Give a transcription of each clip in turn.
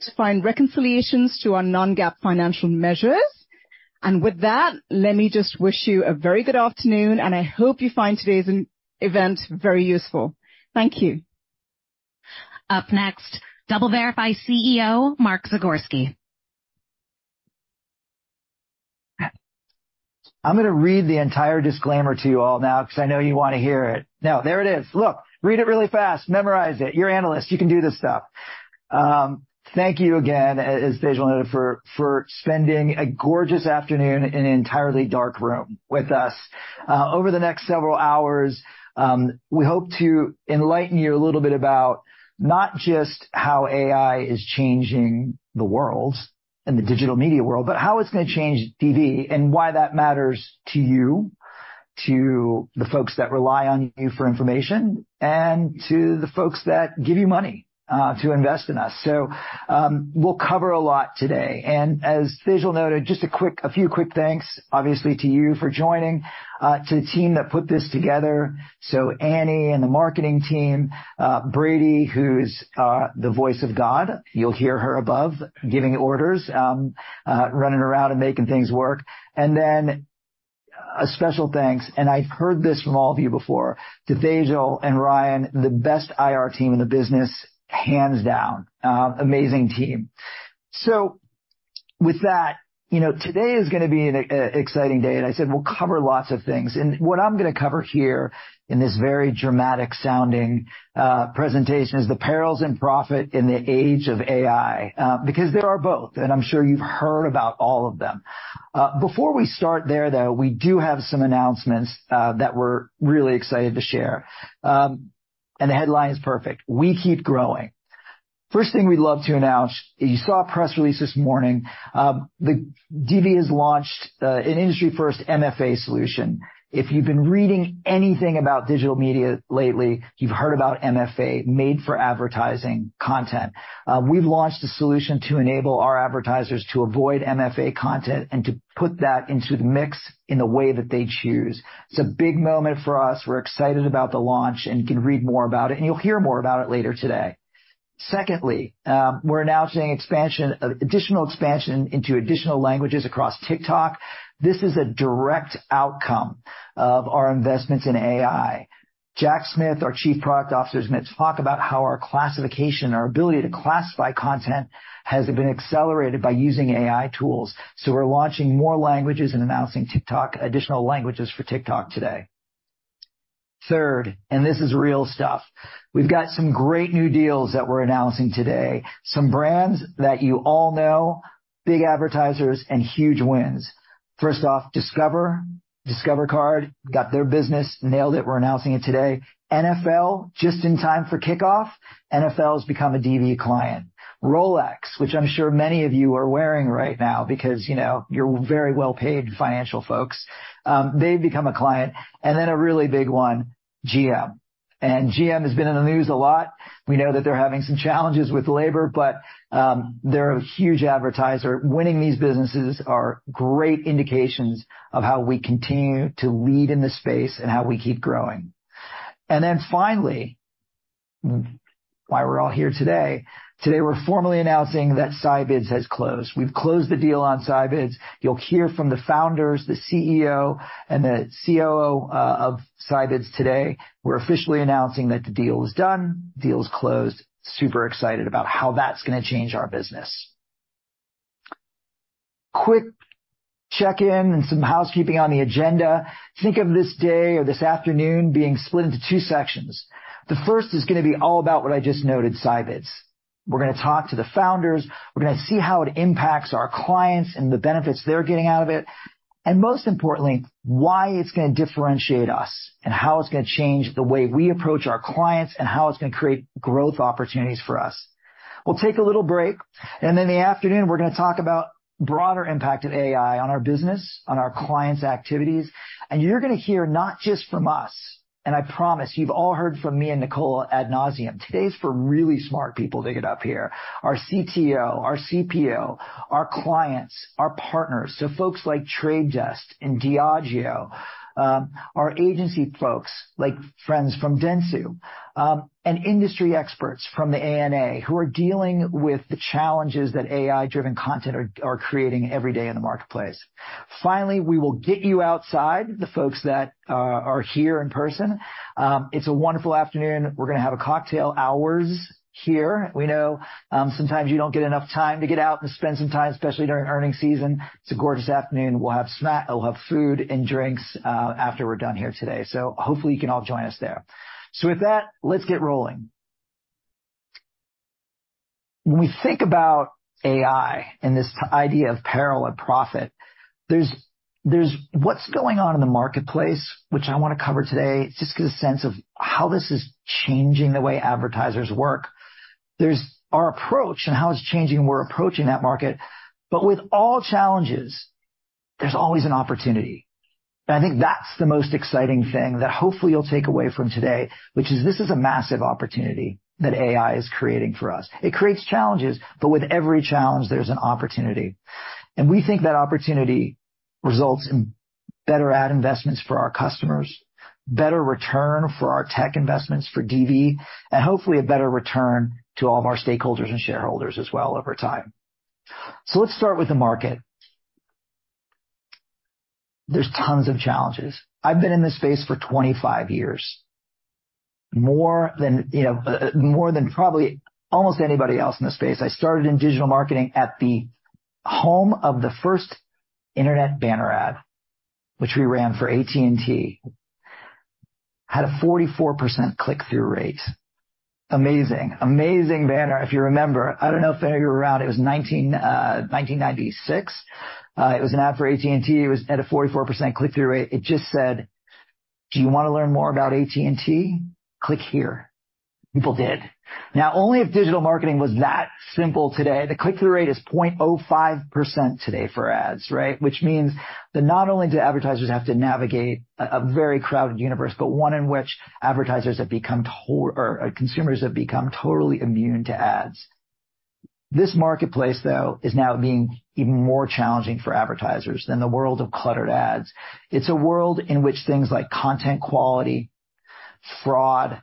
To find reconciliations to our non-GAAP financial measures. With that, let me just wish you a very good afternoon, and I hope you find today's event very useful. Thank you. Up next, DoubleVerify CEO, Mark Zagorski. I'm gonna read the entire disclaimer to you all now, 'cause I know you wanna hear it. No, there it is. Look, read it really fast, memorize it. You're analysts, you can do this stuff. Thank you again, as Tejal noted, for spending a gorgeous afternoon in an entirely dark room with us. Over the next several hours, we hope to enlighten you a little bit about not just how AI is changing the world and the digital media world, but how it's gonna change DV and why that matters to you, to the folks that rely on you for information, and to the folks that give you money to invest in us. So, we'll cover a lot today, and as Tejal noted, just a few quick thanks, obviously, to you for joining, to the team that put this together, so Annie and the marketing team, Brady, who's the voice of God. You'll hear her above, giving orders, running around and making things work. And then a special thanks, and I've heard this from all of you before, to Tejal and Ryan, the best IR team in the business, hands down, amazing team. So with that, you know, today is gonna be an exciting day, and I said we'll cover lots of things. And what I'm gonna cover here in this very dramatic-sounding presentation is the perils and profit in the age of AI, because there are both, and I'm sure you've heard about all of them. Before we start there, though, we do have some announcements that we're really excited to share. The headline is perfect: We keep growing. First thing we'd love to announce, you saw a press release this morning, the DV has launched an industry-first MFA solution. If you've been reading anything about digital media lately, you've heard about MFA, Made For Advertising content. We've launched a solution to enable our advertisers to avoid MFA content and to put that into the mix in the way that they choose. It's a big moment for us. We're excited about the launch and you can read more about it, and you'll hear more about it later today. Secondly, we're announcing expansion, additional expansion into additional languages across TikTok. This is a direct outcome of our investments in AI. Jack Smith, our Chief Product Officer, is going to talk about how our classification, our ability to classify content, has been accelerated by using AI tools. So we're launching more languages and announcing TikTok, additional languages for TikTok today. Third, and this is real stuff, we've got some great new deals that we're announcing today. Some brands that you all know, big advertisers and huge wins. First off, Discover. Discover Card, got their business, nailed it. We're announcing it today. NFL, just in time for kickoff, NFL's become a DV client. Rolex, which I'm sure many of you are wearing right now because, you know, you're very well-paid financial folks, they've become a client. And then a really big one, GM. And GM has been in the news a lot. We know that they're having some challenges with labor, but, they're a huge advertiser. Winning these businesses are great indications of how we continue to lead in this space and how we keep growing. And then finally, why we're all here today: Today, we're formally announcing that Scibids has closed. We've closed the deal on Scibids. You'll hear from the founders, the CEO and the COO of Scibids today. We're officially announcing that the deal is done, deal is closed. Super excited about how that's gonna change our business. Quick check-in and some housekeeping on the agenda. Think of this day or this afternoon being split into two sections. The first is gonna be all about what I just noted, Scibids. We're gonna talk to the founders, we're gonna see how it impacts our clients and the benefits they're getting out of it, and most importantly, why it's gonna differentiate us, and how it's gonna change the way we approach our clients, and how it's gonna create growth opportunities for us. We'll take a little break, and in the afternoon we're gonna talk about broader impact of AI on our business, on our clients' activities. And you're gonna hear not just from us, and I promise you've all heard from me and Nicola ad nauseam. Today's for really smart people to get up here. Our CTO, our CPO, our clients, our partners, so folks like Trade Desk and Diageo, our agency folks, like friends from Dentsu, and industry experts from the ANA, who are dealing with the challenges that AI-driven content are creating every day in the marketplace. Finally, we will get you outside, the folks that are here in person. It's a wonderful afternoon. We're gonna have a cocktail hours here. We know, sometimes you don't get enough time to get out and spend some time, especially during earnings season. It's a gorgeous afternoon. We'll have food and drinks after we're done here today, so hopefully you can all join us there. So with that, let's get rolling. When we think about AI and this idea of parallel profit, there's what's going on in the marketplace, which I want to cover today, just get a sense of how this is changing the way advertisers work. There's our approach and how it's changing, we're approaching that market, but with all challenges, there's always an opportunity. I think that's the most exciting thing that hopefully you'll take away from today, which is this is a massive opportunity that AI is creating for us. It creates challenges, but with every challenge, there's an opportunity, and we think that opportunity results in better ad investments for our customers, better return for our tech investments for DV, and hopefully, a better return to all of our stakeholders and shareholders as well over time. Let's start with the market. There's tons of challenges. I've been in this space for 25 years, more than, you know, more than probably almost anybody else in the space. I started in digital marketing at the home of the first internet banner ad, which we ran for AT&T. Had a 44% click-through rate. Amazing! Amazing banner. If you remember, I don't know if any of you were around. It was 1996. It was an ad for AT&T. It was at a 44% click-through rate. It just said, "Do you want to learn more about AT&T? Click here." People did. Now, only if digital marketing was that simple today, the click-through rate is 0.05% today for ads, right? Which means that not only do advertisers have to navigate a very crowded universe, but one in which advertisers have become total, or consumers have become totally immune to ads. This marketplace, though, is now being even more challenging for advertisers than the world of cluttered ads. It's a world in which things like content quality, fraud,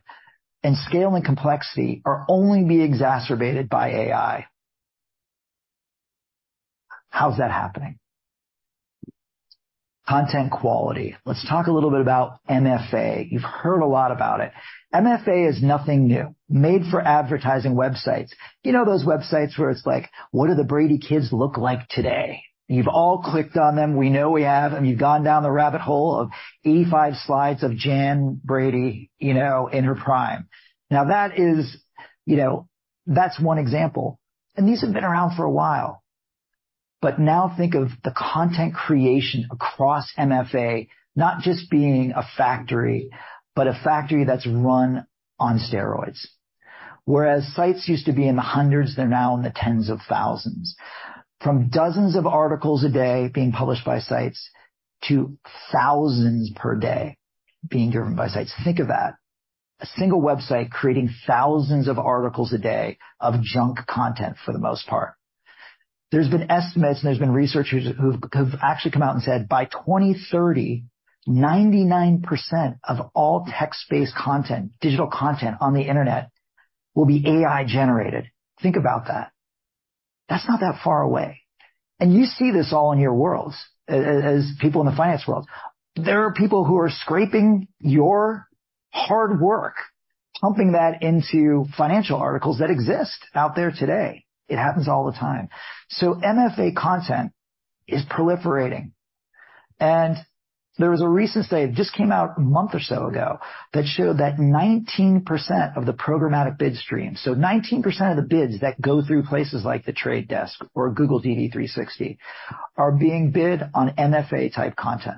and scale, and complexity are only being exacerbated by AI. How's that happening? Content quality. Let's talk a little bit about MFA. You've heard a lot about it. MFA is nothing new, Made For Advertising websites. You know those websites where it's like, "What do the Brady kids look like today?" You've all clicked on them. We know we have, and you've gone down the rabbit hole of 85 slides of Jan Brady, you know, in her prime. Now, that is, you know, that's one example, and these have been around for a while. But now think of the content creation across MFA, not just being a factory, but a factory that's run on steroids. Whereas sites used to be in the hundreds, they're now in the tens of thousands. From dozens of articles a day being published by sites to thousands per day being driven by sites. Think of that. A single website creating thousands of articles a day of junk content, for the most part. There's been estimates, and there's been researchers who've actually come out and said, "By 2030, 99% of all text-based content, digital content on the Internet, will be AI-generated." Think about that. That's not that far away, and you see this all in your worlds, as people in the finance world. There are people who are scraping your hard work, pumping that into financial articles that exist out there today. It happens all the time. So MFA content is proliferating, and there was a recent study, it just came out a month or so ago, that showed that 19% of the programmatic bid stream, so 19% of the bids that go through places like The Trade Desk or Google DV360, are being bid on MFA-type content.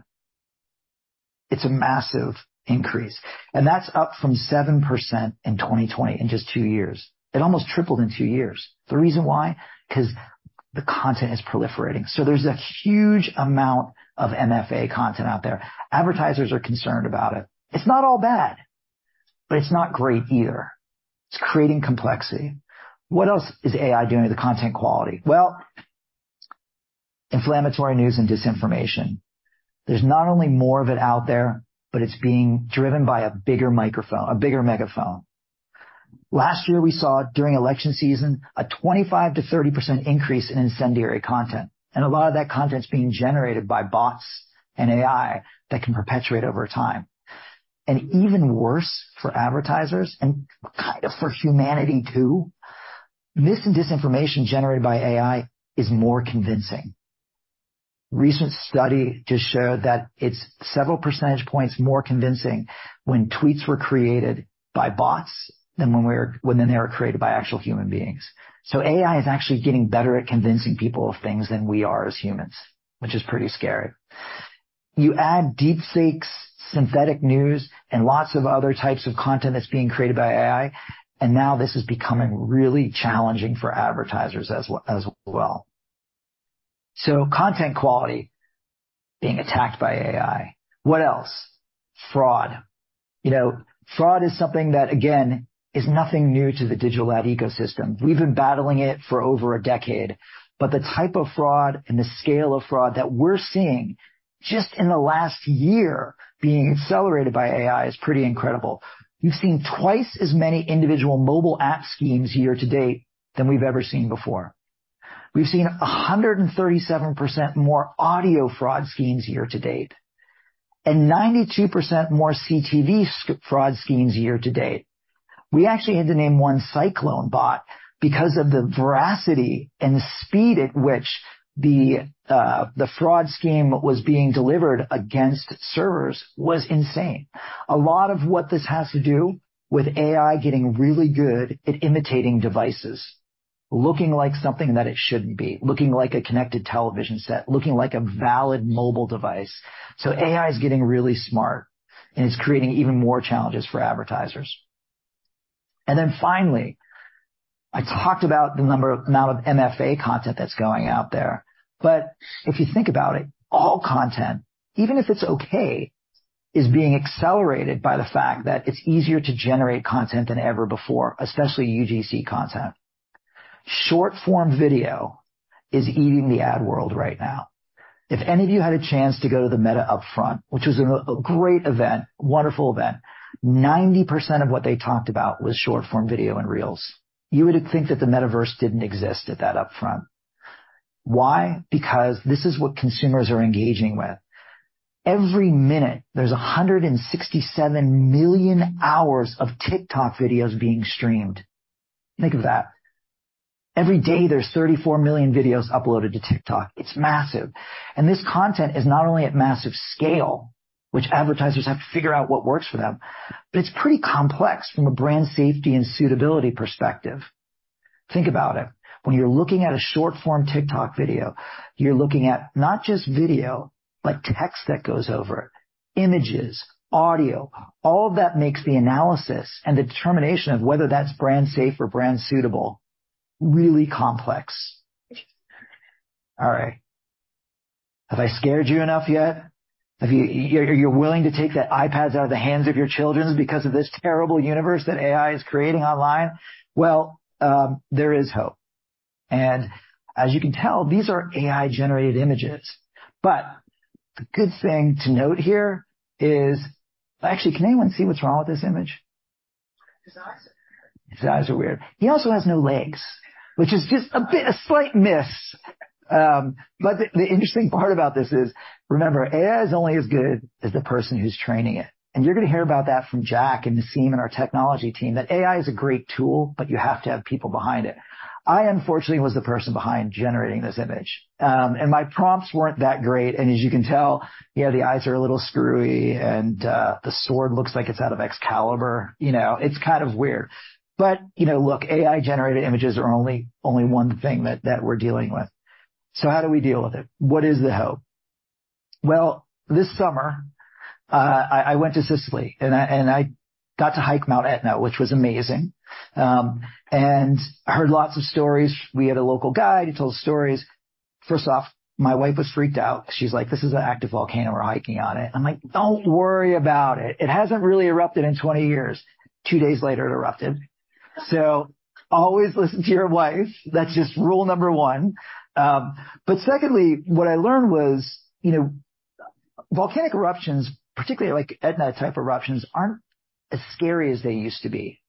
It's a massive increase, and that's up from 7% in 2020 in just two years. It almost tripled in two years. The reason why? 'Cause the content is proliferating. So there's a huge amount of MFA content out there. Advertisers are concerned about it. It's not all bad, but it's not great either. It's creating complexity. What else is AI doing to the content quality? Well, inflammatory news and disinformation. There's not only more of it out there, but it's being driven by a bigger microphone- a bigger megaphone. Last year, we saw during election season, a 25%-30% increase in incendiary content, and a lot of that content is being generated by bots and AI that can perpetuate over time. And even worse for advertisers and kind of for humanity, too, mis and disinformation generated by AI is more convincing. recent study just showed that it's several percentage points more convincing when tweets were created by bots than when they were created by actual human beings. So AI is actually getting better at convincing people of things than we are as humans, which is pretty scary. You add deep fakes, synthetic news, and lots of other types of content that's being created by AI, and now this is becoming really challenging for advertisers as well, as well. So content quality being attacked by AI. What else? Fraud. You know, fraud is something that, again, is nothing new to the digital ad ecosystem. We've been battling it for over a decade, but the type of fraud and the scale of fraud that we're seeing just in the last year being accelerated by AI is pretty incredible. We've seen twice as many individual mobile app schemes year-to-date than we've ever seen before. We've seen 137% more audio fraud schemes year-to-date, and 92% more CTV fraud schemes year-to-date. We actually had to name one CycloneBot because of the veracity and the speed at which the fraud scheme was being delivered against servers was insane. A lot of what this has to do with AI getting really good at imitating devices, looking like something that it shouldn't be, looking like a connected television set, looking like a valid mobile device. So AI is getting really smart, and it's creating even more challenges for advertisers. And then finally, I talked about the amount of MFA content that's going out there. But if you think about it, all content, even if it's okay, is being accelerated by the fact that it's easier to generate content than ever before, especially UGC content. Short-form video is eating the ad world right now. If any of you had a chance to go to the Meta upfront, which was a great event, wonderful event, 90% of what they talked about was short-form video and Reels. You would think that the metaverse didn't exist at that upfront. Why? Because this is what consumers are engaging with. Every minute, there's 167 million hours of TikTok videos being streamed. Think of that. Every day, there's 34 million videos uploaded to TikTok. It's massive. And this content is not only at massive scale, which advertisers have to figure out what works for them, but it's pretty complex from a brand safety and suitability perspective. Think about it. When you're looking at a short-form TikTok video, you're looking at not just video, but text that goes over it, images, audio, all of that makes the analysis and the determination of whether that's brand safe or brand suitable, really complex. All right, have I scared you enough yet? Have you—you're willing to take the iPads out of the hands of your children because of this terrible universe that AI is creating online? Well, there is hope. As you can tell, these are AI-generated images. The good thing to note here is... Actually, can anyone see what's wrong with this image? His eyes are weird. His eyes are weird. He also has no legs, which is just a bit, a slight miss. But the interesting part about this is, remember, AI is only as good as the person who's training it, and you're gonna hear about that from Jack and Nisim in our technology team, that AI is a great tool, but you have to have people behind it. I, unfortunately, was the person behind generating this image, and my prompts weren't that great, and as you can tell, yeah, the eyes are a little screwy, and the sword looks like it's out of Excalibur. You know, it's kind of weird. But, you know, look, AI-generated images are only one thing that we're dealing with. So how do we deal with it? What is the hope? Well, this summer, I went to Sicily, and I got to hike Mount Etna, which was amazing, and I heard lots of stories. We had a local guide. He told stories. First off, my wife was freaked out. She's like: "This is an active volcano. We're hiking on it." I'm like: "Don't worry about it. It hasn't really erupted in 20 years." Two days later, it erupted. So always listen to your wife. That's just rule number one. But secondly, what I learned was, you know, volcanic eruptions, particularly like Etna-type eruptions, aren't as scary as they used to be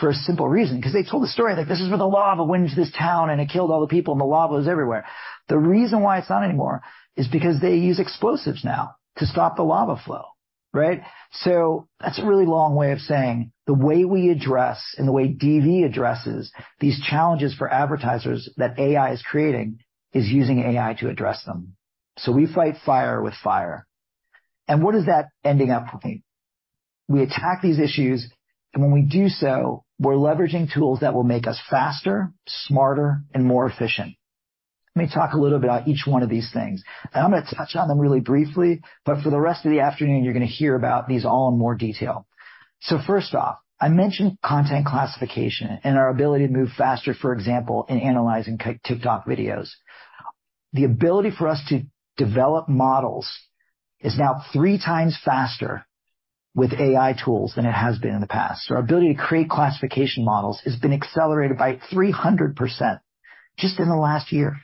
for a simple reason, 'cause they told a story like: "This is where the lava went into this town, and it killed all the people, and the lava was everywhere." The reason why it's not anymore is because they use explosives now to stop the lava flow, right? So that's a really long way of saying the way we address and the way DV addresses these challenges for advertisers that AI is creating, is using AI to address them. So we fight fire with fire. And what is that ending up looking? We attack these issues, and when we do so, we're leveraging tools that will make us faster, smarter, and more efficient. Let me talk a little bit about each one of these things. I'm gonna touch on them really briefly, but for the rest of the afternoon, you're gonna hear about these all in more detail. So first off, I mentioned content classification and our ability to move faster, for example, in analyzing TikTok videos. The ability for us to develop models is now three times faster with AI tools than it has been in the past. Our ability to create classification models has been accelerated by 300% just in the last year.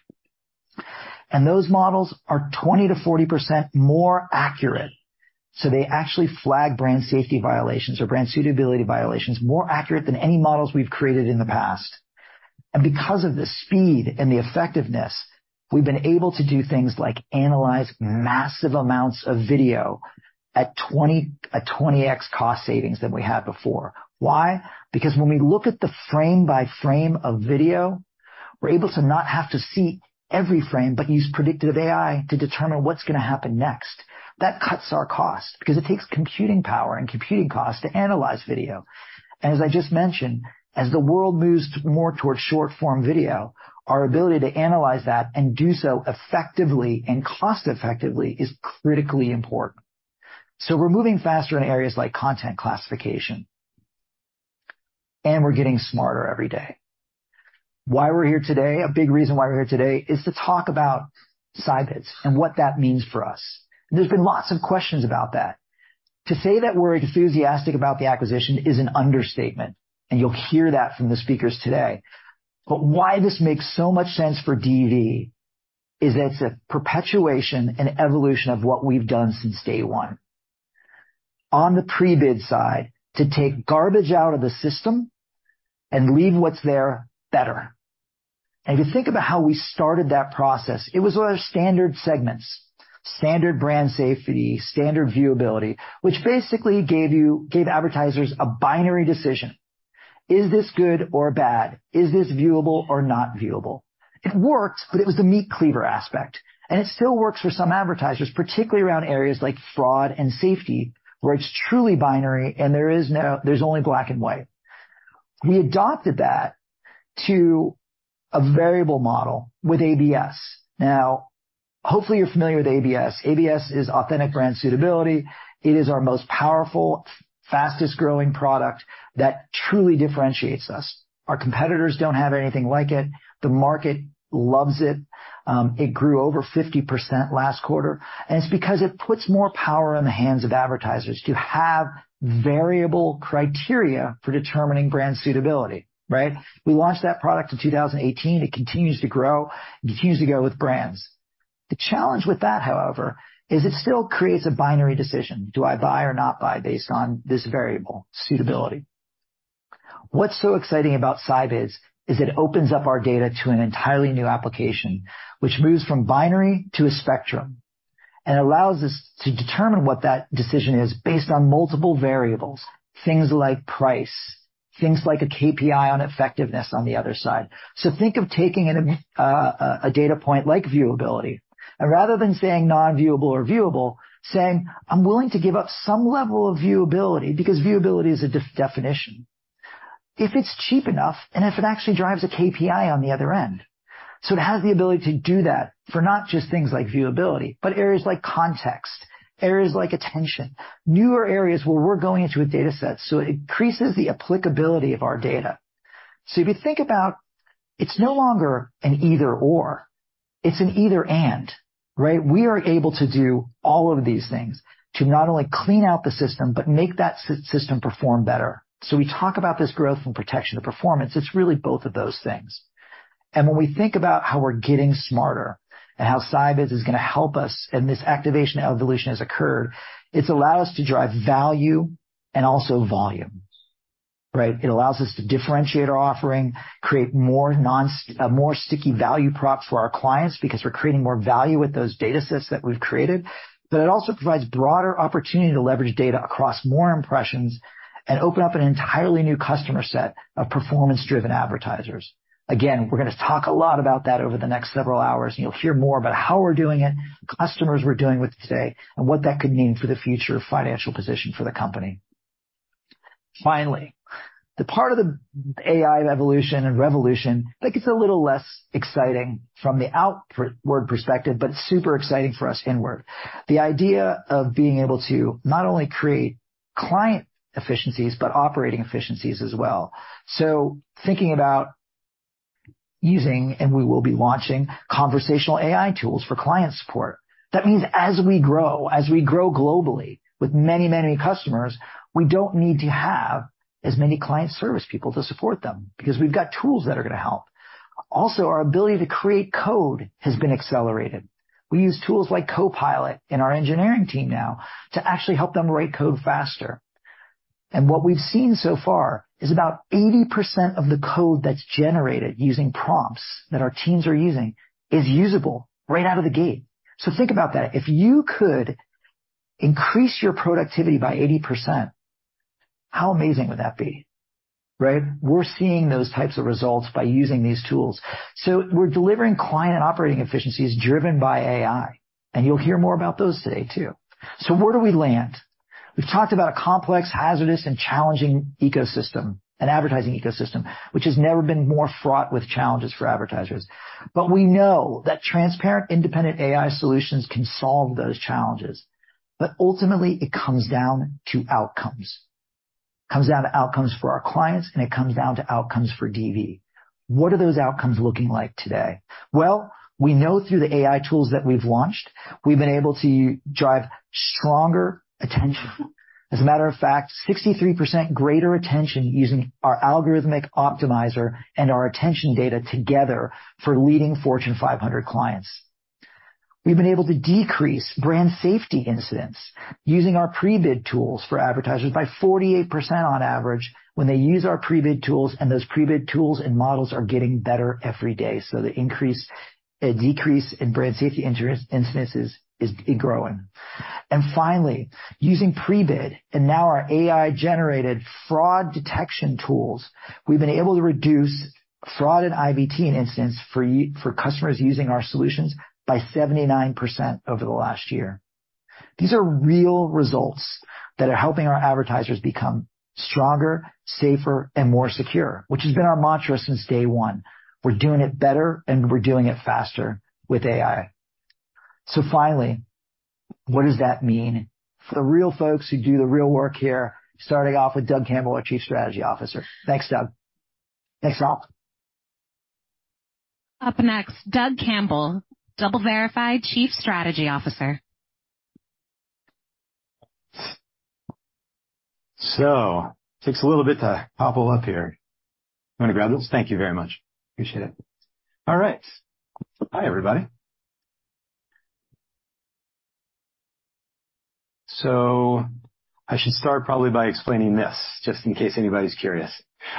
And those models are 20%-40% more accurate, so they actually flag brand safety violations or brand suitability violations, more accurate than any models we've created in the past. And because of the speed and the effectiveness, we've been able to do things like analyze massive amounts of video at 20x cost savings than we had before. Why? Because when we look at the frame by frame of video, we're able to not have to see every frame, but use predictive AI to determine what's gonna happen next. That cuts our cost because it takes computing power and computing costs to analyze video. And as I just mentioned, as the world moves more towards short-form video, our ability to analyze that and do so effectively and cost-effectively is critically important. So we're moving faster in areas like content classification, and we're getting smarter every day. Why we're here today, a big reason why we're here today, is to talk about Scibids and what that means for us. There's been lots of questions about that. To say that we're enthusiastic about the acquisition is an understatement, and you'll hear that from the speakers today. But why this makes so much sense for DV is that it's a perpetuation and evolution of what we've done since day one. On the pre-bid side, to take garbage out of the system and leave what's there better. And if you think about how we started that process, it was our standard segments, standard brand safety, standard viewability, which basically gave you- gave advertisers a binary decision.... Is this good or bad? Is this viewable or not viewable? It worked, but it was the meat cleaver aspect, and it still works for some advertisers, particularly around areas like fraud and safety, where it's truly binary and there is no- there's only black and white. We adopted that to a variable model with ABS. Now, hopefully, you're familiar with ABS. ABS is Authentic Brand Suitability. It is our most powerful, fastest-growing product that truly differentiates us. Our competitors don't have anything like it. The market loves it. It grew over 50% last quarter, and it's because it puts more power in the hands of advertisers to have variable criteria for determining brand suitability, right? We launched that product in 2018. It continues to grow and continues to go with brands. The challenge with that, however, is it still creates a binary decision: Do I buy or not buy based on this variable, suitability? What's so exciting about Scibids is it opens up our data to an entirely new application, which moves from binary to a spectrum and allows us to determine what that decision is based on multiple variables, things like price, things like a KPI on effectiveness on the other side. So think of taking a data point like viewability, and rather than saying non-viewable or viewable, saying, "I'm willing to give up some level of viewability," because viewability is a definition. If it's cheap enough, and if it actually drives a KPI on the other end. So it has the ability to do that for not just things like viewability, but areas like context, areas like attention, newer areas where we're going into a data set, so it increases the applicability of our data. So if you think about, it's no longer an either/or, it's an either/and, right? We are able to do all of these things to not only clean out the system but make that system perform better. So we talk about this growth and protection of performance. It's really both of those things. When we think about how we're getting smarter and how Scibids is gonna help us, and this activation evolution has occurred, it's allowed us to drive value and also volume, right? It allows us to differentiate our offering, create a more sticky value prop for our clients because we're creating more value with those data sets that we've created. But it also provides broader opportunity to leverage data across more impressions and open up an entirely new customer set of performance-driven advertisers. Again, we're gonna talk a lot about that over the next several hours, and you'll hear more about how we're doing it, customers we're doing it with today, and what that could mean for the future financial position for the company. Finally, the part of the AI evolution and revolution, I think it's a little less exciting from the outward perspective, but super exciting for us inward. The idea of being able to not only create client efficiencies but operating efficiencies as well. So thinking about using, and we will be launching conversational AI tools for client support. That means as we grow, as we grow globally with many, many customers, we don't need to have as many client service people to support them because we've got tools that are gonna help. Also, our ability to create code has been accelerated. We use tools like Copilot in our engineering team now to actually help them write code faster. And what we've seen so far is about 80% of the code that's generated using prompts that our teams are using is usable right out of the gate. So think about that. If you could increase your productivity by 80%, how amazing would that be, right? We're seeing those types of results by using these tools. So we're delivering client operating efficiencies driven by AI, and you'll hear more about those today, too. So where do we land? We've talked about a complex, hazardous, and challenging ecosystem, an advertising ecosystem, which has never been more fraught with challenges for advertisers. But we know that transparent, independent AI solutions can solve those challenges. But ultimately, it comes down to outcomes. It comes down to outcomes for our clients, and it comes down to outcomes for DV. What are those outcomes looking like today? Well, we know through the AI tools that we've launched, we've been able to drive stronger attention. As a matter of fact, 63% greater attention using our Algorithmic Optimizer and our attention data together for leading Fortune 500 clients. We've been able to decrease brand safety incidents using our pre-bid tools for advertisers by 48% on average, when they use our pre-bid tools, and those pre-bid tools and models are getting better every day, so the increase... A decrease in brand safety incidents is growing. And finally, using pre-bid and now our AI-generated fraud detection tools, we've been able to reduce fraud and IVT incidents for customers using our solutions by 79% over the last year. These are real results that are helping our advertisers become stronger, safer, and more secure, which has been our mantra since day one. We're doing it better, and we're doing it faster with AI. So finally, what does that mean for the real folks who do the real work here, starting off with Doug Campbell, our Chief Strategy Officer. Thanks, Doug. Thanks, all. Up next, Doug Campbell, DoubleVerify Chief Strategy Officer. So takes a little bit to pop all up here. You want to grab this? Thank you very much. Appreciate it. All right. Hi, everybody.... So I should start probably by explaining this, just in case anybody's curious.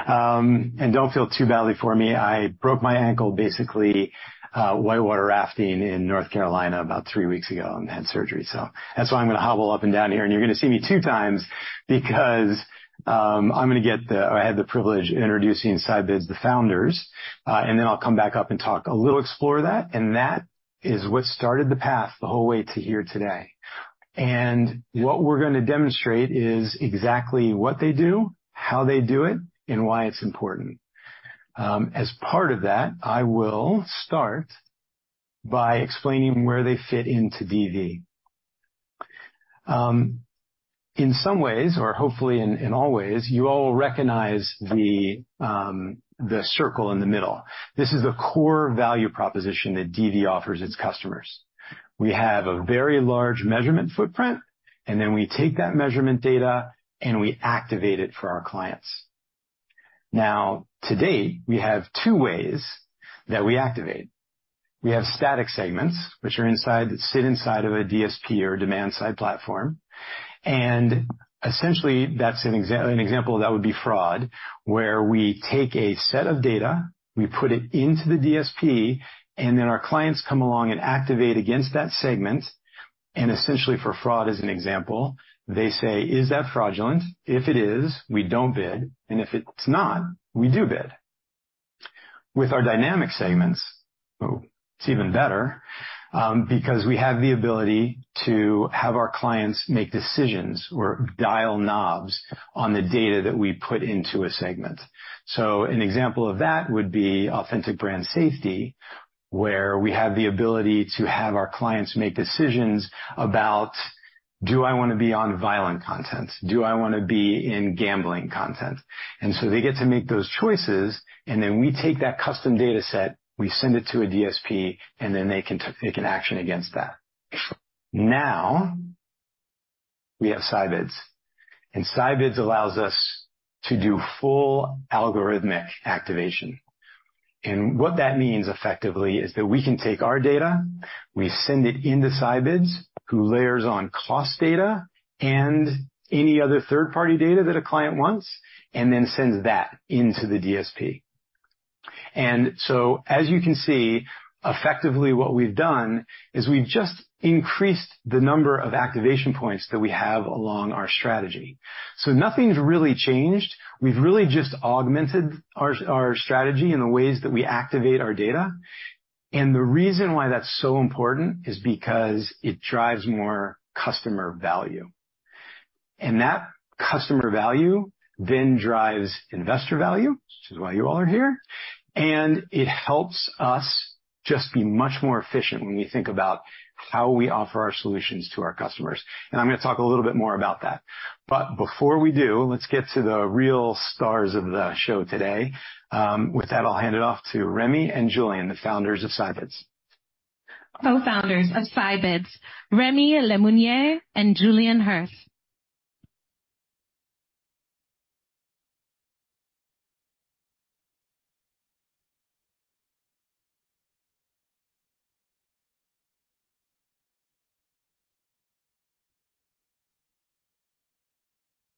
And don't feel too badly for me. I broke my ankle, basically, whitewater rafting in North Carolina about three weeks ago and had surgery, so that's why I'm gonna hobble up and down here. And you're gonna see me two times because, I'm gonna get the-- I have the privilege of introducing Scibids, the founders, and then I'll come back up and talk a little. Explore that, and that is what started the path the whole way to here today. And what we're gonna demonstrate is exactly what they do, how they do it, and why it's important. As part of that, I will start by explaining where they fit into DV. In some ways, or hopefully in all ways, you all will recognize the circle in the middle. This is the core value proposition that DV offers its customers. We have a very large measurement footprint, and then we take that measurement data, and we activate it for our clients. Now, today, we have two ways that we activate. We have static segments, which sit inside of a DSP or Demand-Side Platform, and essentially, that's an example that would be fraud, where we take a set of data, we put it into the DSP, and then our clients come along and activate against that segment, and essentially, for fraud, as an example, they say, "Is that fraudulent? If it is, we don't bid, and if it's not, we do bid." With our dynamic segments, it's even better, because we have the ability to have our clients make decisions or dial knobs on the data that we put into a segment. So an example of that would be Authentic Brand Suitability, where we have the ability to have our clients make decisions about: Do I want to be on violent content? Do I want to be in gambling content? And so they get to make those choices, and then we take that custom data set, we send it to a DSP, and then they can take an action against that. Now, we have Scibids, and Scibids allows us to do full algorithmic activation. What that means, effectively, is that we can take our data, we send it into Scibids, who layers on cost data and any other third-party data that a client wants and then sends that into the DSP. So, as you can see, effectively, what we've done is we've just increased the number of activation points that we have along our strategy. Nothing's really changed. We've really just augmented our, our strategy in the ways that we activate our data. The reason why that's so important is because it drives more customer value. That customer value then drives investor value, which is why you all are here, and it helps us just be much more efficient when we think about how we offer our solutions to our customers. I'm gonna talk a little bit more about that. But before we do, let's get to the real stars of the show today. With that, I'll hand it off to Rémi and Julien, the founders of Scibids. Co-founders of Scibids, Rémi Lemonnier and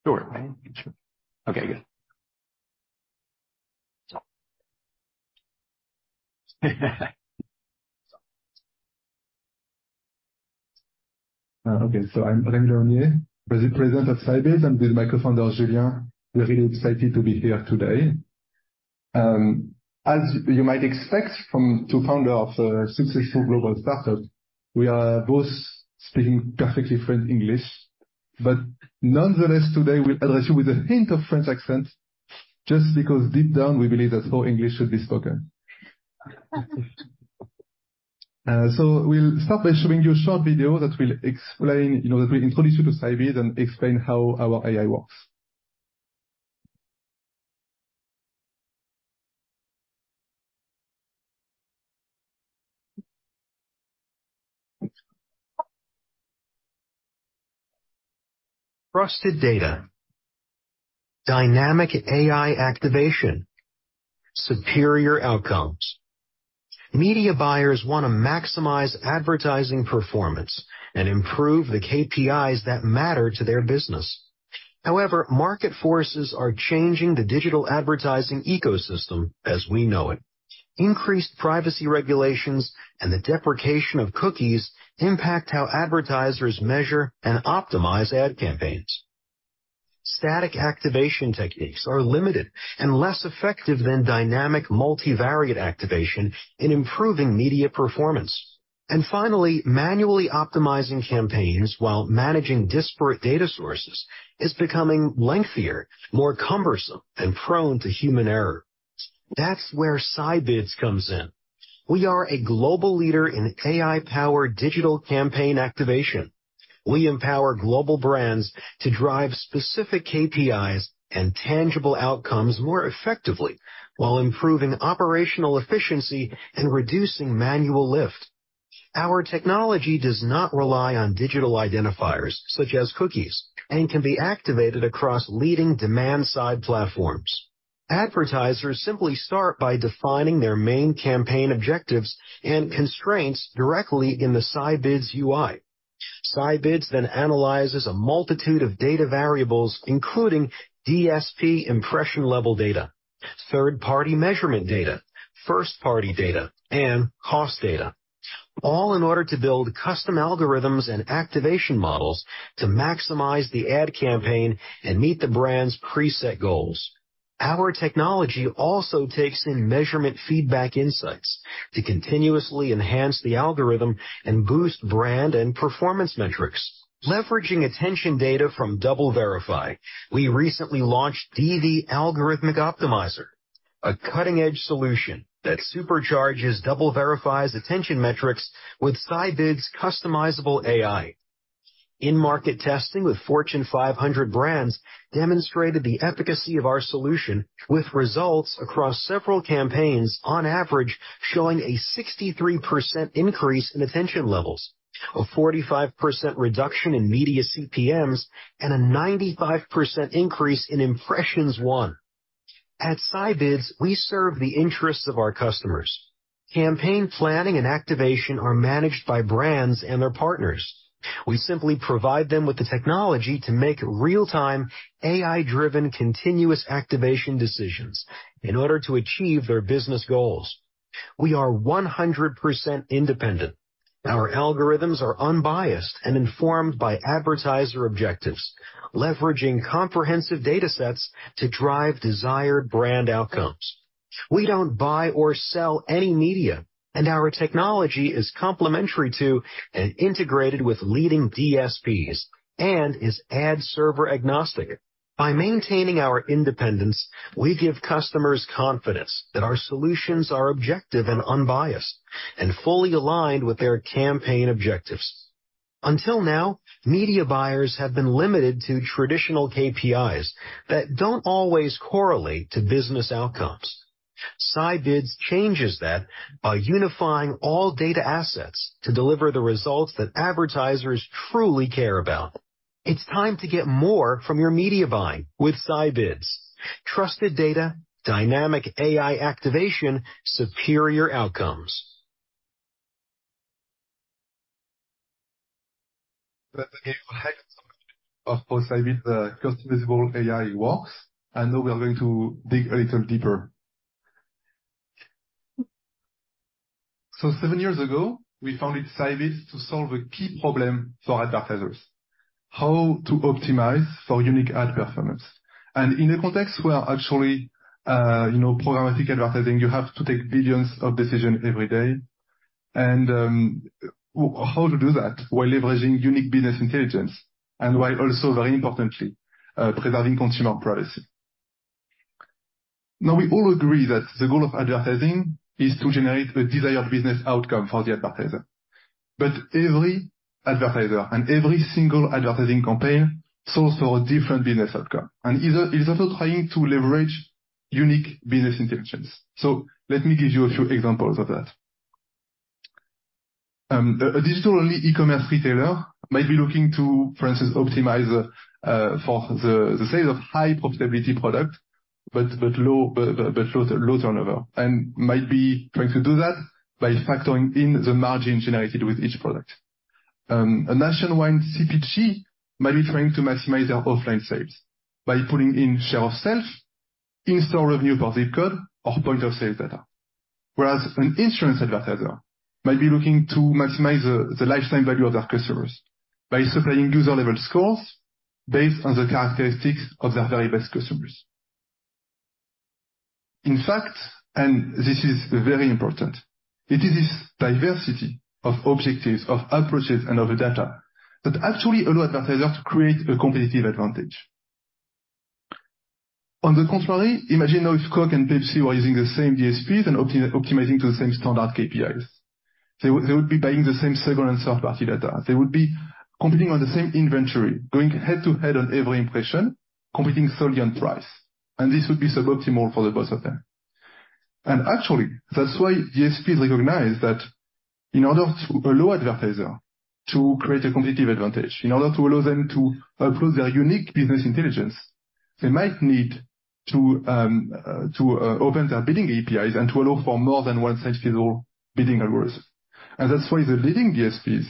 Julien Hirth. Sure. Okay, good. Okay, so I'm Rémi Lemonnier, President of Scibids, and with my Co-Founder, Julien. We're really excited to be here today. As you might expect from two founder of a successful global startup, we are both speaking perfectly fluent English, but nonetheless, today we address you with a hint of French accent, just because deep down, we believe that's how English should be spoken. So we'll start by showing you a short video that will explain, you know, that will introduce you to Scibids and explain how our AI works. Trusted data, dynamic AI activation, superior outcomes. Media buyers wanna maximize advertising performance and improve the KPIs that matter to their business. However, market forces are changing the digital advertising ecosystem as we know it. Increased privacy regulations and the deprecation of cookies impact how advertisers measure and optimize ad campaigns. Static activation techniques are limited and less effective than dynamic multivariate activation in improving media performance. Finally, manually optimizing campaigns while managing disparate data sources is becoming lengthier, more cumbersome, and prone to human error. That's where Scibids comes in. We are a global leader in AI-powered digital campaign activation. We empower global brands to drive specific KPIs and tangible outcomes more effectively while improving operational efficiency and reducing manual lift. Our technology does not rely on digital identifiers, such as cookies, and can be activated across leading Demand-Side Platforms. ...Advertisers simply start by defining their main campaign objectives and constraints directly in the Scibids UI. Scibids then analyzes a multitude of data variables, including DSP impression-level data, third-party measurement data, first-party data, and cost data, all in order to build custom algorithms and activation models to maximize the ad campaign and meet the brand's preset goals. Our technology also takes in measurement feedback insights to continuously enhance the algorithm and boost brand and performance metrics. Leveraging attention data from DoubleVerify, we recently launched DV Algorithmic Optimizer, a cutting-edge solution that supercharges DoubleVerify's attention metrics with Scibids' customizable AI. In-market testing with Fortune 500 brands demonstrated the efficacy of our solution, with results across several campaigns on average, showing a 63% increase in attention levels, a 45% reduction in media CPMs, and a 95% increase in impressions won. At Scibids, we serve the interests of our customers. Campaign planning and activation are managed by brands and their partners. We simply provide them with the technology to make real-time, AI-driven, continuous activation decisions in order to achieve their business goals. We are 100% independent. Our algorithms are unbiased and informed by advertiser objectives, leveraging comprehensive data sets to drive desired brand outcomes. We don't buy or sell any media, and our technology is complementary to and integrated with leading DSPs and is ad server agnostic. By maintaining our independence, we give customers confidence that our solutions are objective and unbiased, and fully aligned with their campaign objectives. Until now, media buyers have been limited to traditional KPIs that don't always correlate to business outcomes. Scibids changes that by unifying all data assets to deliver the results that advertisers truly care about. It's time to get more from your media buying with Scibids. Trusted data, dynamic AI activation, superior outcomes. But again, of course, Scibids, the customizable AI works, and now we are going to dig a little deeper. So seven years ago, we founded Scibids to solve a key problem for advertisers: how to optimize for unique ad performance. And in a context where actually, you know, programmatic advertising, you have to take billions of decisions every day. And how to do that while leveraging unique business intelligence and while also, very importantly, preserving consumer privacy. Now, we all agree that the goal of advertising is to generate a desired business outcome for the advertiser. But every advertiser and every single advertising campaign solves for a different business outcome and is, is also trying to leverage unique business intelligence. So let me give you a few examples of that. A digital-only e-commerce retailer may be looking to, for instance, optimize for the sales of high profitability product, but low turnover, and might be trying to do that by factoring in the margin generated with each product. A nationwide CPG may be trying to maximize their offline sales by pulling in share of shelf, in-store revenue per zip code, or point of sales data. Whereas an insurance advertiser might be looking to maximize the lifetime value of their customers by supplying user-level scores based on the characteristics of their very best customers. In fact, and this is very important, it is this diversity of objectives, of approaches, and of the data that actually allow advertisers to create a competitive advantage. On the contrary, imagine if Coke and Pepsi were using the same DSPs and optimizing to the same standard KPIs. They would, they would be buying the same second and third-party data. They would be competing on the same inventory, going head to head on every impression, competing solely on price, and this would be suboptimal for the both of them. Actually, that's why DSPs recognize that in order to allow advertiser to create a competitive advantage, in order to allow them to upload their unique business intelligence, they might need to open their bidding APIs and to allow for more than one central bidding algorithm. That's why the leading DSPs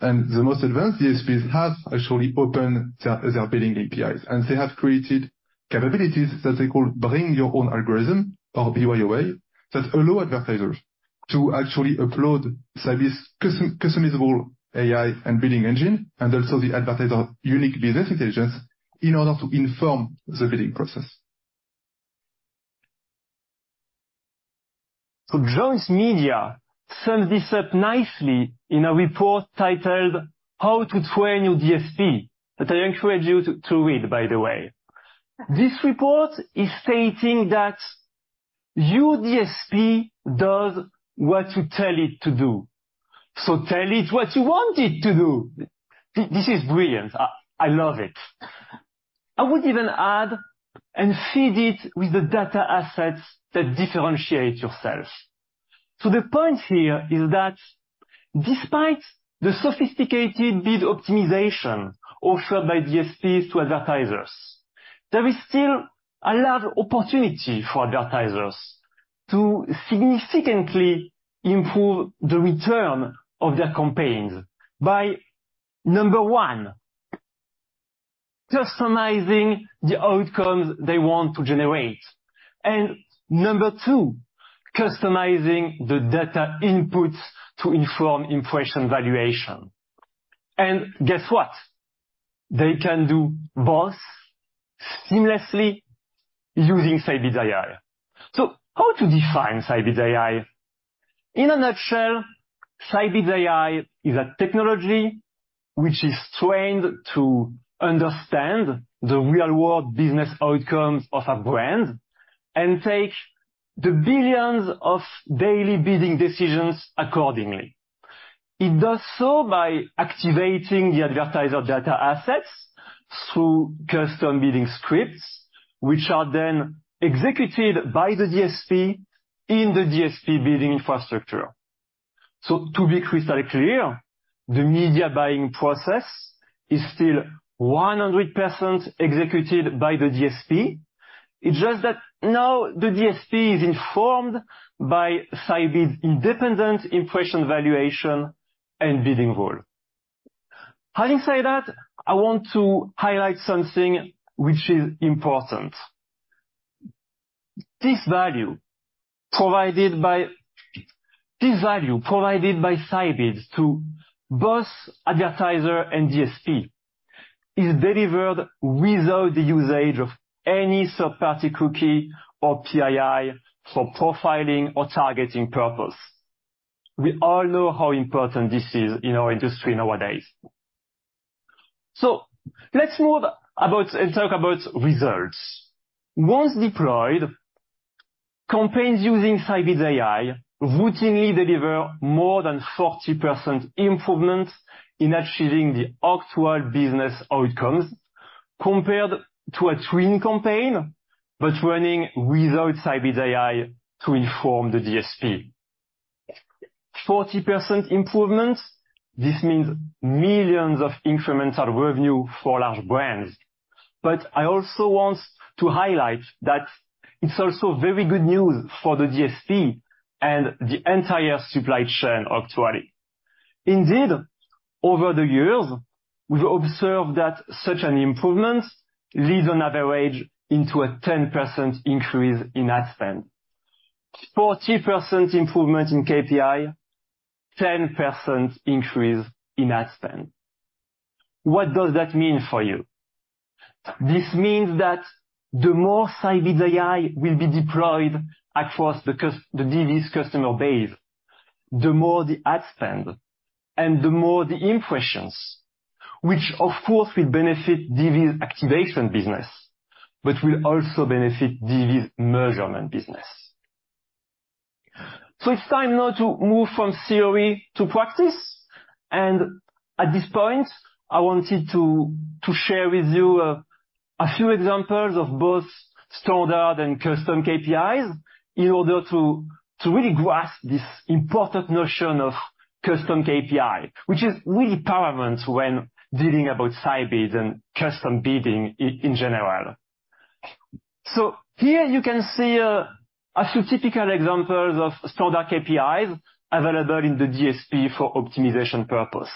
and the most advanced DSPs have actually opened their bidding APIs, and they have created capabilities that they call Bring Your Own Algorithm or BYOA, that allow advertisers to actually upload Scibids customizable AI and bidding engine, and also the advertiser unique business intelligence in order to inform the bidding process. So Jounce Media sums this up nicely in a report titled How to Train your DSP, that I encourage you to, to read, by the way. This report is stating that your DSP does what you tell it to do, so tell it what you want it to do! This is brilliant. I, I love it. I would even add, and feed it with the data assets that differentiate yourself.... So the point here is that despite the sophisticated bid optimization offered by DSPs to advertisers, there is still a large opportunity for advertisers to significantly improve the return of their campaigns by, number one, customizing the outcomes they want to generate, and number two, customizing the data inputs to inform impression valuation. And guess what? They can do both seamlessly using Scibids AI. So how to define Scibids AI? In a nutshell, Scibids AI is a technology which is trained to understand the real-world business outcomes of a brand and take the billions of daily bidding decisions accordingly. It does so by activating the advertiser data assets through custom bidding scripts, which are then executed by the DSP in the DSP bidding infrastructure. So to be crystal clear, the media buying process is still 100% executed by the DSP. It's just that now the DSP is informed by Scibids independent impression, valuation, and bidding role. Having said that, I want to highlight something which is important. This value provided by Scibids to both advertiser and DSP, is delivered without the usage of any third-party cookie or PII for profiling or targeting purpose. We all know how important this is in our industry nowadays. So let's move about and talk about results. Once deployed, campaigns using Scibids AI routinely deliver more than 40% improvement in achieving the actual business outcomes compared to a twin campaign, but running without Scibids AI to inform the DSP. 40% improvement, this means millions of incremental revenue for large brands. But I also want to highlight that it's also very good news for the DSP and the entire supply chain actually. Indeed, over the years, we've observed that such an improvement leads on average into a 10% increase in ad spend. 40% improvement in KPI, 10% increase in ad spend. What does that mean for you? This means that the more Scibids AI will be deployed across the DV's customer base, the more the ad spend and the more the impressions, which of course, will benefit DV's activation business, but will also benefit DV's measurement business. So it's time now to move from theory to practice, and at this point, I wanted to share with you a few examples of both standard and custom KPIs in order to really grasp this important notion of custom KPI, which is really paramount when dealing about Scibids and custom bidding in general. So here you can see a few typical examples of standard KPIs available in the DSP for optimization purpose.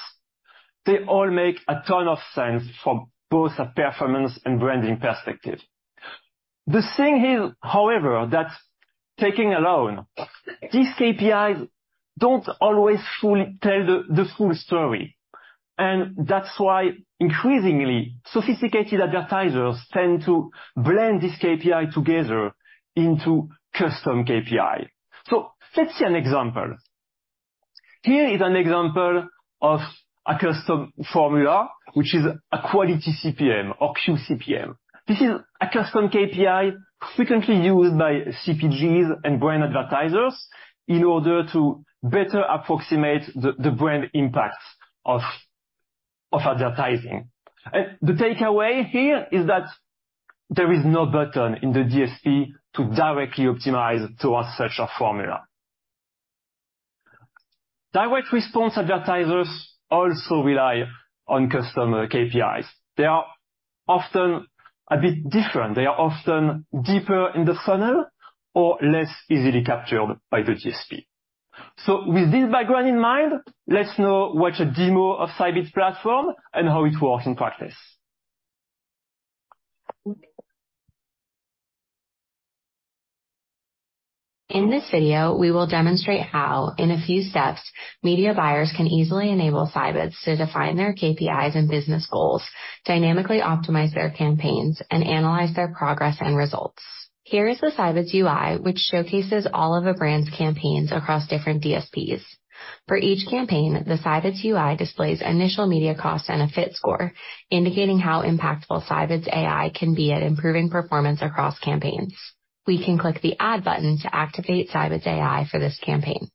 They all make a ton of sense from both a performance and branding perspective. The thing here, however, that's taken alone, these KPIs don't always fully tell the full story, and that's why increasingly sophisticated advertisers tend to blend this KPI together into custom KPI. So let's see an example. Here is an example of a custom formula, which is a quality CPM or qCPM. This is a custom KPI frequently used by CPGs and brand advertisers in order to better approximate the brand impacts of advertising. The takeaway here is that there is no button in the DSP to directly optimize towards such a formula. Direct response advertisers also rely on customer KPIs. They are often a bit different. They are often deeper in the funnel or less easily captured by the DSP. With this background in mind, let's now watch a demo of Scibids platform and how it works in practice. In this video, we will demonstrate how, in a few steps, media buyers can easily enable Scibids to define their KPIs and business goals, dynamically optimize their campaigns, and analyze their progress and results. Here is the Scibids UI, which showcases all of a brand's campaigns across different DSPs. For each campaign, the Scibids UI displays initial media cost and a fit score, indicating how impactful Scibids AI can be at improving performance across campaigns. We can click the Add button to activate Scibids AI for this campaign...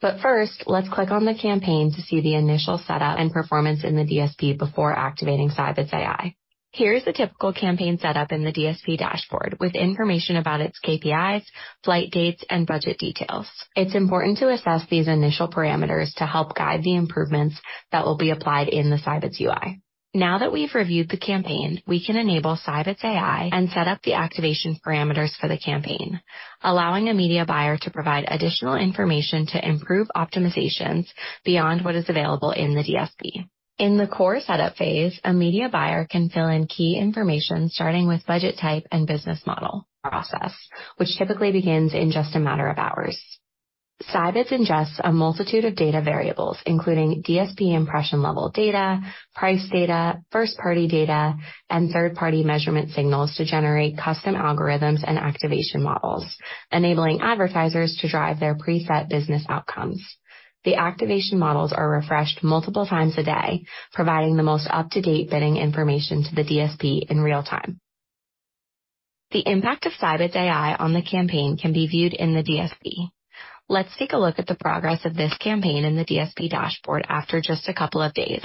But first, let's click on the campaign to see the initial setup and performance in the DSP before activating Scibids AI. Here's a typical campaign setup in the DSP dashboard, with information about its KPIs, flight dates, and budget details. It's important to assess these initial parameters to help guide the improvements that will be applied in the Scibids UI. Now that we've reviewed the campaign, we can enable Scibids AI and set up the activation parameters for the campaign, allowing a media buyer to provide additional information to improve optimizations beyond what is available in the DSP. In the core setup phase, a media buyer can fill in key information, starting with budget type and business model process, which typically begins in just a matter of hours. Scibids ingests a multitude of data variables, including DSP impression-level data, price data, first-party data, and third-party measurement signals to generate custom algorithms and activation models, enabling advertisers to drive their preset business outcomes. The activation models are refreshed multiple times a day, providing the most up-to-date bidding information to the DSP in real time. The impact of Scibids AI on the campaign can be viewed in the DSP. Let's take a look at the progress of this campaign in the DSP dashboard after just a couple of days.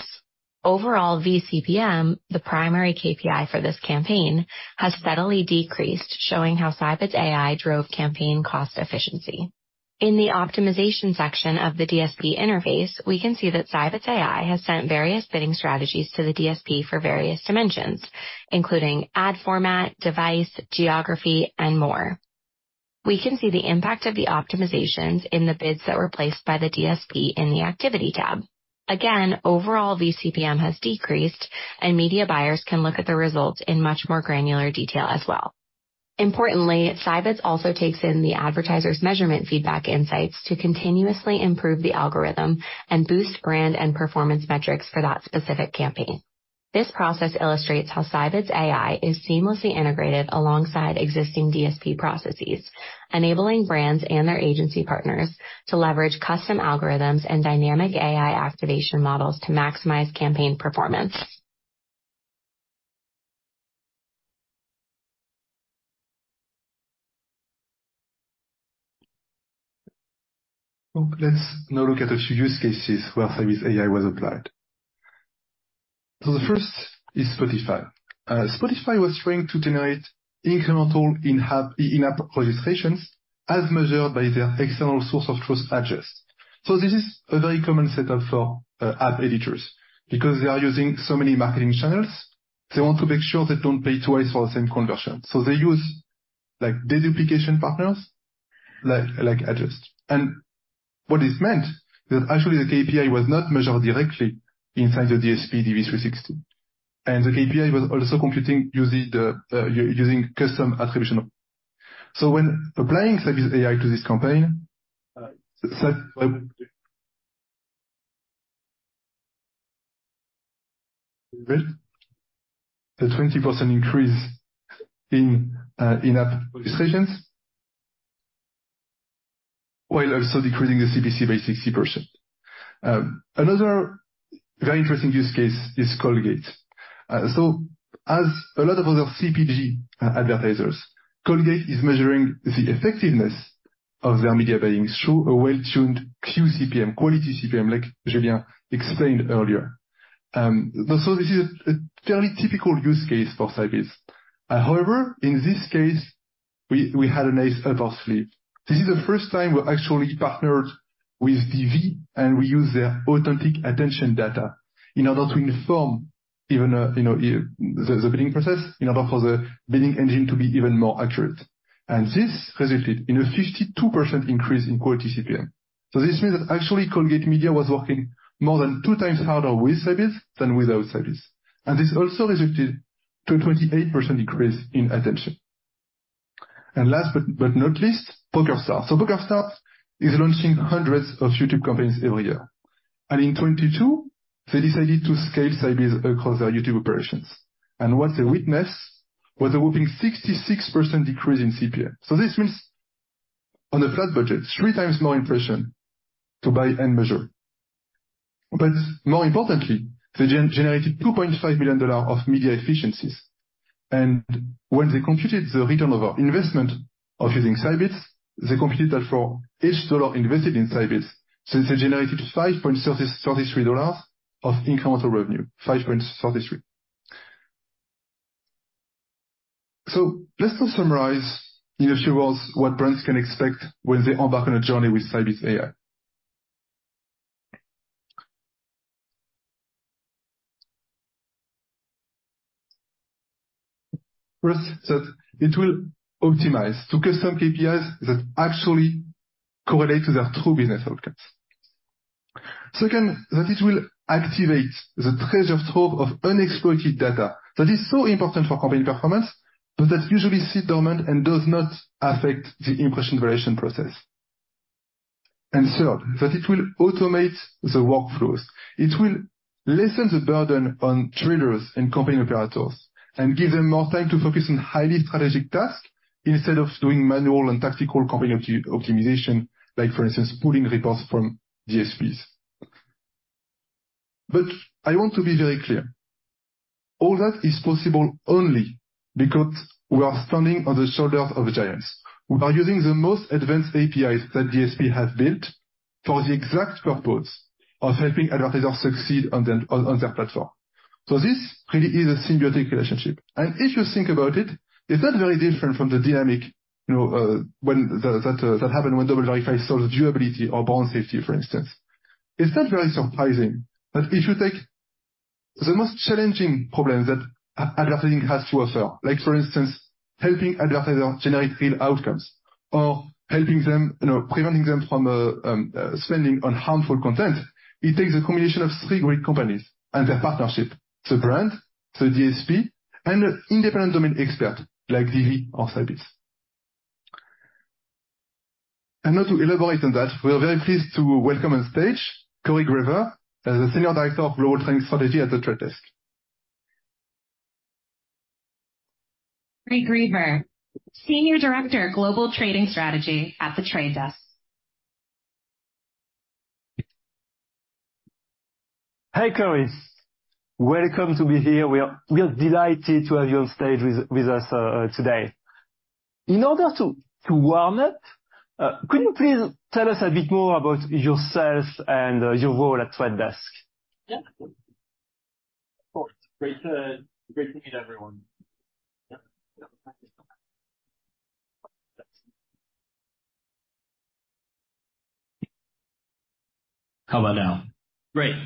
Overall, vCPM, the primary KPI for this campaign, has steadily decreased, showing how Scibids AI drove campaign cost efficiency. In the optimization section of the DSP interface, we can see that Scibids AI has sent various bidding strategies to the DSP for various dimensions, including ad format, device, geography, and more. We can see the impact of the optimizations in the bids that were placed by the DSP in the Activity tab. Again, overall, vCPM has decreased, and media buyers can look at the results in much more granular detail as well. Importantly, Scibids also takes in the advertisers' measurement feedback insights to continuously improve the algorithm and boost brand and performance metrics for that specific campaign. This process illustrates how Scibids AI is seamlessly integrated alongside existing DSP processes, enabling brands and their agency partners to leverage custom algorithms and dynamic AI activation models to maximize campaign performance. Let's now look at a few use cases where Scibids AI was applied. So the first is Spotify. Spotify was trying to generate incremental in-app, in-app registrations as measured by their external source of trust Adjust. So this is a very common setup for app editors, because they are using so many marketing channels, they want to make sure they don't pay twice for the same conversion. So they use, like, deduplication partners, like Adjust. And what this meant is that actually the KPI was not measured directly inside the DSP DV360, and the KPI was also computing using the using custom attribution. So when applying Scibids AI to this campaign, Scibids... a 20% increase in in-app registrations, while also decreasing the CPC by 60%. Another very interesting use case is Colgate. So as a lot of other CPG advertisers, Colgate is measuring the effectiveness of their media buying through a well-tuned qCPM, quality CPM, like Julien explained earlier. So this is a fairly typical use case for Scibids. However, in this case, we had a nice upside. This is the first time we actually partnered with DV, and we use their Authentic Attention data in order to inform even the bidding process, in order for the bidding engine to be even more accurate. And this resulted in a 52% increase in quality CPM. So this means that actually, Colgate Media was working more than two times harder with Scibids than without Scibids, and this also resulted to a 28% increase in attention. And last but not least, PokerStars. So PokerStars is launching hundreds of YouTube campaigns every year, and in 2022 they decided to scale Scibids across their YouTube operations. And what they witnessed was a whopping 66% decrease in CPM. So this means on a flat budget, three times more impressions to buy and measure. But more importantly, they generated $2.5 billion of media efficiencies. And when they computed the return on our investment of using Scibids, they computed that for each dollar invested in Scibids, so they generated $5.33 of incremental revenue, $5.33. So let's now summarize in a few words what brands can expect when they embark on a journey with Scibids AI. First, that it will optimize to custom KPIs that actually correlate to their true business outcomes. Second, that it will activate the treasure trove of unexploited data that is so important for campaign performance, but that usually sit dormant and does not affect the impression variation process. And third, that it will automate the workflows. It will lessen the burden on traders and campaign operators, and give them more time to focus on highly strategic tasks instead of doing manual and tactical campaign optimization, like for instance, pulling reports from DSPs... But I want to be very clear. All that is possible only because we are standing on the shoulders of giants. We are using the most advanced APIs that DSP has built for the exact purpose of helping advertisers succeed on their platform. So this really is a symbiotic relationship. If you think about it, it's not very different from the dynamic, you know, when that happened when DoubleVerify solved viewability or brand safety, for instance. It's not very surprising that if you take the most challenging problem that advertising has to offer, like, for instance, helping advertisers generate real outcomes or helping them, you know, preventing them from spending on harmful content, it takes a combination of three great companies and their partnership, so brand, so DSP, and an independent domain expert like DV or Scibids. Now to elaborate on that, we are very pleased to welcome on stage Cory Greever, the Senior Director of Global Trading Strategy at The Trade Desk. Cory Greever, Senior Director, Global Trading Strategy at The Trade Desk. Hey, Cory. Welcome to be here. We are delighted to have you on stage with us today. In order to warm up, could you please tell us a bit more about yourself and your role at Trade Desk? Yeah. Of course. Great to meet everyone. Yeah. How about now? Great. Great.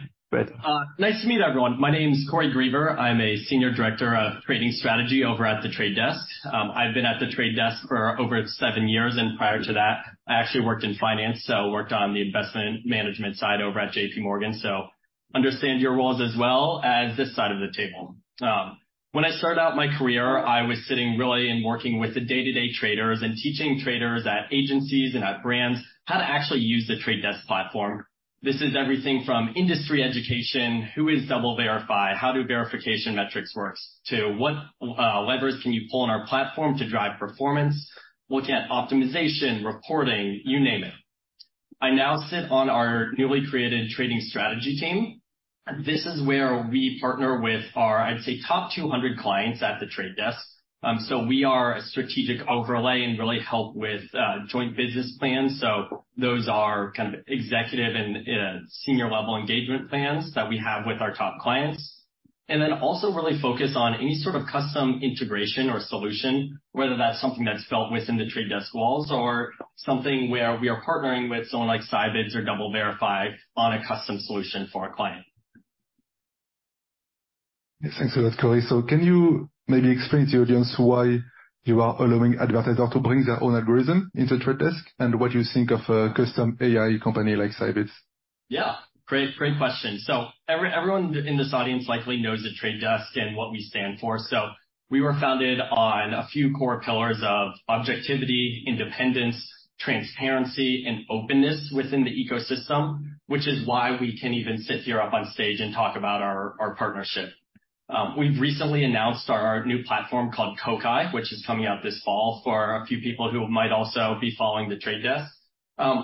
Nice to meet everyone. My name is Cory Greever. I'm a Senior Director of Trading Strategy over at The Trade Desk. I've been at The Trade Desk for over seven years, and prior to that, I actually worked in finance, so worked on the investment management side over at JP Morgan, so understand your roles as well as this side of the table. When I started out my career, I was sitting really and working with the day-to-day traders and teaching traders at agencies and at brands how to actually use The Trade Desk platform. This is everything from industry education, who is DoubleVerify, how do verification metrics works, to what levers can you pull on our platform to drive performance, look at optimization, reporting, you name it. I now sit on our newly created trading strategy team. This is where we partner with our, I'd say, top 200 clients at The Trade Desk. So we are a strategic overlay and really help with joint business plans, so those are kind of executive and senior level engagement plans that we have with our top clients. And then also really focus on any sort of custom integration or solution, whether that's something that's built within The Trade Desk walls or something where we are partnering with someone like Scibids or DoubleVerify on a custom solution for a client. Yes, thanks for that, Cory. So can you maybe explain to the audience why you are allowing advertisers to bring their own algorithm into The Trade Desk, and what you think of a custom AI company like Scibids? Yeah, great, great question. So everyone in this audience likely knows The Trade Desk and what we stand for. So we were founded on a few core pillars of objectivity, independence, transparency, and openness within the ecosystem, which is why we can even sit here up on stage and talk about our partnership. We've recently announced our new platform called Kokai, which is coming out this fall, for a few people who might also be following The Trade Desk.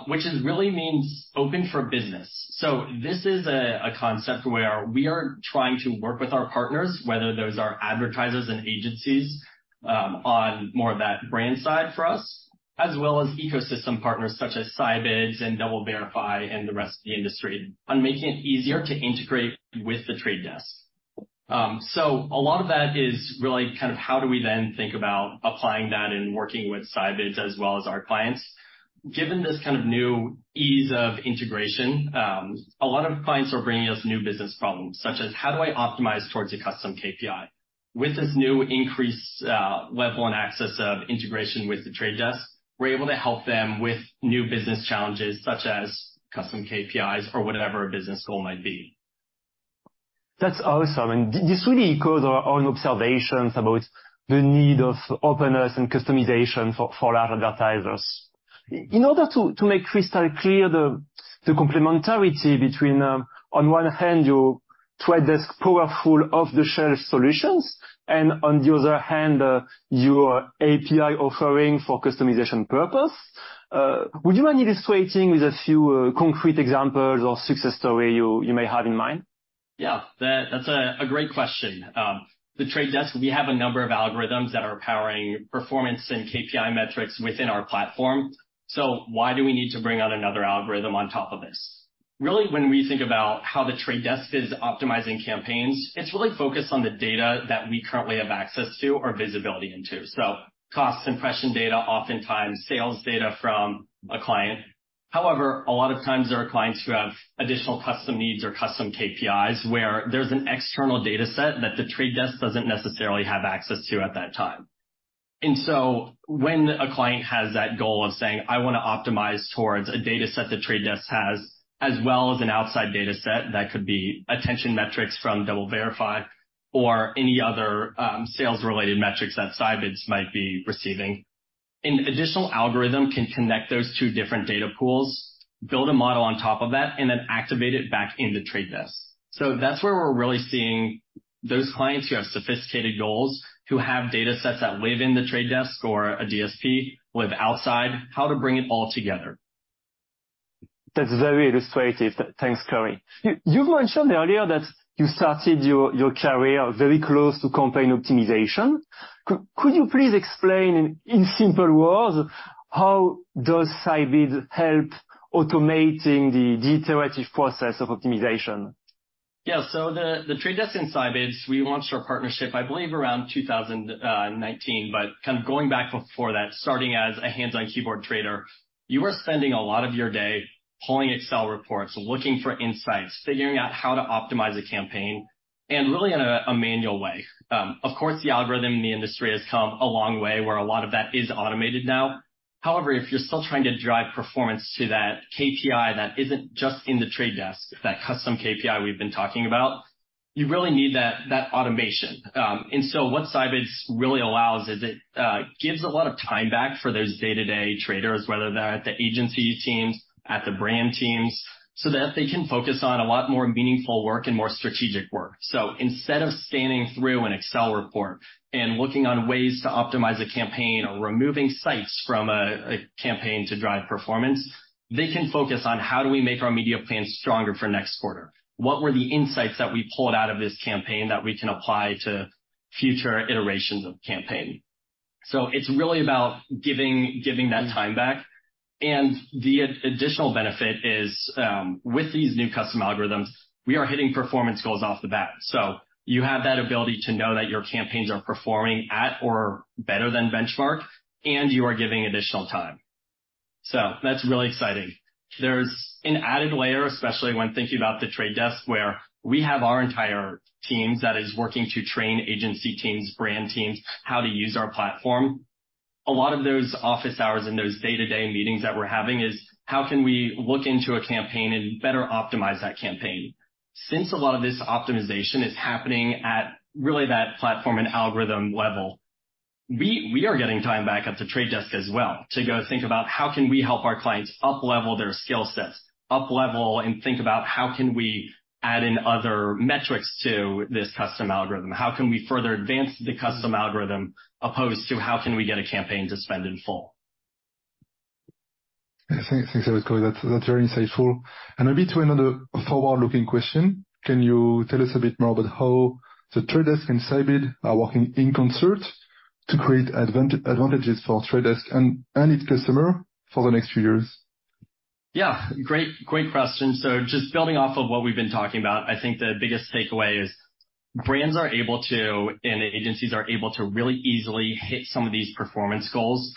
Which really means open for business. So this is a concept where we are trying to work with our partners, whether those are advertisers and agencies on more of that brand side for us, as well as ecosystem partners such as Scibids and DoubleVerify, and the rest of the industry, on making it easier to integrate with The Trade Desk. So a lot of that is really kind of how do we then think about applying that and working with Scibids as well as our clients? Given this kind of new ease of integration, a lot of clients are bringing us new business problems, such as: How do I optimize towards a custom KPI? With this new increased, level and access of integration with The Trade Desk, we're able to help them with new business challenges such as custom KPIs or whatever a business goal might be. That's awesome. And this really echoes our own observations about the need of openness and customization for our advertisers. In order to make crystal clear the complementarity between, on one hand, your The Trade Desk powerful off-the-shelf solutions, and on the other hand, your API offering for customization purpose, would you mind illustrating with a few concrete examples or success story you may have in mind? Yeah, that's a great question. The Trade Desk, we have a number of algorithms that are powering performance and KPI metrics within our platform. So why do we need to bring out another algorithm on top of this? Really, when we think about how The Trade Desk is optimizing campaigns, it's really focused on the data that we currently have access to or visibility into, so cost, impression data, oftentimes sales data from a client. However, a lot of times there are clients who have additional custom needs or custom KPIs, where there's an external data set that The Trade Desk doesn't necessarily have access to at that time. So when a client has that goal of saying, "I wanna optimize towards a data set The Trade Desk has, as well as an outside data set," that could be attention metrics from DoubleVerify or any other, sales-related metrics that Scibids might be receiving. An additional algorithm can connect those two different data pools, build a model on top of that, and then activate it back into The Trade Desk. So that's where we're really seeing those clients who have sophisticated goals, who have data sets that live in The Trade Desk or a DSP, live outside, how to bring it all together. That's very illustrative. Thanks, Cory. You mentioned earlier that you started your career very close to campaign optimization. Could you please explain, in simple words, how does Scibids help automating the iterative process of optimization? Yeah. So The Trade Desk and Scibids, we launched our partnership, I believe, around 2019, but kind of going back before that, starting as a hands-on keyboard trader, you were spending a lot of your day pulling Excel reports, looking for insights, figuring out how to optimize a campaign, and really in a manual way. Of course, the algorithm in the industry has come a long way, where a lot of that is automated now. However, if you're still trying to drive performance to that KPI that isn't just in The Trade Desk, that custom KPI we've been talking about, you really need that automation. And so what Scibids really allows is it gives a lot of time back for those day-to-day traders, whether they're at the agency teams, at the brand teams, so that they can focus on a lot more meaningful work and more strategic work. So instead of scanning through an Excel report and looking on ways to optimize a campaign or removing sites from a campaign to drive performance, they can focus on: How do we make our media plans stronger for next quarter? What were the insights that we pulled out of this campaign that we can apply to future iterations of campaign? So it's really about giving that time back, and the additional benefit is, with these new custom algorithms, we are hitting performance goals off the bat. So you have that ability to know that your campaigns are performing at or better than benchmark, and you are giving additional time. So that's really exciting. There's an added layer, especially when thinking about The Trade Desk, where we have our entire teams that is working to train agency teams, brand teams, how to use our platform. A lot of those office hours and those day-to-day meetings that we're having is, how can we look into a campaign and better optimize that campaign? Since a lot of this optimization is happening at really that platform and algorithm level, we are getting time back at The Trade Desk as well to go think about: How can we help our clients uplevel their skill sets, uplevel and think about how can we add in other metrics to this custom algorithm? How can we further advance the custom algorithm, as opposed to how can we get a campaign to spend in full? Yeah. Thanks. Thanks a lot, Cory. That's, that's very insightful. And maybe to another forward-looking question, can you tell us a bit more about how The Trade Desk and Scibids are working in concert to create advantages for Trade Desk and, and its customers for the next few years? Yeah, great, great question. So just building off of what we've been talking about, I think the biggest takeaway is brands are able to, and agencies are able to really easily hit some of these performance goals,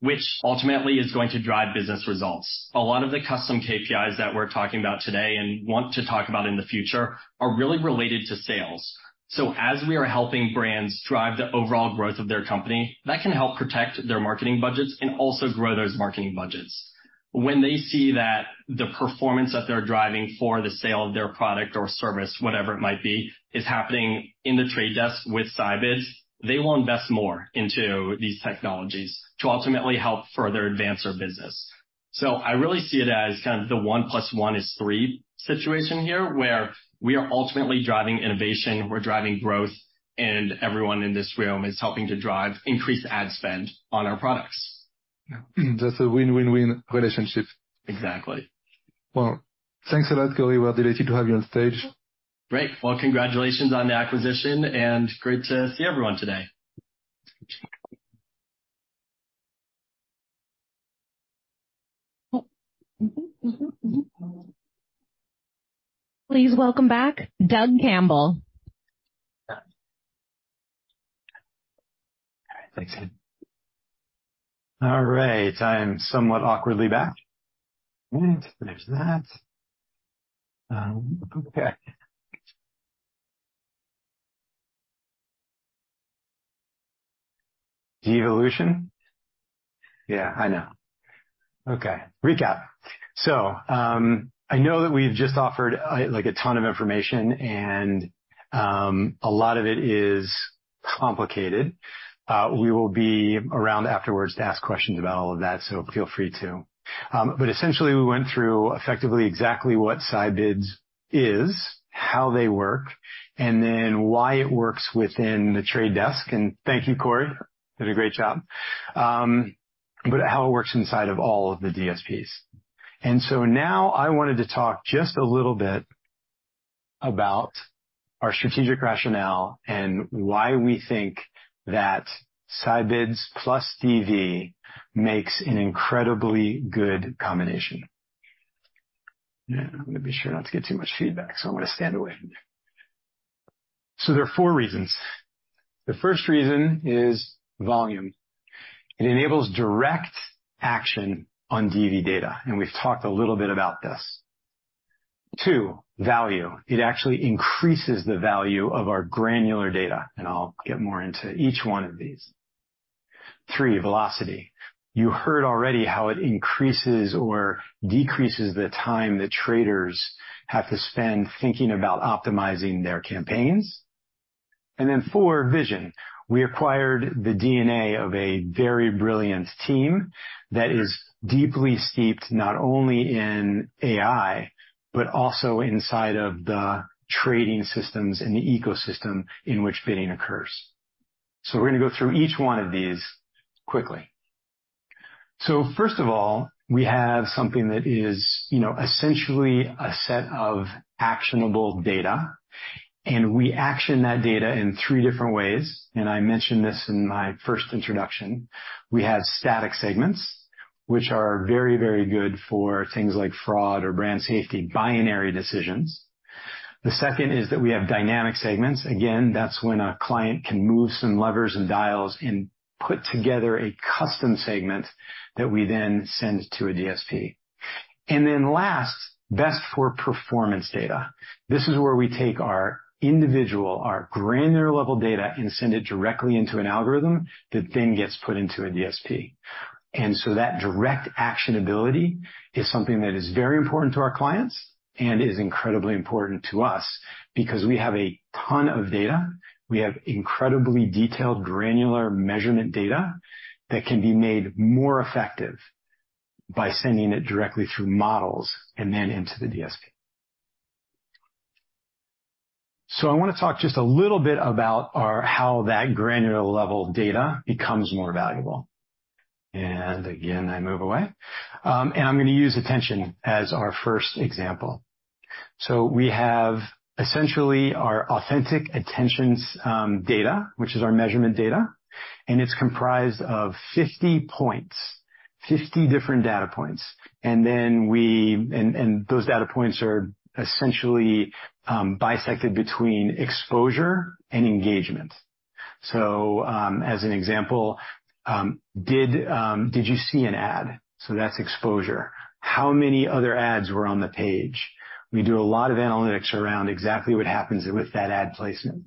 which ultimately is going to drive business results. A lot of the custom KPIs that we're talking about today and want to talk about in the future are really related to sales. So as we are helping brands drive the overall growth of their company, that can help protect their marketing budgets and also grow those marketing budgets. When they see that the performance that they're driving for the sale of their product or service, whatever it might be, is happening in The Trade Desk with Scibids, they will invest more into these technologies to ultimately help further advance their business. So I really see it as kind of the 1 plus 1 is 3 situation here, where we are ultimately driving innovation, we're driving growth, and everyone in this room is helping to drive increased ad spend on our products. Yeah. That's a win-win-win relationship. Exactly. Well, thanks a lot, Cory. We're delighted to have you on stage. Great! Well, congratulations on the acquisition, and great to see everyone today. Please welcome back Doug Campbell. All right. Thanks. All right, I am somewhat awkwardly back. Right, there's that. Okay. Devolution? Yeah, I know. Okay, recap. So, I know that we've just offered, like, a ton of information, and, a lot of it is complicated. We will be around afterwards to ask questions about all of that, so feel free to. But essentially, we went through effectively exactly what Scibids is, how they work, and then why it works within The Trade Desk, and thank you, Cory. Did a great job. But how it works inside of all of the DSPs. So now I wanted to talk just a little bit about our strategic rationale and why we think that Scibids plus DV makes an incredibly good combination. Yeah, I'm gonna be sure not to get too much feedback, so I'm gonna stand away. So there are four reasons. The first reason is volume. It enables direct action on DV data, and we've talked a little bit about this. Two, value. It actually increases the value of our granular data, and I'll get more into each one of these. Three, velocity. You heard already how it increases or decreases the time that traders have to spend thinking about optimizing their campaigns. And then four, vision. We acquired the DNA of a very brilliant team that is deeply steeped not only in AI, but also inside of the trading systems and the ecosystem in which bidding occurs. So we're gonna go through each one of these quickly. So first of all, we have something that is, you know, essentially a set of actionable data, and we action that data in three different ways, and I mentioned this in my first introduction. We have static segments, which are very, very good for things like fraud or brand safety, binary decisions. The second is that we have dynamic segments. Again, that's when a client can move some levers and dials and put together a custom segment that we then send to a DSP. And then last, best for performance data. This is where we take our individual, our granular level data, and send it directly into an algorithm that then gets put into a DSP. And so that direct actionability is something that is very important to our clients and is incredibly important to us because we have a ton of data. We have incredibly detailed, granular measurement data that can be made more effective by sending it directly through models and then into the DSP. So I wanna talk just a little bit about our, how that granular level data becomes more valuable. And again, I move away. And I'm gonna use attention as our first example. So we have essentially our Authentic Attention's data, which is our measurement data, and it's comprised of 50 points, 50 different data points. And then we... And, and those data points are essentially bisected between exposure and engagement. So, as an example, did you see an ad? So that's exposure. How many other ads were on the page? We do a lot of analytics around exactly what happens with that ad placement.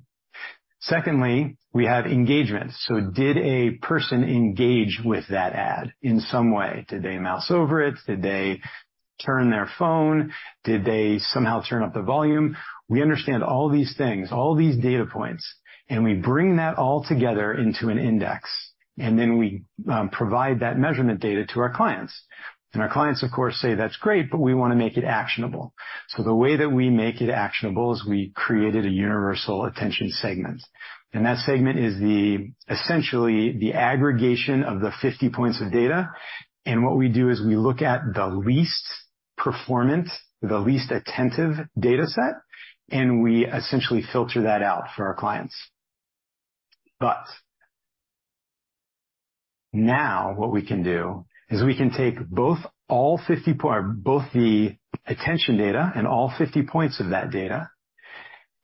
Secondly, we have engagement. So did a person engage with that ad in some way? Did they mouse over it? Did they turn their phone? Did they somehow turn up the volume? We understand all these things, all these data points, and we bring that all together into an index, and then we provide that measurement data to our clients. And our clients, of course, say, "That's great, but we wanna make it actionable." So the way that we make it actionable is we created a Universal Attention Segment, and that segment is the, essentially the aggregation of the 50 points of data. And what we do is we look at the least performant, the least attentive data set, and we essentially filter that out for our clients. Now what we can do is we can take both the attention data and all 50 points of that data,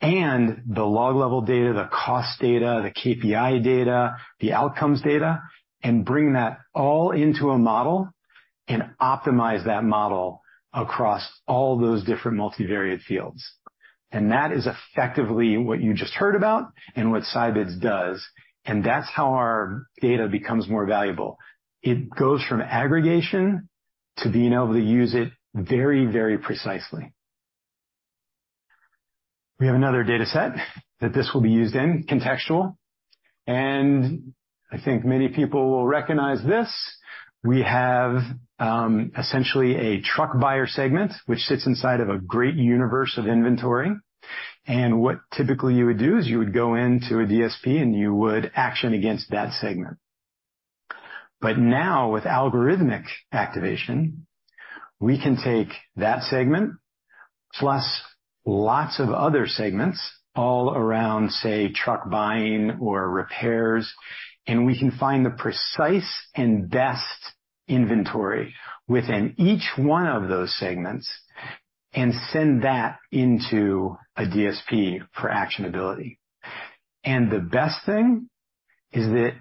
and the log level data, the cost data, the KPI data, the outcomes data, and bring that all into a model and optimize that model across all those different multivariate fields. And that is effectively what you just heard about and what Scibids does, and that's how our data becomes more valuable. It goes from aggregation to being able to use it very, very precisely. We have another data set that this will be used in, contextual, and I think many people will recognize this. We have essentially a truck buyer segment, which sits inside of a great universe of inventory, and what typically you would do is you would go into a DSP, and you would action against that segment. But now with algorithmic activation, we can take that segment, plus lots of other segments all around, say, truck buying or repairs, and we can find the precise and best inventory within each one of those segments and send that into a DSP for actionability. And the best thing is that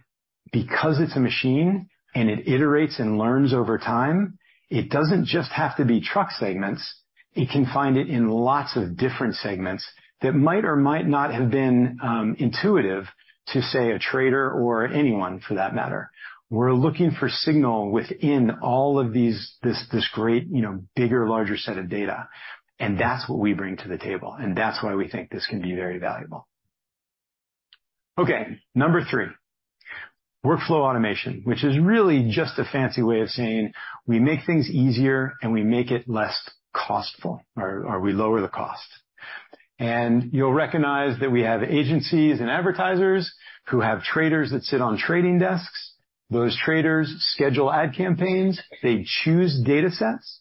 because it's a machine and it iterates and learns over time, it doesn't just have to be truck segments. It can find it in lots of different segments that might or might not have been intuitive to, say, a trader or anyone for that matter. We're looking for signal within all of these, this great, you know, bigger, larger set of data, and that's what we bring to the table, and that's why we think this can be very valuable. Okay, number three, workflow automation, which is really just a fancy way of saying we make things easier and we make it less costful or, or we lower the cost. And you'll recognize that we have agencies and advertisers who have traders that sit on trading desks. Those traders schedule ad campaigns, they choose data sets,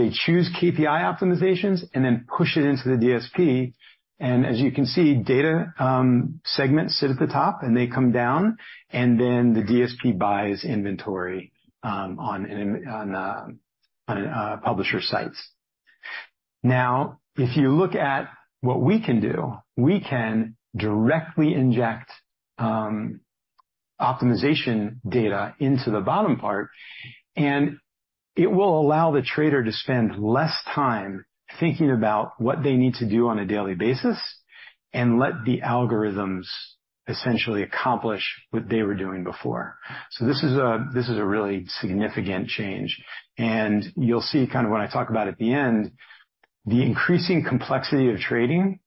they choose KPI optimizations, and then push it into the DSP. And as you can see, data segments sit at the top, and they come down, and then the DSP buys inventory on publisher sites. Now, if you look at what we can do, we can directly inject optimization data into the bottom part, and it will allow the trader to spend less time thinking about what they need to do on a daily basis and let the algorithms essentially accomplish what they were doing before. So this is a really significant change, and you'll see kind of when I talk about at the end... The increasing complexity of trading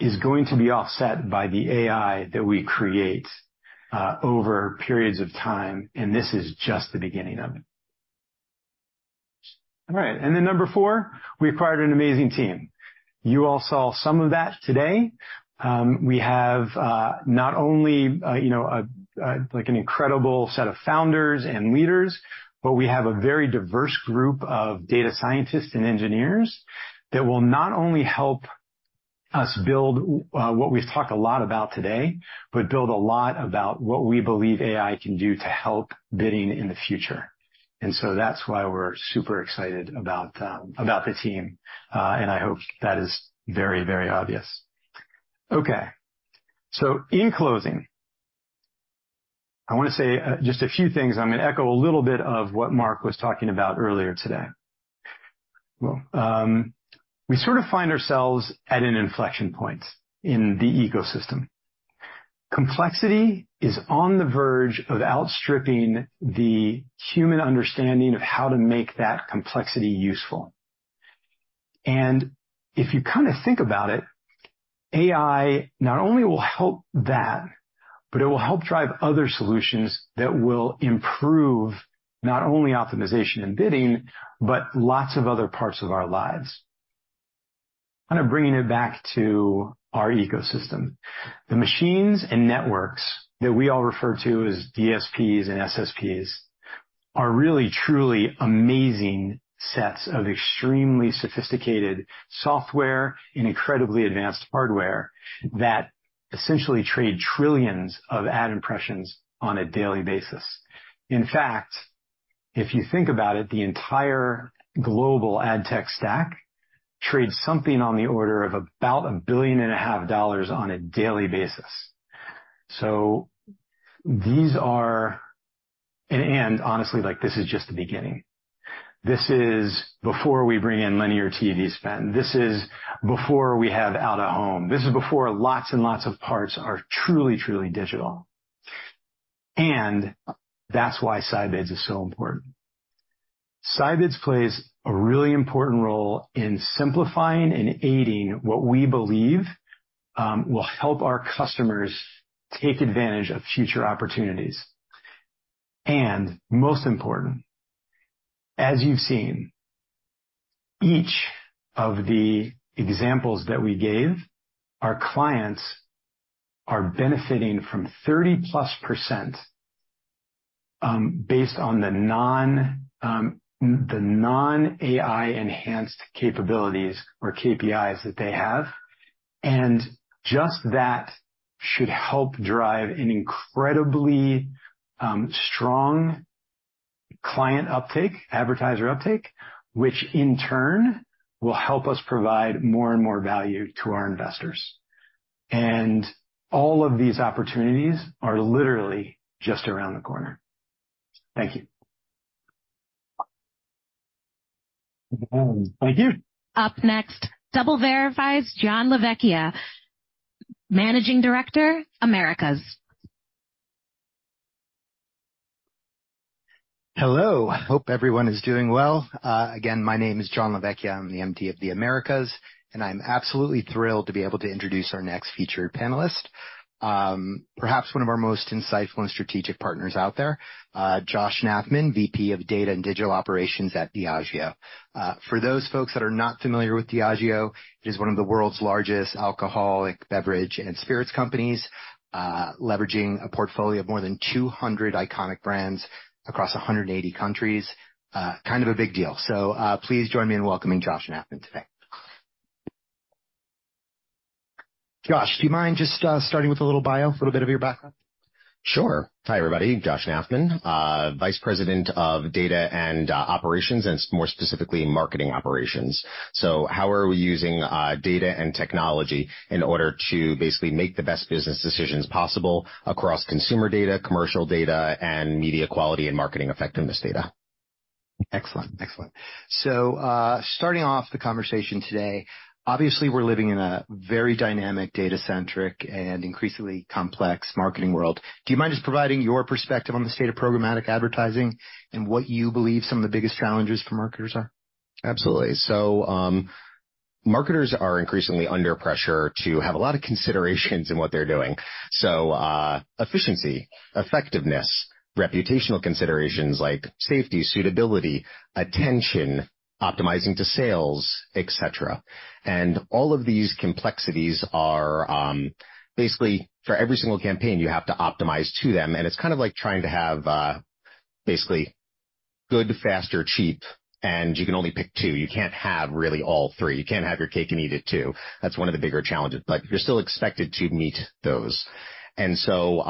is going to be offset by the AI that we create over periods of time, and this is just the beginning of it. All right, and then number four, we acquired an amazing team. You all saw some of that today. We have not only, you know, like, an incredible set of founders and leaders, but we have a very diverse group of data scientists and engineers that will not only help us build what we've talked a lot about today, but build a lot about what we believe AI can do to help bidding in the future. And so that's why we're super excited about the team, and I hope that is very, very obvious. Okay, so in closing, I want to say just a few things. I'm going to echo a little bit of what Mark was talking about earlier today. Well, we sort of find ourselves at an inflection point in the ecosystem. Complexity is on the verge of outstripping the human understanding of how to make that complexity useful. And if you kind of think about it, AI not only will help that, but it will help drive other solutions that will improve not only optimization and bidding, but lots of other parts of our lives. Kind of bringing it back to our ecosystem. The machines and networks that we all refer to as DSPs and SSPs are really, truly amazing sets of extremely sophisticated software and incredibly advanced hardware that essentially trade trillions of ad impressions on a daily basis. In fact, if you think about it, the entire global ad tech stack trades something on the order of about $1.5 billion on a daily basis. So these are. And honestly, like, this is just the beginning. This is before we bring in linear TV spend. This is before we have out-of-home. This is before lots and lots of parts are truly, truly digital. And that's why Scibids is so important. Scibids plays a really important role in simplifying and aiding what we believe will help our customers take advantage of future opportunities. Most important, as you've seen, each of the examples that we gave, our clients are benefiting from 30%+, based on the non-AI enhanced capabilities or KPIs that they have. Just that should help drive an incredibly strong client uptake, advertiser uptake, which in turn will help us provide more and more value to our investors. All of these opportunities are literally just around the corner. Thank you. Thank you. Up next, DoubleVerify's Gian LaVecchia, Managing Director, Americas. Hello, I hope everyone is doing well. Again, my name is Gian LaVecchia, I'm the MD of the Americas, and I'm absolutely thrilled to be able to introduce our next featured panelist. Perhaps one of our most insightful and strategic partners out there, Josh Nafman, VP of Data and Digital Operations at Diageo. For those folks that are not familiar with Diageo, it is one of the world's largest alcoholic beverage and spirits companies, leveraging a portfolio of more than 200 iconic brands across 180 countries. Kind of a big deal. So, please join me in welcoming Josh Nafman today. Josh, do you mind just starting with a little bio, a little bit of your background? Sure. Hi, everybody. Josh Nafman, Vice President of Data and Digital Operations, and more specifically, marketing operations. So how are we using data and technology in order to basically make the best business decisions possible across consumer data, commercial data, and media quality and marketing effectiveness data? Excellent. Excellent. Starting off the conversation today, obviously, we're living in a very dynamic, data-centric, and increasingly complex marketing world. Do you mind just providing your perspective on the state of programmatic advertising and what you believe some of the biggest challenges for marketers are? Absolutely. So, marketers are increasingly under pressure to have a lot of considerations in what they're doing. So, efficiency, effectiveness, reputational considerations like safety, suitability, attention, optimizing to sales, et cetera. And all of these complexities are, basically for every single campaign, you have to optimize to them, and it's kind of like trying to have, basically good, faster, cheap, and you can only pick two. You can't have really all three. You can't have your cake and eat it, too. That's one of the bigger challenges, but you're still expected to meet those. And so,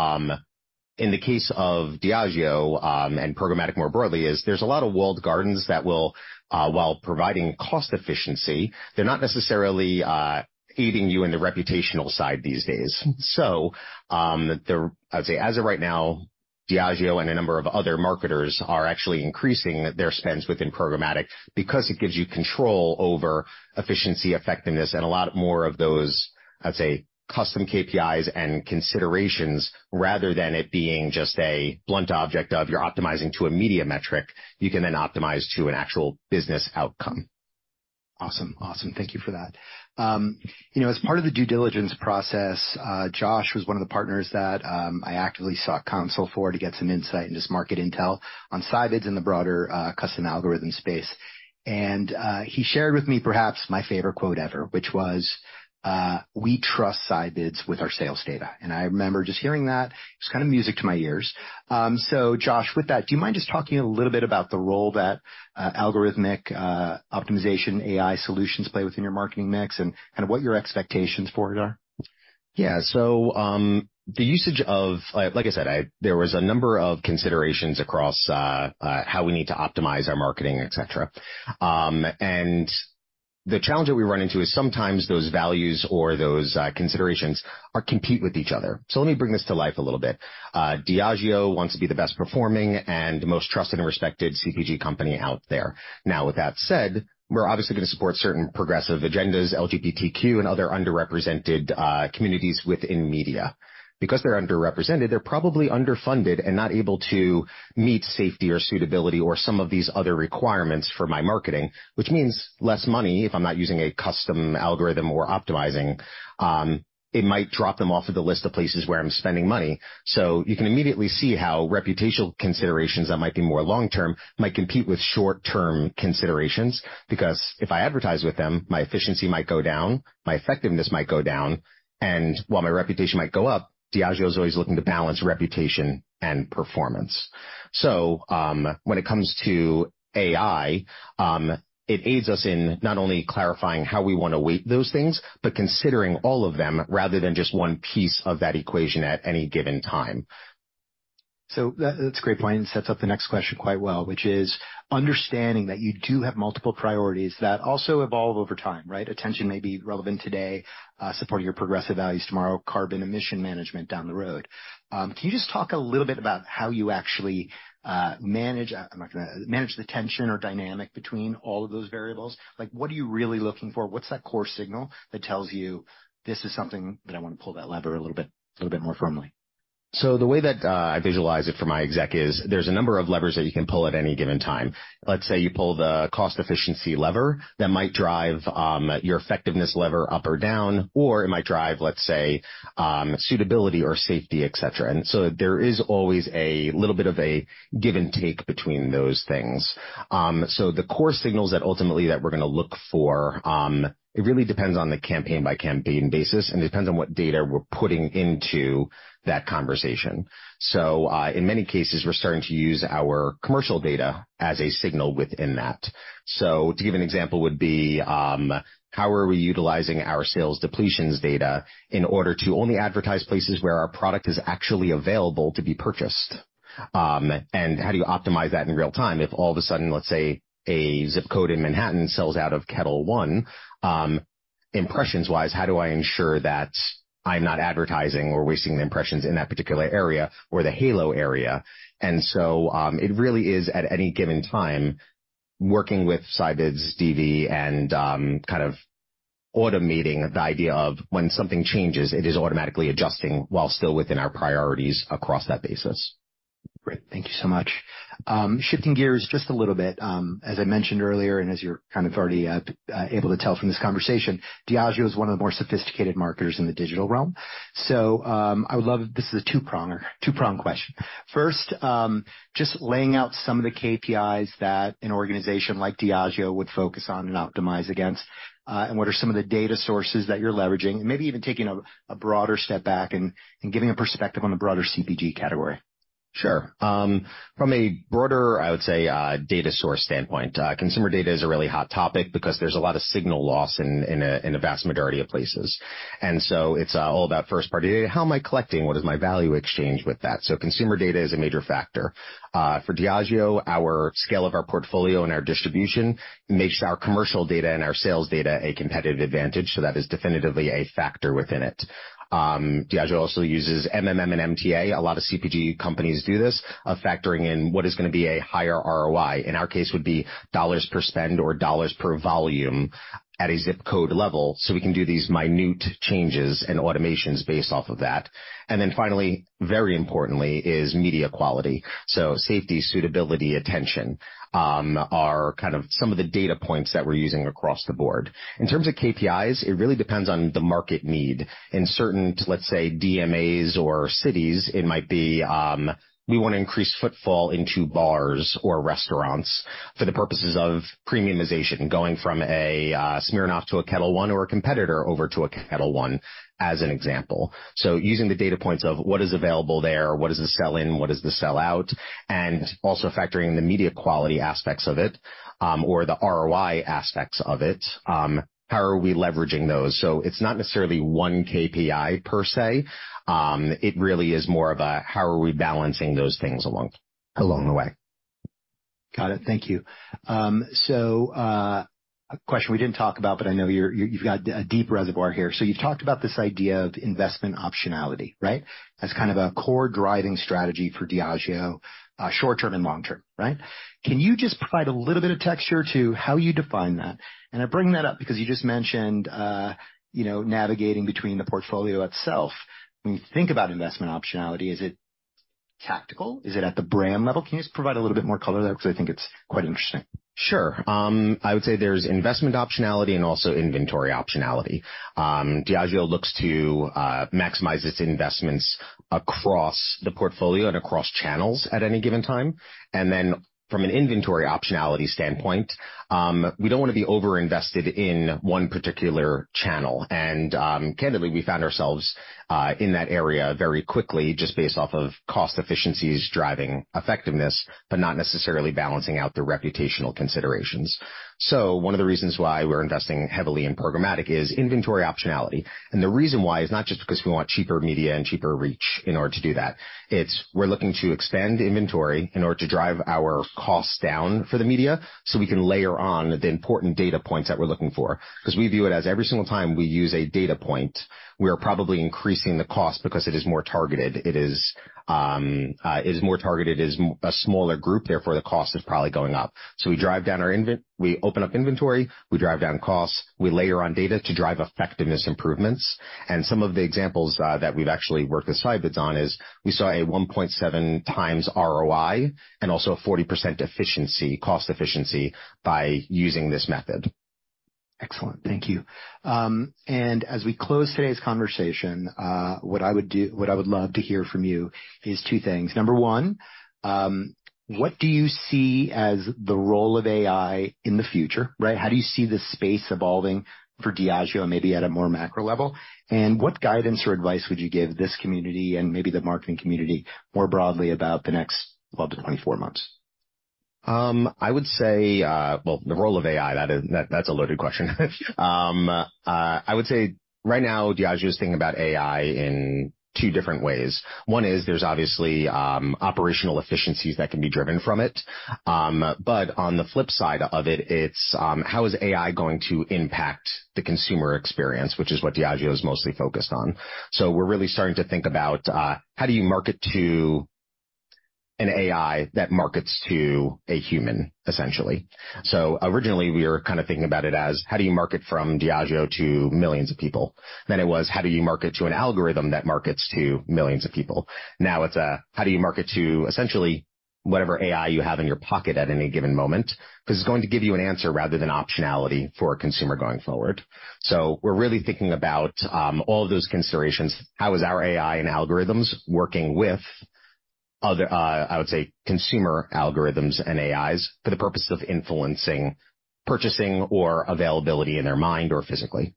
in the case of Diageo, and programmatic, more broadly, is there's a lot of walled gardens that will, while providing cost efficiency, they're not necessarily, aiding you in the reputational side these days. So, I'd say as of right now, Diageo and a number of other marketers are actually increasing their spends within programmatic because it gives you control over efficiency, effectiveness, and a lot more of those, I'd say, custom KPIs and considerations, rather than it being just a blunt object of you're optimizing to a media metric, you can then optimize to an actual business outcome. Awesome. Awesome. Thank you for that. You know, as part of the due diligence process, Josh was one of the partners that I actively sought counsel for to get some insight and just market intel on Scibids in the broader custom algorithm space. He shared with me perhaps my favorite quote ever, which was, "We trust Scibids with our sales data." I remember just hearing that, it was kind of music to my ears. So Josh, with that, do you mind just talking a little bit about the role that algorithmic optimization AI solutions play within your marketing mix and kind of what your expectations for it are? Yeah. So, the usage of, like I said, there was a number of considerations across how we need to optimize our marketing, et cetera. And the challenge that we run into is sometimes those values or those considerations are compete with each other. So let me bring this to life a little bit. Diageo wants to be the best performing and most trusted and respected CPG company out there. Now, with that said, we're obviously going to support certain progressive agendas, LGBTQ and other underrepresented communities within media. Because they're underrepresented, they're probably underfunded and not able to meet safety or suitability or some of these other requirements for my marketing, which means less money if I'm not using a custom algorithm or optimizing, it might drop them off of the list of places where I'm spending money. So you can immediately see how reputational considerations that might be more long term might compete with short-term considerations, because if I advertise with them, my efficiency might go down, my effectiveness might go down, and while my reputation might go up, Diageo is always looking to balance reputation and performance. So, when it comes to AI, it aids us in not only clarifying how we want to weight those things, but considering all of them rather than just one piece of that equation at any given time. That's a great point, and sets up the next question quite well, which is understanding that you do have multiple priorities that also evolve over time, right? Attention may be relevant today, supporting your progressive values tomorrow, carbon emission management down the road. Can you just talk a little bit about how you actually manage the tension or dynamic between all of those variables? Like, what are you really looking for? What's that core signal that tells you this is something that I want to pull that lever a little bit, a little bit more firmly. So the way that I visualize it for my exec is there's a number of levers that you can pull at any given time. Let's say you pull the cost efficiency lever, that might drive your effectiveness lever up or down, or it might drive, let's say, suitability or safety, et cetera. And so there is always a little bit of a give and take between those things. So the core signals that ultimately that we're gonna look for, it really depends on the campaign-by-campaign basis, and it depends on what data we're putting into that conversation. So, in many cases, we're starting to use our commercial data as a signal within that. So to give an example would be, how are we utilizing our sales depletions data in order to only advertise places where our product is actually available to be purchased? And how do you optimize that in real time if all of a sudden, let's say, a zip code in Manhattan sells out of Ketel One, impressions wise, how do I ensure that I'm not advertising or wasting the impressions in that particular area or the halo area? And so, it really is, at any given time, working with Scibids, DV, and, kind of automating the idea of when something changes, it is automatically adjusting while still within our priorities across that basis. Great. Thank you so much. Shifting gears just a little bit, as I mentioned earlier, and as you're kind of already able to tell from this conversation, Diageo is one of the more sophisticated marketers in the digital realm. So, I would love... This is a two-prong, two-prong question. First, just laying out some of the KPIs that an organization like Diageo would focus on and optimize against, and what are some of the data sources that you're leveraging, and maybe even taking a broader step back and, and giving a perspective on the broader CPG category. Sure. From a broader, I would say, data source standpoint, consumer data is a really hot topic because there's a lot of signal loss in a vast majority of places. So it's all about first-party data. How am I collecting? What is my value exchange with that? So consumer data is a major factor. For Diageo, our scale of our portfolio and our distribution makes our commercial data and our sales data a competitive advantage, so that is definitively a factor within it. Diageo also uses MMM and MTA. A lot of CPG companies do this, of factoring in what is going to be a higher ROI. In our case, would be dollars per spend or dollars per volume at a zip code level, so we can do these minute changes and automations based off of that. And then finally, very importantly, is media quality. So safety, suitability, attention, are kind of some of the data points that we're using across the board. In terms of KPIs, it really depends on the market need. In certain, let's say, DMAs or cities, it might be, we want to increase footfall into bars or restaurants for the purposes of premiumization, going from a, Smirnoff to a Ketel One or a competitor over to a Ketel One, as an example. So using the data points of what is available there, what is the sell-in, what is the sell-out, and also factoring in the media quality aspects of it, or the ROI aspects of it, how are we leveraging those? So it's not necessarily one KPI per se, it really is more of a, how are we balancing those things along, along the way. Got it. Thank you. So, a question we didn't talk about, but I know you're, you've got a deep reservoir here. So you talked about this idea of investment optionality, right? As kind of a core driving strategy for Diageo, short term and long term, right? Can you just provide a little bit of texture to how you define that? And I bring that up because you just mentioned, you know, navigating between the portfolio itself. When you think about investment optionality, is it tactical? Is it at the brand level? Can you just provide a little bit more color there? Because I think it's quite interesting. Sure. I would say there's investment optionality and also inventory optionality. Diageo looks to maximize its investments across the portfolio and across channels at any given time. And then from an inventory optionality standpoint, we don't want to be over-invested in one particular channel. Candidly, we found ourselves in that area very quickly, just based off of cost efficiencies driving effectiveness, but not necessarily balancing out the reputational considerations. So one of the reasons why we're investing heavily in programmatic is inventory optionality. And the reason why is not just because we want cheaper media and cheaper reach in order to do that. It's we're looking to expand inventory in order to drive our costs down for the media, so we can layer on the important data points that we're looking for. Because we view it as every single time we use a data point, we are probably increasing the cost because it is more targeted. It is, it is more targeted, it is a smaller group, therefore, the cost is probably going up. So we drive down our, we open up inventory, we drive down costs, we layer on data to drive effectiveness improvements. And some of the examples that we've actually worked with Scibids on is we saw a 1.7x ROI and also a 40% efficiency, cost efficiency by using this method. Excellent. Thank you. And as we close today's conversation, what I would love to hear from you is two things. Number one, what do you see as the role of AI in the future, right? How do you see this space evolving for Diageo and maybe at a more macro level? And what guidance or advice would you give this community and maybe the marketing community more broadly about the next 12-24 months? I would say, well, the role of AI, that is, that's a loaded question. I would say right now, Diageo is thinking about AI in two different ways. One is there's obviously, operational efficiencies that can be driven from it. But on the flip side of it, it's, how is AI going to impact the consumer experience, which is what Diageo is mostly focused on. So we're really starting to think about, how do you market to an AI that markets to a human, essentially? So originally, we were kind of thinking about it as, how do you market from Diageo to millions of people? Then it was, how do you market to an algorithm that markets to millions of people? Now it's, how do you market to essentially whatever AI you have in your pocket at any given moment? Because it's going to give you an answer rather than optionality for a consumer going forward. So we're really thinking about all of those considerations. How is our AI and algorithms working with other, I would say, consumer algorithms and AIs for the purpose of influencing purchasing or availability in their mind or physically?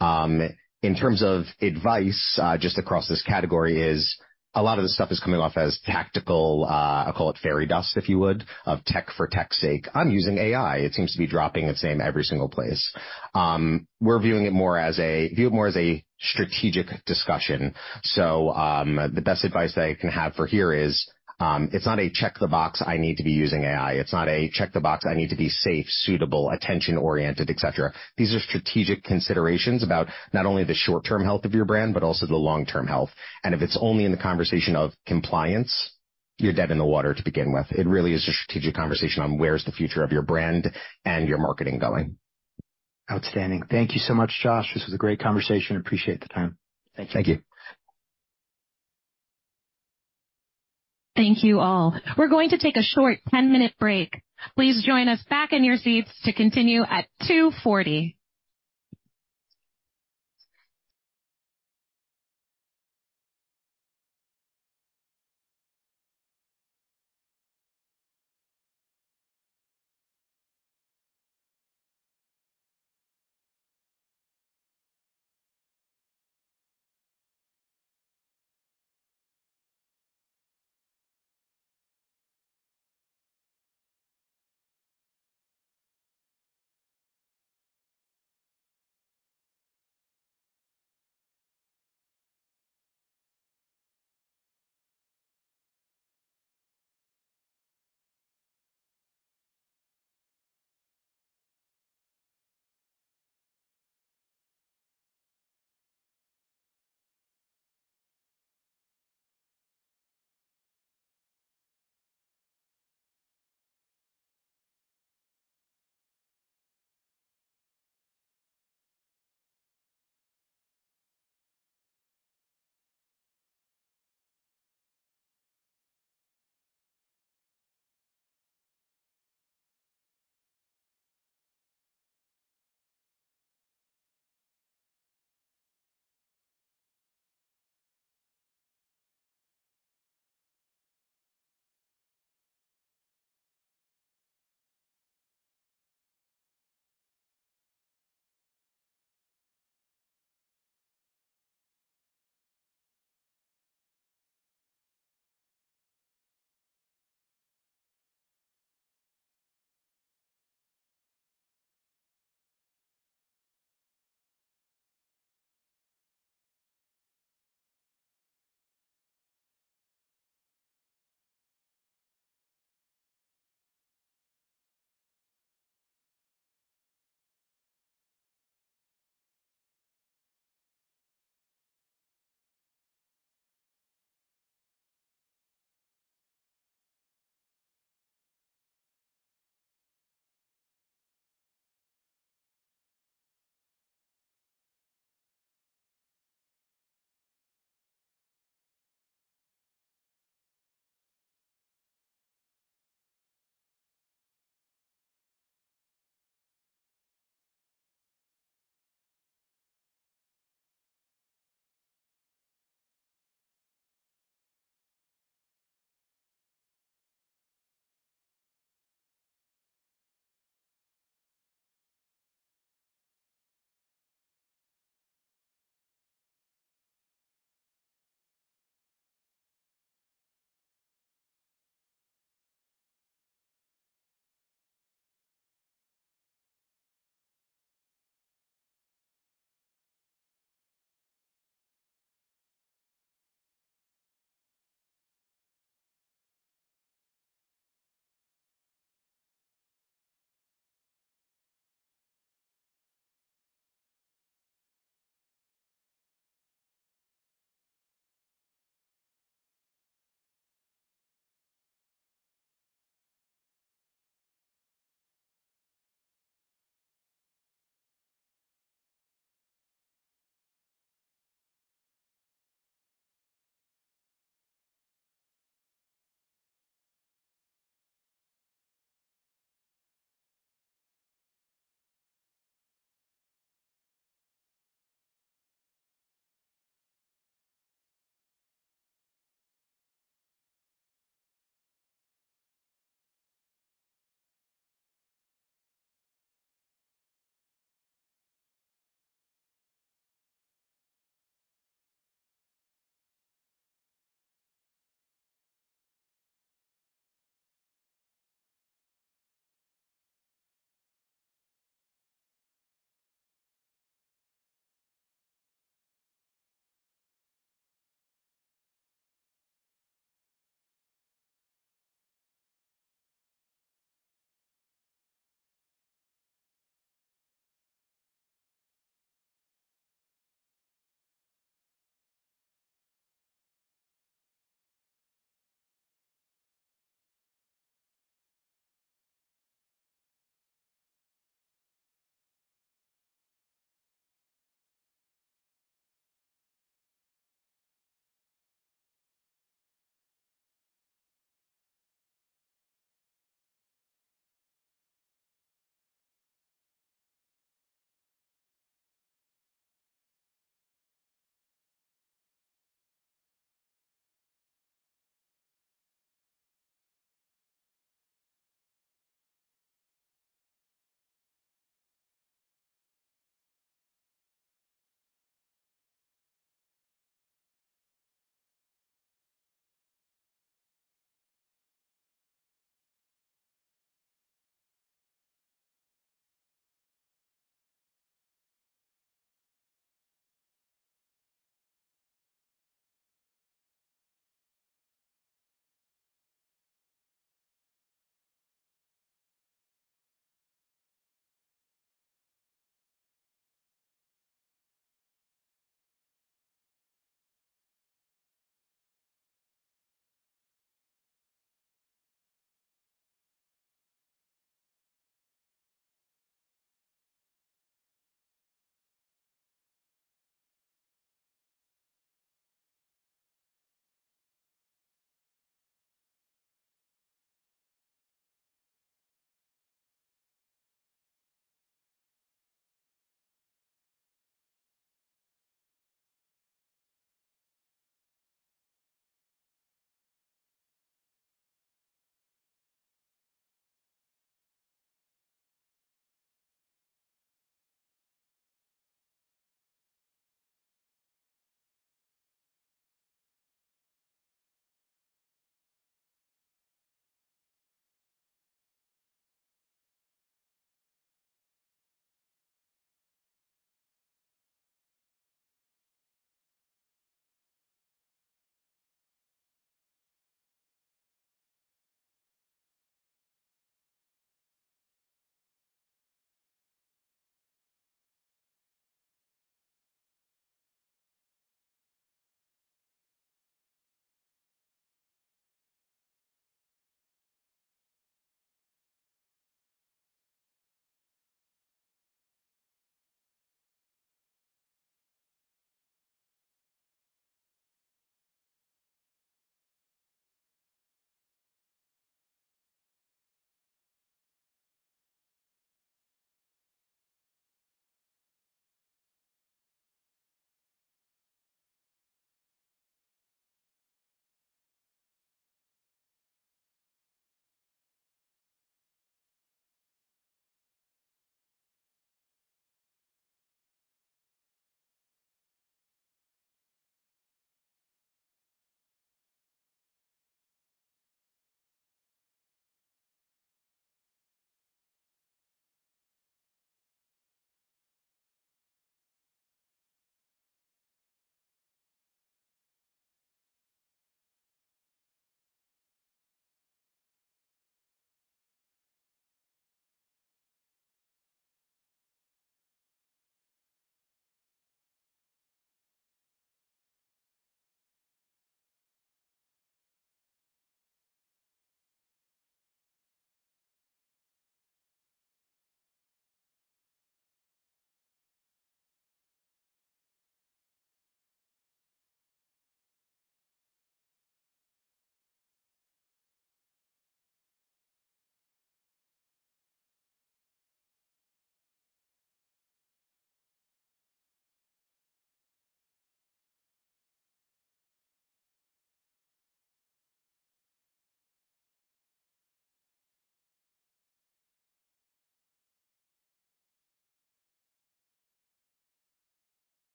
In terms of advice, just across this category is a lot of this stuff is coming off as tactical, I'll call it fairy dust, if you would, of tech for tech's sake. I'm using AI. It seems to be dropping its name every single place. We're viewing it more as a, view it more as a strategic discussion. So, the best advice that I can have for here is, it's not a check the box, I need to be using AI. It's not a check-the-box. I need to be safe, suitable, attention-oriented, et cetera. These are strategic considerations about not only the short-term health of your brand, but also the long-term health. If it's only in the conversation of compliance, you're dead in the water to begin with. It really is a strategic conversation on where's the future of your brand and your marketing going. Outstanding. Thank you so much, Josh. This was a great conversation. Appreciate the time. Thank you. Thank you all. We're going to take a short 10-minute break. Please join us back in your seats to continue at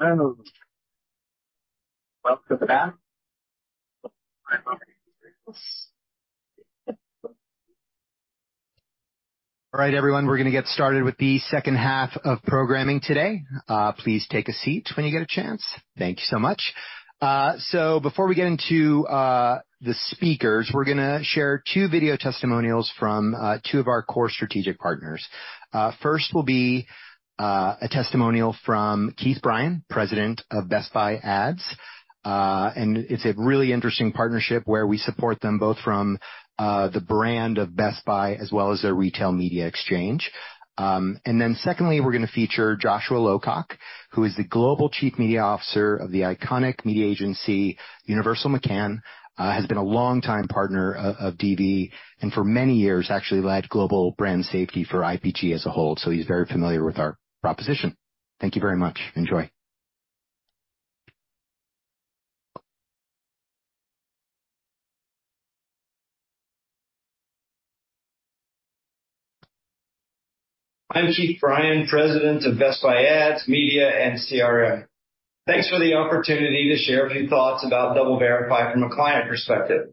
2:40.... All right, everyone, we're going to get started with the second half of programming today. Please take a seat when you get a chance. Thank you so much. So before we get into the speakers, we're gonna share two video testimonials from two of our core strategic partners. First will be a testimonial from Keith Bryan, President of Best Buy Ads. And it's a really interesting partnership where we support them both from the brand of Best Buy as well as their retail media exchange. And then secondly, we're going to feature Joshua Lowcock, who is the Global Chief Media Officer of the iconic media agency, Universal McCann. Has been a longtime partner of DV, and for many years, actually led global brand safety for IPG as a whole. So he's very familiar with our proposition. Thank you very much. Enjoy. I'm Keith Bryan, President of Best Buy Ads, Media and CRM. Thanks for the opportunity to share a few thoughts about DoubleVerify from a client perspective.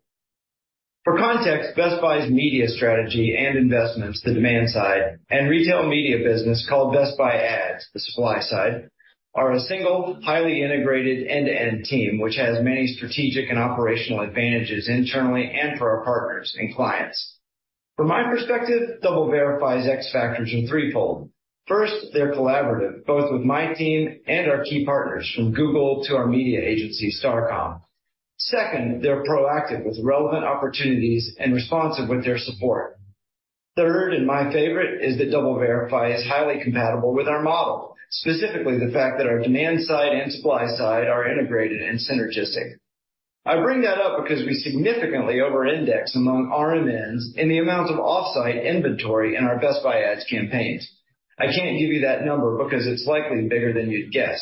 For context, Best Buy's media strategy and investments, the Demand-Side, and retail media business, called Best Buy Ads, the supply side, are a single, highly integrated end-to-end team, which has many strategic and operational advantages internally and for our partners and clients. From my perspective, DoubleVerify's X factors are threefold. First, they're collaborative, both with my team and our key partners, from Google to our media agency, Starcom. Second, they're proactive with relevant opportunities and responsive with their support. Third, and my favorite, is that DoubleVerify is highly compatible with our model, specifically the fact that our Demand-Side and supply side are integrated and synergistic. I bring that up because we significantly over-index among RMNs in the amount of off-site inventory in our Best Buy Ads campaigns. I can't give you that number because it's likely bigger than you'd guess.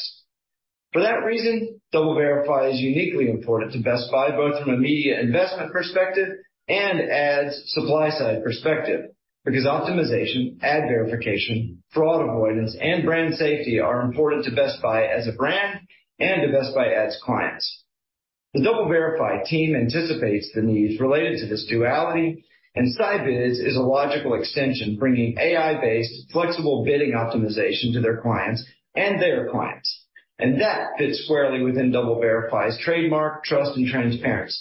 For that reason, DoubleVerify is uniquely important to Best Buy, both from a media investment perspective and ads supply side perspective, because optimization, ad verification, fraud avoidance, and brand safety are important to Best Buy as a brand and to Best Buy Ads clients. The DoubleVerify team anticipates the needs related to this duality, and Scibids is a logical extension, bringing AI-based flexible bidding optimization to their clients and their clients, and that fits squarely within DoubleVerify's trademark, trust, and transparency.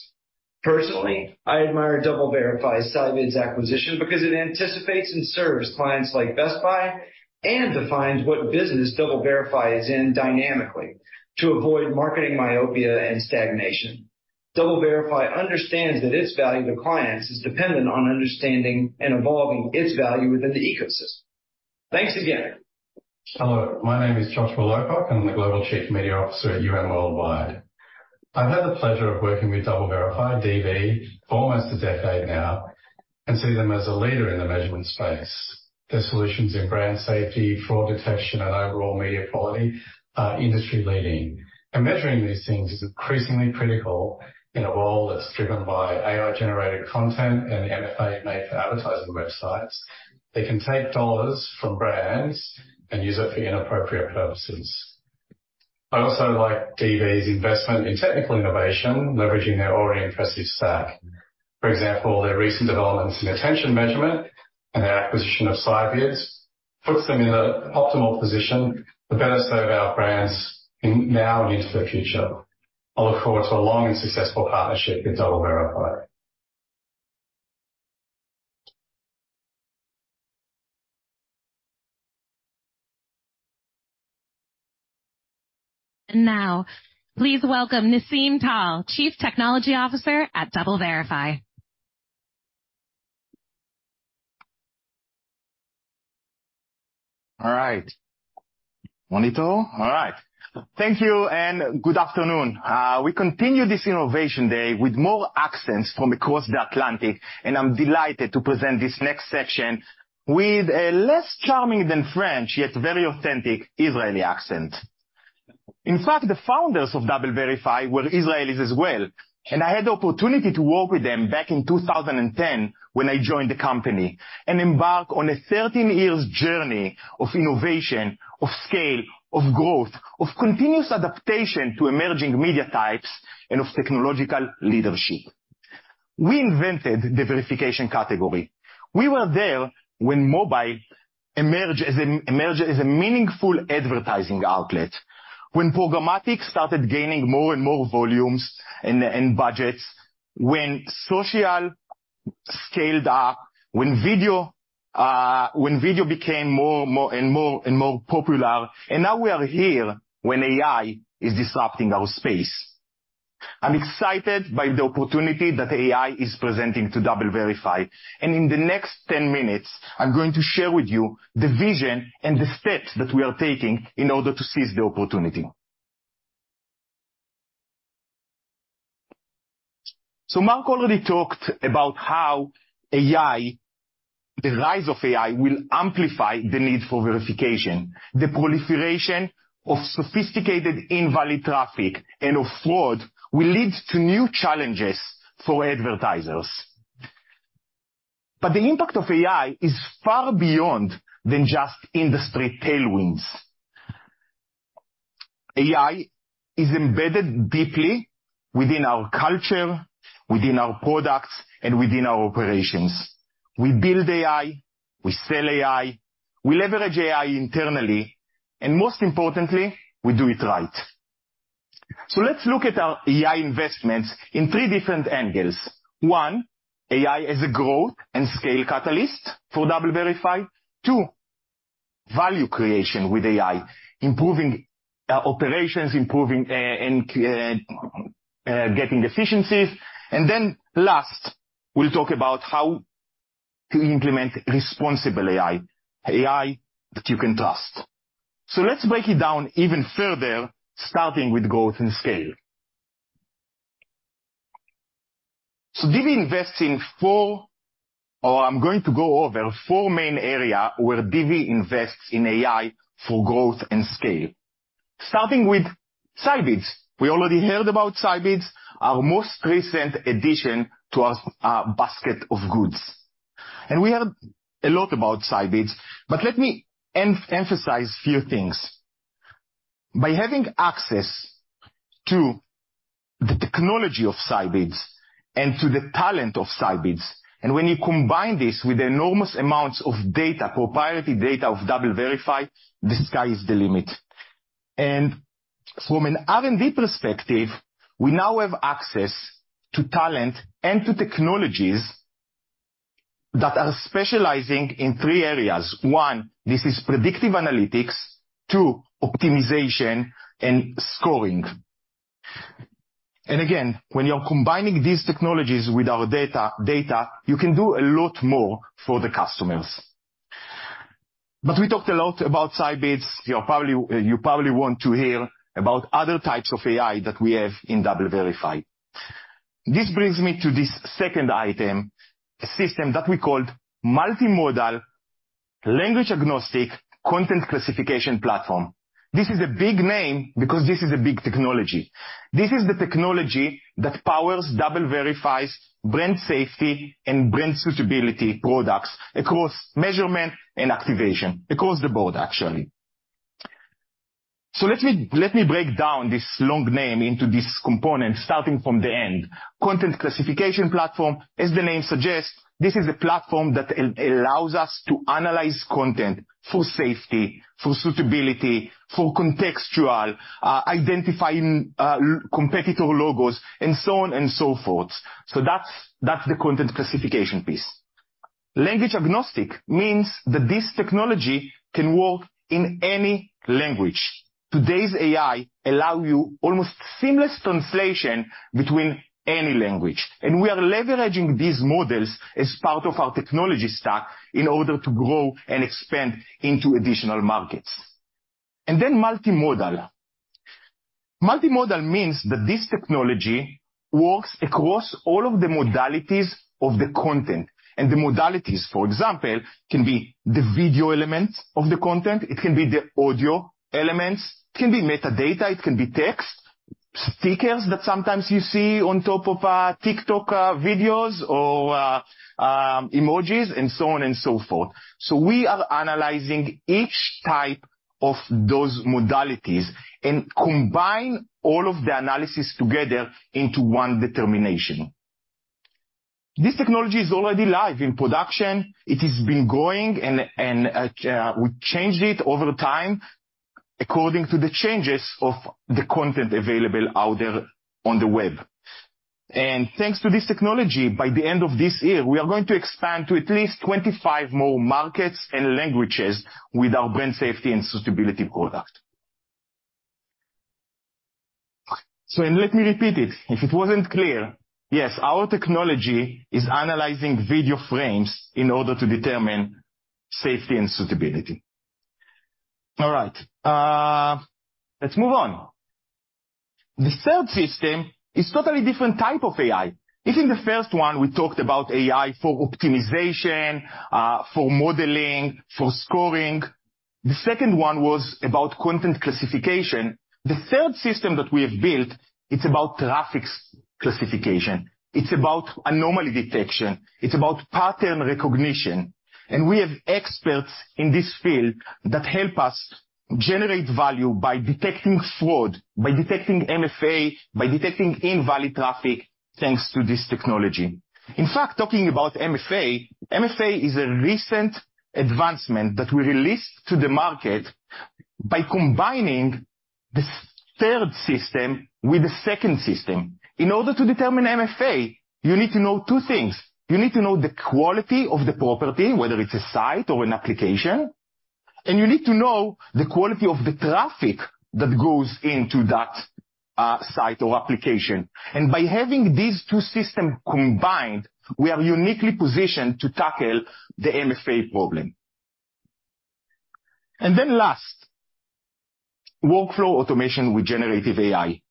Personally, I admire DoubleVerify's Scibids acquisition because it anticipates and serves clients like Best Buy and defines what business DoubleVerify is in dynamically to avoid marketing myopia and stagnation. DoubleVerify understands that its value to clients is dependent on understanding and evolving its value within the ecosystem. Thanks again. Hello, my name is Joshua Lowcock. I'm the Global Chief Media Officer at UM Worldwide. I've had the pleasure of working with DoubleVerify, DV, for almost a decade now and see them as a leader in the measurement space. Their solutions in brand safety, fraud detection, and overall media quality are industry-leading, and measuring these things is increasingly critical in a world that's driven by AI-generated content and the MFA, Made For Advertising websites. They can take dollars from brands and use it for inappropriate purposes. I also like DV's investment in technical innovation, leveraging their already impressive stack. For example, their recent developments in attention measurement and their acquisition of Scibids puts them in the optimal position to better serve our brands in, now and into the future. I look forward to a long and successful partnership with DoubleVerify. And now, please welcome Nisim Tal, Chief Technology Officer at DoubleVerify. All right. All right. Thank you and good afternoon. We continue this innovation day with more accents from across the Atlantic, and I'm delighted to present this next section with a less charming than French, yet very authentic Israeli accent. In fact, the founders of DoubleVerify were Israelis as well, and I had the opportunity to work with them back in 2010 when I joined the company and embark on a 13 years journey of innovation, of scale, of growth, of continuous adaptation to emerging media types, and of technological leadership. We invented the verification category. We were there when mobile emerged as a meaningful advertising outlet, when programmatic started gaining more and more volumes and budgets, when social scaled up, when video became more and more popular, and now we are here when AI is disrupting our space. I'm excited by the opportunity that AI is presenting to DoubleVerify, and in the next 10 minutes, I'm going to share with you the vision and the steps that we are taking in order to seize the opportunity. So Mark already talked about how AI, the rise of AI, will amplify the need for verification. The proliferation of sophisticated invalid traffic and of fraud will lead to new challenges for advertisers. But the impact of AI is far beyond than just industry tailwinds. AI is embedded deeply within our culture, within our products, and within our operations. We build AI, we sell AI, we leverage AI internally, and most importantly, we do it right. So let's look at our AI investments in three different angles. One, AI as a growth and scale catalyst for DoubleVerify. Two, value creation with AI, improving operations, improving and getting efficiencies. And then last, we'll talk about how to implement responsible AI, AI that you can trust. So let's break it down even further, starting with growth and scale. So DV invests in four or I'm going to go over four main area where DV invests in AI for growth and scale. Starting with Scibids. We already heard about Scibids, our most recent addition to our basket of goods, and we heard a lot about Scibids, but let me emphasize a few things. By having access to the technology of Scibids and to the talent of Scibids, and when you combine this with the enormous amounts of data, proprietary data of DoubleVerify, the sky is the limit. And from an R&D perspective, we now have access to talent and to technologies that are specializing in three areas. One, this is predictive analytics, two, optimization and scoring. And again, when you're combining these technologies with our data, data, you can do a lot more for the customers.... But we talked a lot about Scibids. You probably, you probably want to hear about other types of AI that we have in DoubleVerify. This brings me to this second item, a system that we called Multimodal Language Agnostic Content Classification Platform. This is a big name because this is a big technology. This is the technology that powers DoubleVerify's brand safety and brand suitability products across measurement and activation, across the board, actually. So let me, let me break down this long name into this component, starting from the end. Content classification platform. As the name suggests, this is a platform that allows us to analyze content for safety, for suitability, for contextual, identifying, competitor logos, and so on and so forth. So that's, that's the content classification piece. Language agnostic means that this technology can work in any language. Today's AI allow you almost seamless translation between any language, and we are leveraging these models as part of our technology stack in order to grow and expand into additional markets. And then multimodal. Multimodal means that this technology works across all of the modalities of the content, and the modalities, for example, can be the video elements of the content, it can be the audio elements, it can be metadata, it can be text, stickers that sometimes you see on top of, TikTok, videos or, emojis and so on and so forth. So we are analyzing each type of those modalities and combine all of the analysis together into one determination. This technology is already live in production. It has been growing and, we changed it over time according to the changes of the content available out there on the web. And thanks to this technology, by the end of this year, we are going to expand to at least 25 more markets and languages with our brand safety and suitability product. And let me repeat it. If it wasn't clear, yes, our technology is analyzing video frames in order to determine safety and suitability. All right, let's move on. The third system is totally different type of AI. It's in the first one, we talked about AI for optimization, for modeling, for scoring. The second one was about content classification. The third system that we have built, it's about traffic classification, it's about anomaly detection, it's about pattern recognition. And we have experts in this field that help us generate value by detecting fraud, by detecting MFA, by detecting invalid traffic, thanks to this technology. In fact, talking about MFA, MFA is a recent advancement that we released to the market by combining this third system with the second system. In order to determine MFA, you need to know two things. You need to know the quality of the property, whether it's a site or an application, and you need to know the quality of the traffic that goes into that, site or application. And by having these two systems combined, we are uniquely positioned to tackle the MFA problem. And then last, workflow automation with generative AI.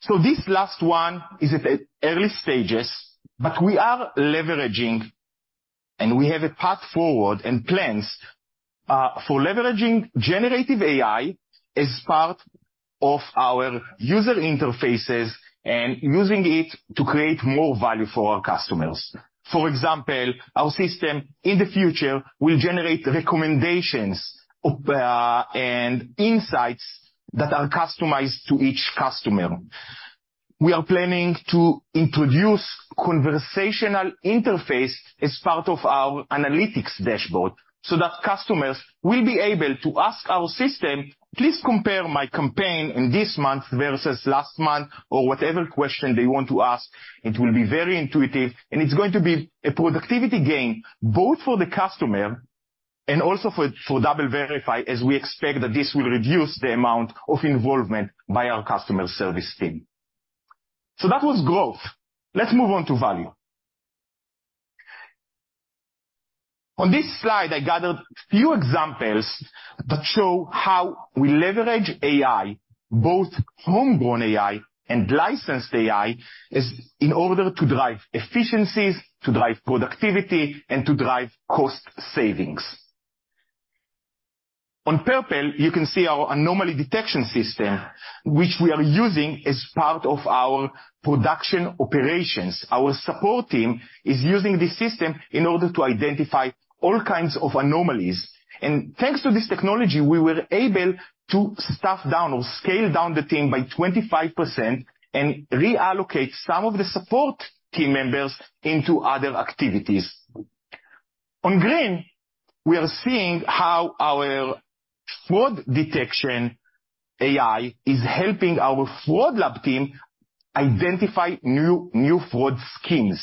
So this last one is at early stages, but we are leveraging, and we have a path forward and plans, for leveraging generative AI as part of our user interfaces and using it to create more value for our customers. For example, our system in the future will generate recommendations, and insights that are customized to each customer. We are planning to introduce conversational interface as part of our analytics dashboard so that customers will be able to ask our system, "Please compare my campaign in this month versus last month," or whatever question they want to ask. It will be very intuitive, and it's going to be a productivity gain, both for the customer and also for, for DoubleVerify, as we expect that this will reduce the amount of involvement by our customer service team. So that was growth. Let's move on to value. On this slide, I gathered a few examples that show how we leverage AI, both homegrown AI and licensed AI, is in order to drive efficiencies, to drive productivity, and to drive cost savings. On purple, you can see our anomaly detection system, which we are using as part of our production operations. Our support team is using this system in order to identify all kinds of anomalies, and thanks to this technology, we were able to staff down or scale down the team by 25% and reallocate some of the support team members into other activities. On green, we are seeing how our fraud detection AI is helping our Fraud Lab team identify new fraud schemes.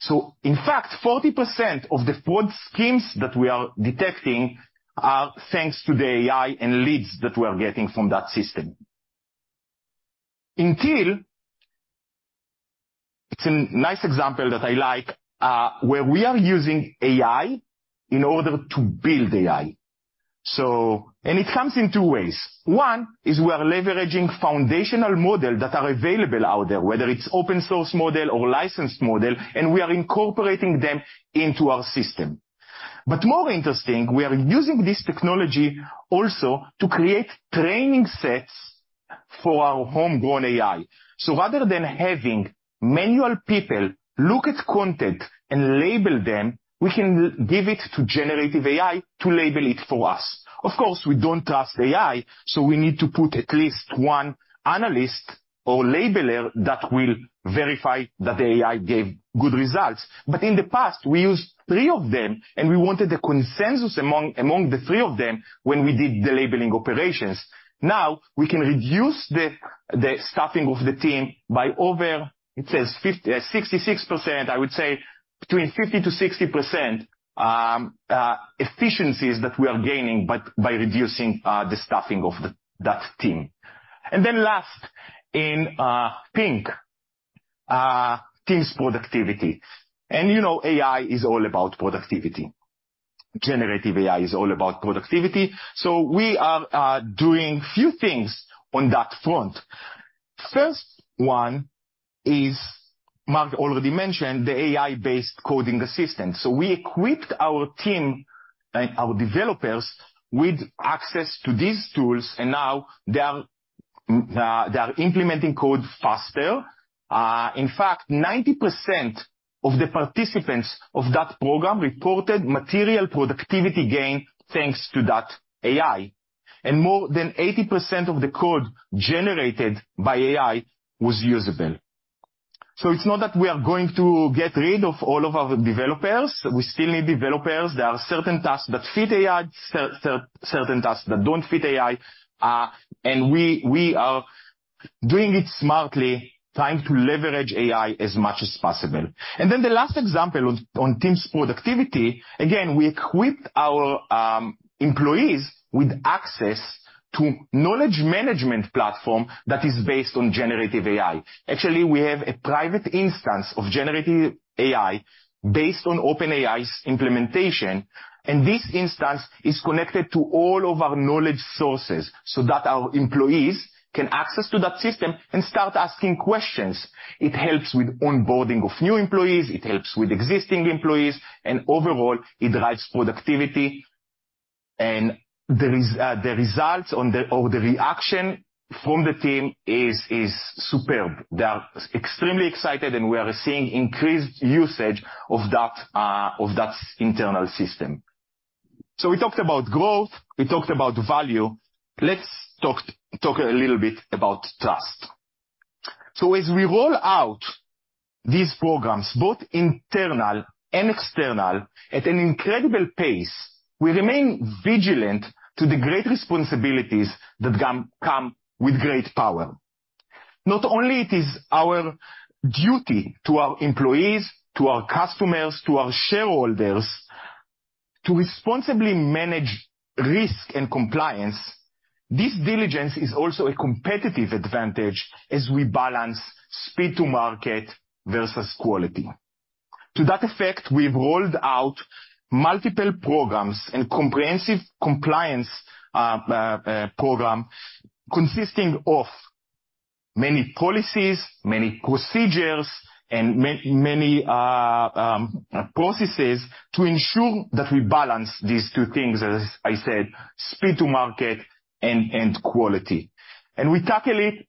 So in fact, 40% of the fraud schemes that we are detecting are thanks to the AI and leads that we are getting from that system. It's a nice example that I like, where we are using AI in order to build AI. So and it comes in two ways. One, is we are leveraging foundational model that are available out there, whether it's open source model or licensed model, and we are incorporating them into our system. But more interesting, we are using this technology also to create training sets for our homegrown AI. So rather than having manual people look at content and label them, we can give it to generative AI to label it for us. Of course, we don't trust AI, so we need to put at least one analyst or labeler that will verify that the AI gave good results. But in the past, we used three of them, and we wanted a consensus among the three of them when we did the labeling operations. Now, we can reduce the staffing of the team by over, it says 66%. I would say between 50%-60% efficiencies that we are gaining, but by reducing the staffing of that team. And then last, in pink, team's productivity. You know, AI is all about productivity. Generative AI is all about productivity. So we are doing few things on that front. First one is, Mark already mentioned, the AI-based coding assistant. So we equipped our team and our developers with access to these tools, and now they are implementing code faster. In fact, 90% of the participants of that program reported material productivity gain thanks to that AI, and more than 80% of the code generated by AI was usable. So it's not that we are going to get rid of all of our developers. We still need developers. There are certain tasks that fit AI, certain tasks that don't fit AI, and we are doing it smartly, trying to leverage AI as much as possible. And then the last example on teams productivity, again, we equipped our employees with access to knowledge management platform that is based on generative AI. Actually, we have a private instance of generative AI based on OpenAI's implementation, and this instance is connected to all of our knowledge sources so that our employees can access to that system and start asking questions. It helps with onboarding of new employees, it helps with existing employees, and overall, it drives productivity. And the results or the reaction from the team is superb. They are extremely excited, and we are seeing increased usage of that internal system. So we talked about growth, we talked about value. Let's talk a little bit about trust. So as we roll out these programs, both internal and external, at an incredible pace, we remain vigilant to the great responsibilities that come with great power. Not only it is our duty to our employees, to our customers, to our shareholders, to responsibly manage risk and compliance. This diligence is also a competitive advantage as we balance speed to market versus quality. To that effect, we've rolled out multiple programs and comprehensive compliance program, consisting of many policies, many procedures, and many processes to ensure that we balance these two things, as I said, speed to market and quality. And we tackle it,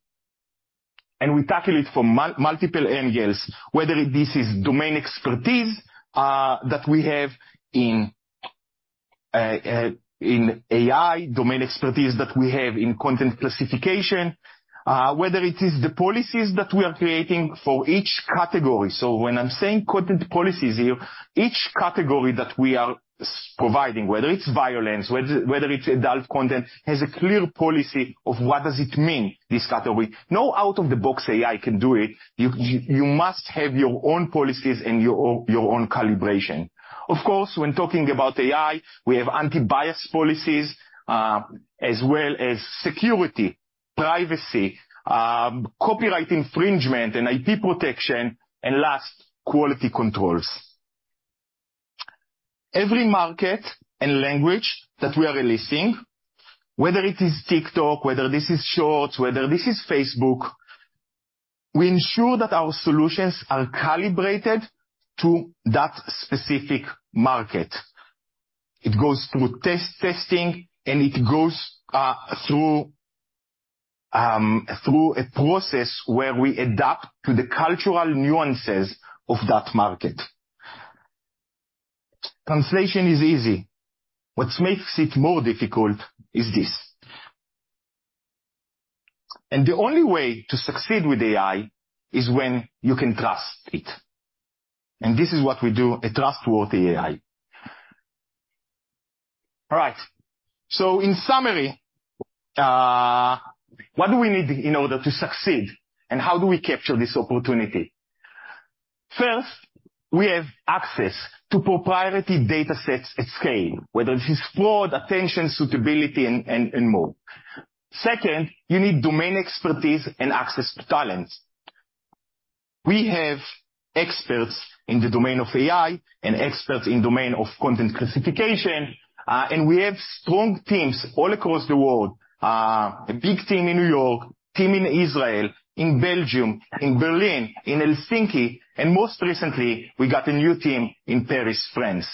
and we tackle it from multiple angles, whether this is domain expertise that we have in AI, domain expertise that we have in content classification, whether it is the policies that we are creating for each category. So when I'm saying content policies here, each category that we are providing, whether it's violence, whether it's adult content, has a clear policy of what does it mean, this category. No out-of-the-box AI can do it. You must have your own policies and your own calibration. Of course, when talking about AI, we have anti-bias policies, as well as security, privacy, copyright infringement, and IP protection, and last, quality controls. Every market and language that we are releasing, whether it is TikTok, whether this is Shorts, whether this is Facebook, we ensure that our solutions are calibrated to that specific market. It goes through testing, and it goes through a process where we adapt to the cultural nuances of that market. Translation is easy. What makes it more difficult is this. And the only way to succeed with AI is when you can trust it. And this is what we do, a trustworthy AI. All right. So in summary, what do we need in order to succeed, and how do we capture this opportunity? First. We have access to proprietary data sets at scale, whether it is fraud, attention, suitability, and more. Second, you need domain expertise and access to talent. We have experts in the domain of AI and experts in domain of content classification, and we have strong teams all across the world. A big team in New York, team in Israel, in Belgium, in Berlin, in Helsinki, and most recently, we got a new team in Paris, France.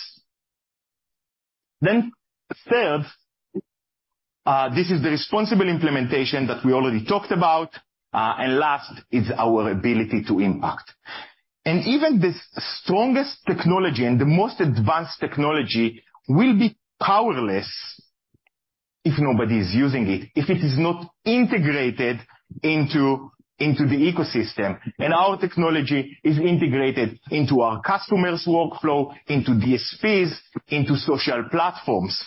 Then third, this is the responsible implementation that we already talked about, and last is our ability to impact. Even the strongest technology and the most advanced technology will be powerless if nobody is using it, if it is not integrated into the ecosystem, and our technology is integrated into our customer's workflow, into DSPs, into social platforms.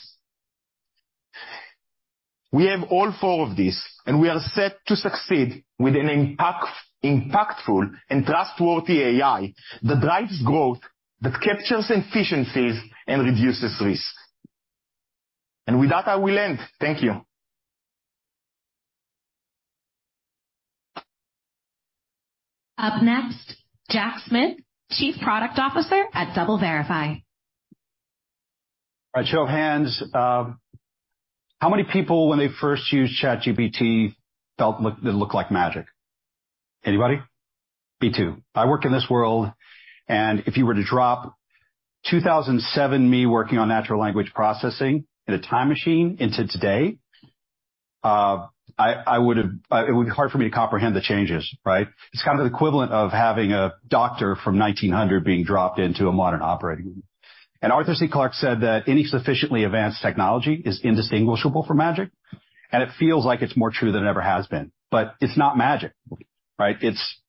We have all four of these, and we are set to succeed with impactful and trustworthy AI that drives growth, that captures efficiencies and reduces risk. With that, I will end. Thank you. Up next, Jack Smith, Chief Product Officer at DoubleVerify. By show of hands, how many people, when they first used ChatGPT, felt it looked like magic? Anybody? Me too. I work in this world, and if you were to drop 2007, me working on natural language processing in a time machine into today, I would have... it would be hard for me to comprehend the changes, right? It's kind of the equivalent of having a doctor from 1900 being dropped into a modern operating room. And Arthur C. Clarke said that any sufficiently advanced technology is indistinguishable from magic, and it feels like it's more true than it ever has been. But it's not magic, right? It's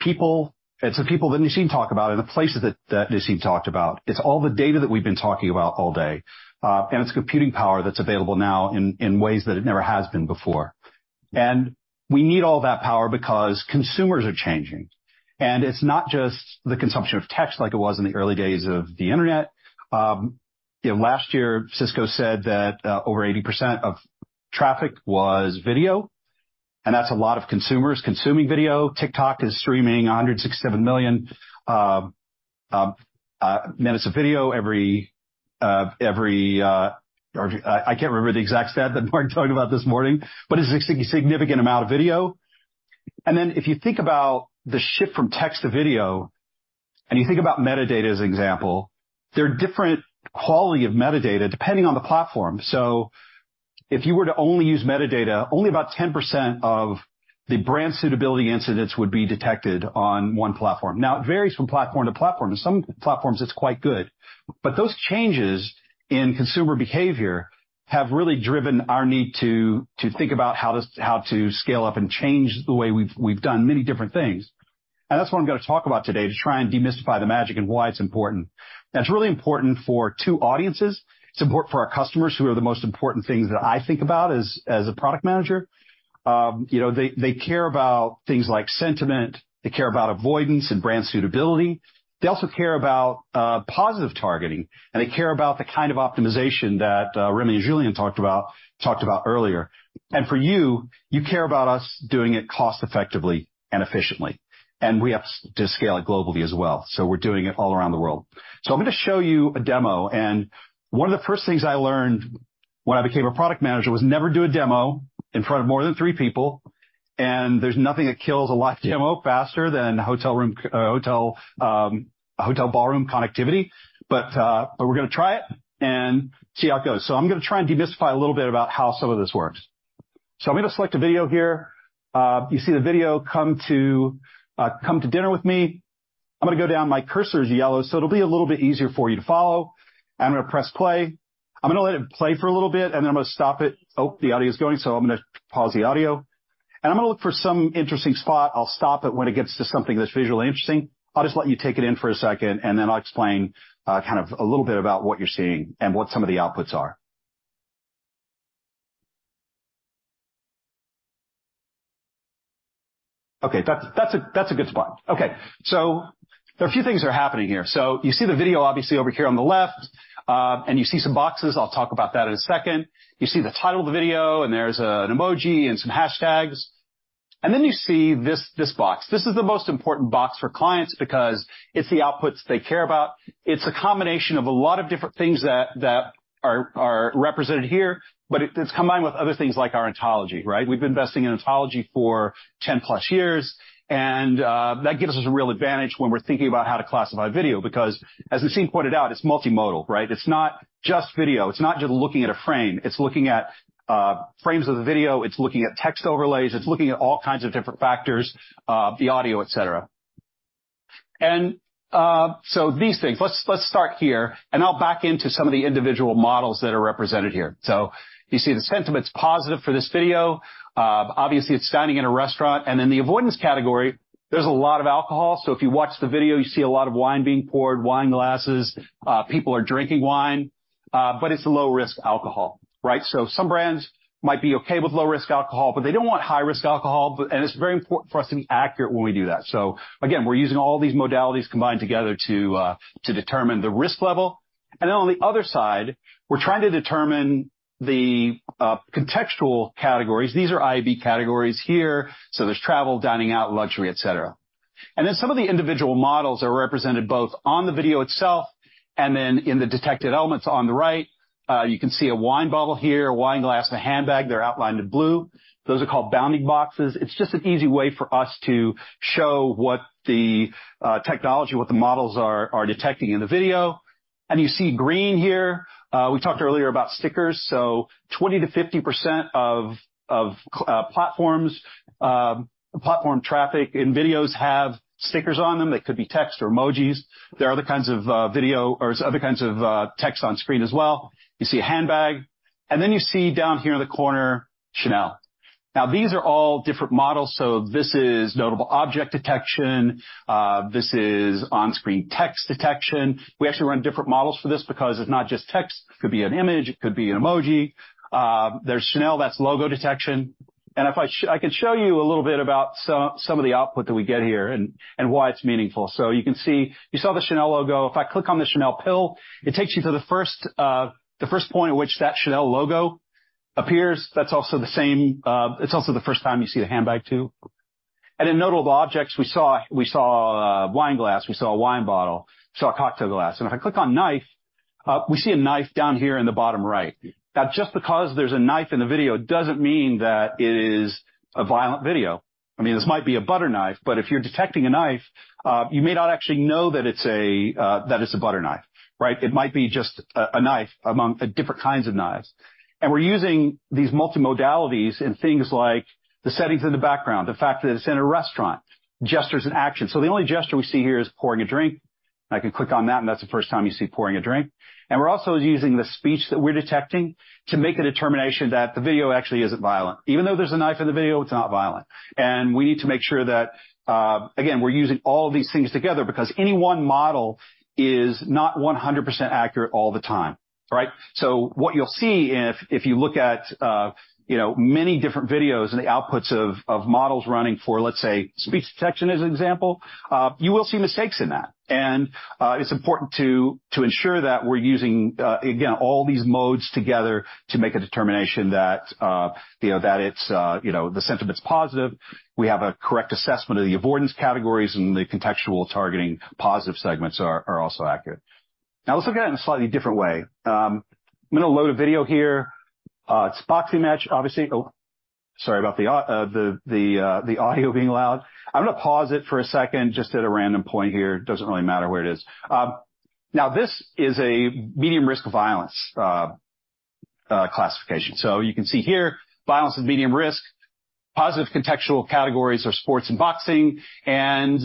people. It's the people that Nisim talked about and the places that Nisim talked about. It's all the data that we've been talking about all day, and it's computing power that's available now in ways that it never has been before. And we need all that power because consumers are changing. And it's not just the consumption of text like it was in the early days of the internet. You know, last year, Cisco said that over 80% of traffic was video, and that's a lot of consumers consuming video. TikTok is streaming 167 million minutes of video every, or I can't remember the exact stat that Martin talked about this morning, but it's a significant amount of video. And then if you think about the shift from text to video, and you think about metadata as an example, there are different quality of metadata depending on the platform. So if you were to only use metadata, only about 10% of the brand suitability incidents would be detected on one platform. Now, it varies from platform to platform. In some platforms, it's quite good. But those changes in consumer behavior have really driven our need to think about how to scale up and change the way we've done many different things. And that's what I'm gonna talk about today, to try and demystify the magic and why it's important. Now, it's really important for two audiences. It's important for our customers, who are the most important things that I think about as a product manager. You know, they care about things like sentiment. They care about avoidance and brand suitability. They also care about positive targeting, and they care about the kind of optimization that Rémi and Julien talked about, talked about earlier. And for you, you care about us doing it cost effectively and efficiently, and we have to scale it globally as well. So we're doing it all around the world. So I'm gonna show you a demo, and one of the first things I learned when I became a product manager was never do a demo in front of more than three people, and there's nothing that kills a live demo faster than hotel room hotel ballroom connectivity. But, but we're gonna try it and see how it goes. So I'm gonna try and demystify a little bit about how some of this works. So I'm gonna select a video here. You see the video, Come to Dinner With Me. I'm gonna go down. My cursor is yellow, so it'll be a little bit easier for you to follow. I'm gonna press play. I'm gonna let it play for a little bit, and then I'm gonna stop it. Oh, the audio is going, so I'm gonna pause the audio, and I'm gonna look for some interesting spot. I'll stop it when it gets to something that's visually interesting. I'll just let you take it in for a second, and then I'll explain kind of a little bit about what you're seeing and what some of the outputs are. Okay, that's a good spot. Okay, so there are a few things are happening here. So you see the video, obviously, over here on the left, and you see some boxes. I'll talk about that in a second. You see the title of the video, and there's an emoji and some hashtags. And then you see this box. This is the most important box for clients because it's the outputs they care about. It's a combination of a lot of different things that are represented here, but it's combined with other things like our ontology, right? We've been investing in ontology for 10+ years, and that gives us a real advantage when we're thinking about how to classify video, because as Nisim pointed out, it's multimodal, right? It's not just video. It's not just looking at a frame. It's looking at frames of the video, it's looking at text overlays, it's looking at all kinds of different factors, the audio, et cetera. And so these things. Let's, let's start here, and I'll back into some of the individual models that are represented here. So you see the sentiment's positive for this video. Obviously, it's standing in a restaurant, and in the avoidance category, there's a lot of alcohol. So if you watch the video, you see a lot of wine being poured, wine glasses, people are drinking wine... but it's a low-risk alcohol, right? So some brands might be okay with low-risk alcohol, but they don't want high-risk alcohol, but and it's very important for us to be accurate when we do that. So again, we're using all these modalities combined together to, to determine the risk level. And then on the other side, we're trying to determine the, contextual categories. These are IAB categories here, so there's travel, dining out, luxury, et cetera. Then some of the individual models are represented both on the video itself and then in the detected elements on the right. You can see a wine bottle here, a wine glass, and a handbag. They're outlined in blue. Those are called bounding boxes. It's just an easy way for us to show what the technology, what the models are detecting in the video. You see green here. We talked earlier about stickers. So 20%-50% of platform traffic in videos have stickers on them. They could be text or emojis. There are other kinds of video or other kinds of text on screen as well. You see a handbag, and then you see down here in the corner, Chanel. Now, these are all different models, so this is notable object detection. This is on-screen text detection. We actually run different models for this because it's not just text. It could be an image, it could be an emoji. There's Chanel, that's logo detection. And if I can show you a little bit about some, some of the output that we get here and, and why it's meaningful. So you can see... You saw the Chanel logo. If I click on the Chanel pill, it takes you to the first, the first point at which that Chanel logo appears. That's also the same... It's also the first time you see the handbag, too. And in notable objects, we saw, we saw a wine glass, we saw a wine bottle, saw a cocktail glass. And if I click on knife, we see a knife down here in the bottom right. Now, just because there's a knife in the video doesn't mean that it is a violent video. I mean, this might be a butter knife, but if you're detecting a knife, you may not actually know that it's a butter knife, right? It might be just a knife among a different kinds of knives. And we're using these multi-modalities in things like the settings in the background, the fact that it's in a restaurant, gestures, and action. So the only gesture we see here is pouring a drink. I can click on that, and that's the first time you see pouring a drink. And we're also using the speech that we're detecting to make the determination that the video actually isn't violent. Even though there's a knife in the video, it's not violent. We need to make sure that, again, we're using all these things together because any one model is not 100% accurate all the time, right? So what you'll see if you look at, you know, many different videos and the outputs of models running for, let's say, speech detection as an example, you will see mistakes in that. It's important to ensure that we're using, again, all these modes together to make a determination that, you know, that it's, you know, the sentiment's positive. We have a correct assessment of the avoidance categories and the contextual targeting positive segments are also accurate. Now let's look at it in a slightly different way. I'm gonna load a video here. It's boxing match, obviously. Oh, sorry about the audio being loud. I'm gonna pause it for a second, just at a random point here. It doesn't really matter where it is. Now, this is a medium risk violence classification. So you can see here, violence is medium risk. Positive contextual categories are sports and boxing, and...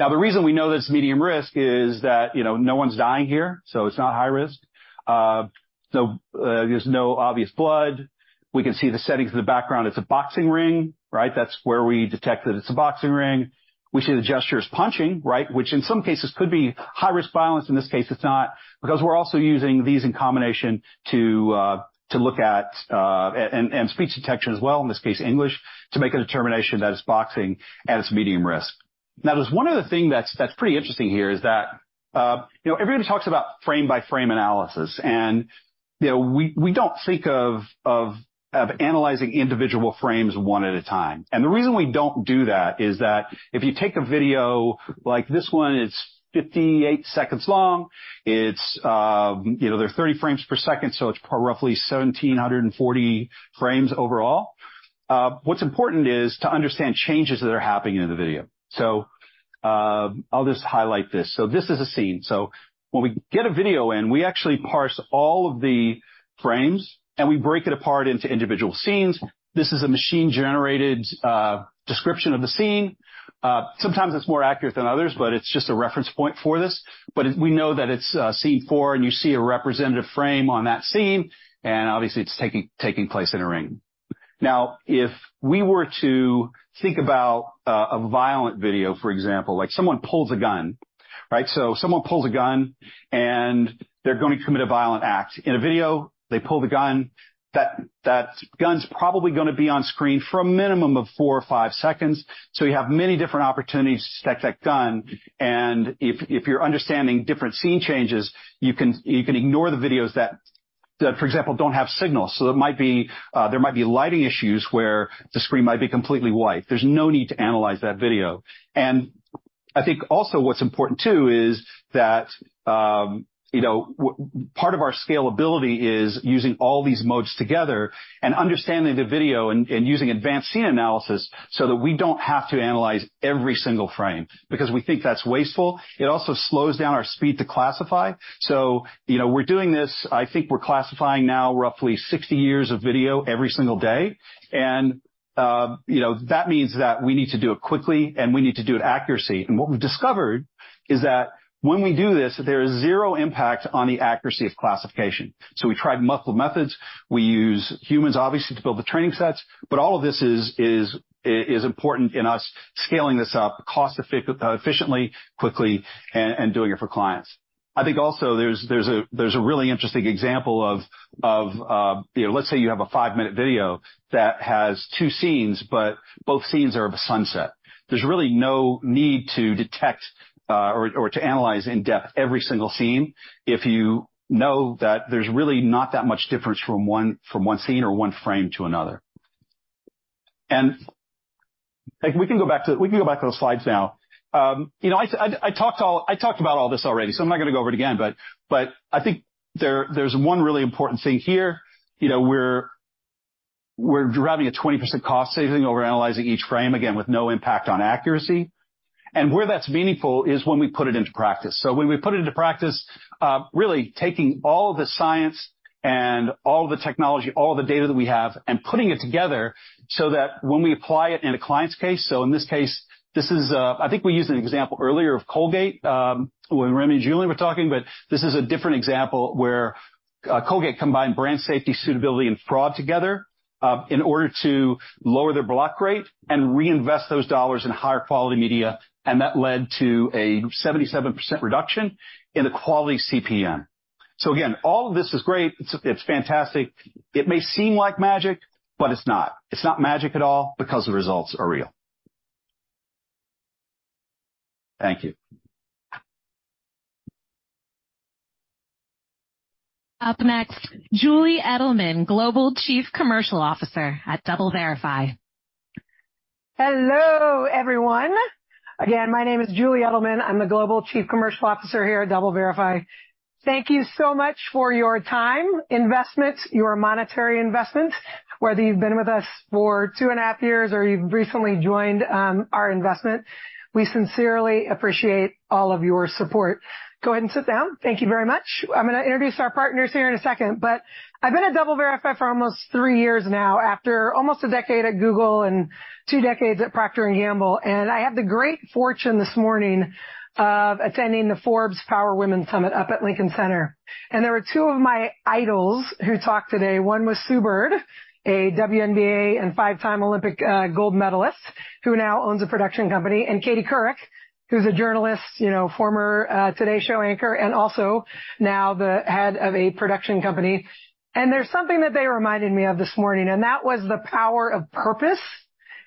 Now, the reason we know this is medium risk is that, you know, no one's dying here, so it's not high risk. So, there's no obvious blood. We can see the settings in the background. It's a boxing ring, right? That's where we detected it's a boxing ring. We see the gesture as punching, right? Which in some cases could be high-risk violence. In this case, it's not, because we're also using these in combination to look at and speech detection as well, in this case, English, to make a determination that it's boxing and it's medium risk. Now, there's one other thing that's pretty interesting here is that, you know, everybody talks about frame-by-frame analysis, and, you know, we don't think of analyzing individual frames one at a time. And the reason we don't do that is that if you take a video like this one, it's 58 seconds long. It's, you know, there are 30 frames per second, so it's roughly 1,740 frames overall. What's important is to understand changes that are happening in the video. So, I'll just highlight this. So this is a scene. So when we get a video in, we actually parse all of the frames, and we break it apart into individual scenes. This is a machine-generated description of the scene. Sometimes it's more accurate than others, but it's just a reference point for this. But we know that it's scene four, and you see a representative frame on that scene, and obviously, it's taking place in a ring. Now, if we were to think about a violent video, for example, like someone pulls a gun, right? So someone pulls a gun, and they're going to commit a violent act. In a video, they pull the gun. That gun's probably gonna be on screen for a minimum of four or five seconds. So you have many different opportunities to detect that gun, and if you're understanding different scene changes, you can ignore the videos that, for example, don't have signals. So there might be lighting issues where the screen might be completely white. There's no need to analyze that video. And I think also what's important, too, is that, you know, part of our scalability is using all these modes together and understanding the video and using advanced scene analysis so that we don't have to analyze every single frame, because we think that's wasteful. It also slows down our speed to classify. So, you know, we're doing this, I think we're classifying now roughly 60 years of video every single day. You know, that means that we need to do it quickly, and we need to do it accurately. And what we've discovered is that when we do this, there is zero impact on the accuracy of classification. So we tried multiple methods. We use humans, obviously, to build the training sets, but all of this is important in us scaling this up cost efficiently, quickly, and doing it for clients. I think also there's a really interesting example of, you know, let's say you have a five-minute video that has two scenes, but both scenes are of a sunset. There's really no need to detect or to analyze in-depth every single scene if you know that there's really not that much difference from one scene or one frame to another. Like, we can go back to those slides now. You know, I talked about all this already, so I'm not gonna go over it again, but I think there's one really important thing here. You know, we're driving a 20% cost saving over analyzing each frame, again, with no impact on accuracy. And where that's meaningful is when we put it into practice. So when we put it into practice, really taking all the science and all the technology, all the data that we have, and putting it together so that when we apply it in a client's case, so in this case, this is, I think we used an example earlier of Colgate, when Rémi and Julien were talking, but this is a different example where, Colgate combined brand safety, suitability, and fraud together, in order to lower their block rate and reinvest those dollars in higher quality media, and that led to a 77% reduction in the quality CPM. So again, all of this is great. It's, it's fantastic. It may seem like magic, but it's not. It's not magic at all because the results are real. Thank you. Up next, Julie Eddleman, Global Chief Commercial Officer at DoubleVerify. Hello, everyone. Again, my name is Julie Eddleman. I'm the Global Chief Commercial Officer here at DoubleVerify. Thank you so much for your time, investment, your monetary investment. Whether you've been with us for two and a half years or you've recently joined, our investment, we sincerely appreciate all of your support. Go ahead and sit down. Thank you very much. I'm gonna introduce our partners here in a second, but I've been at DoubleVerify for almost three years now, after almost a decade at Google and two decades at Procter & Gamble, and I had the great fortune this morning of attending the Forbes Power Women Summit up at Lincoln Center. And there were two of my idols who talked today. One was Sue Bird, a WNBA and five-time Olympic gold medalist, who now owns a production company, and Katie Couric, who's a journalist, you know, former Today Show anchor and also now the head of a production company. And there's something that they reminded me of this morning, and that was the power of purpose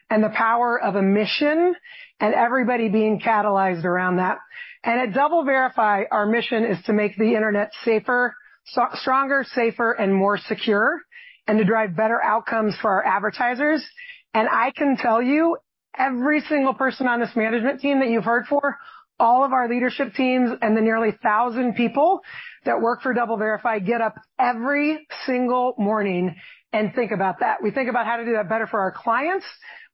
and the power of a mission, and everybody being catalyzed around that. And at DoubleVerify, our mission is to make the internet safer, stronger, safer, and more secure, and to drive better outcomes for our advertisers. And I can tell you, every single person on this management team that you've heard for, all of our leadership teams and the nearly 1,000 people that work for DoubleVerify, get up every single morning and think about that. We think about how to do that better for our clients.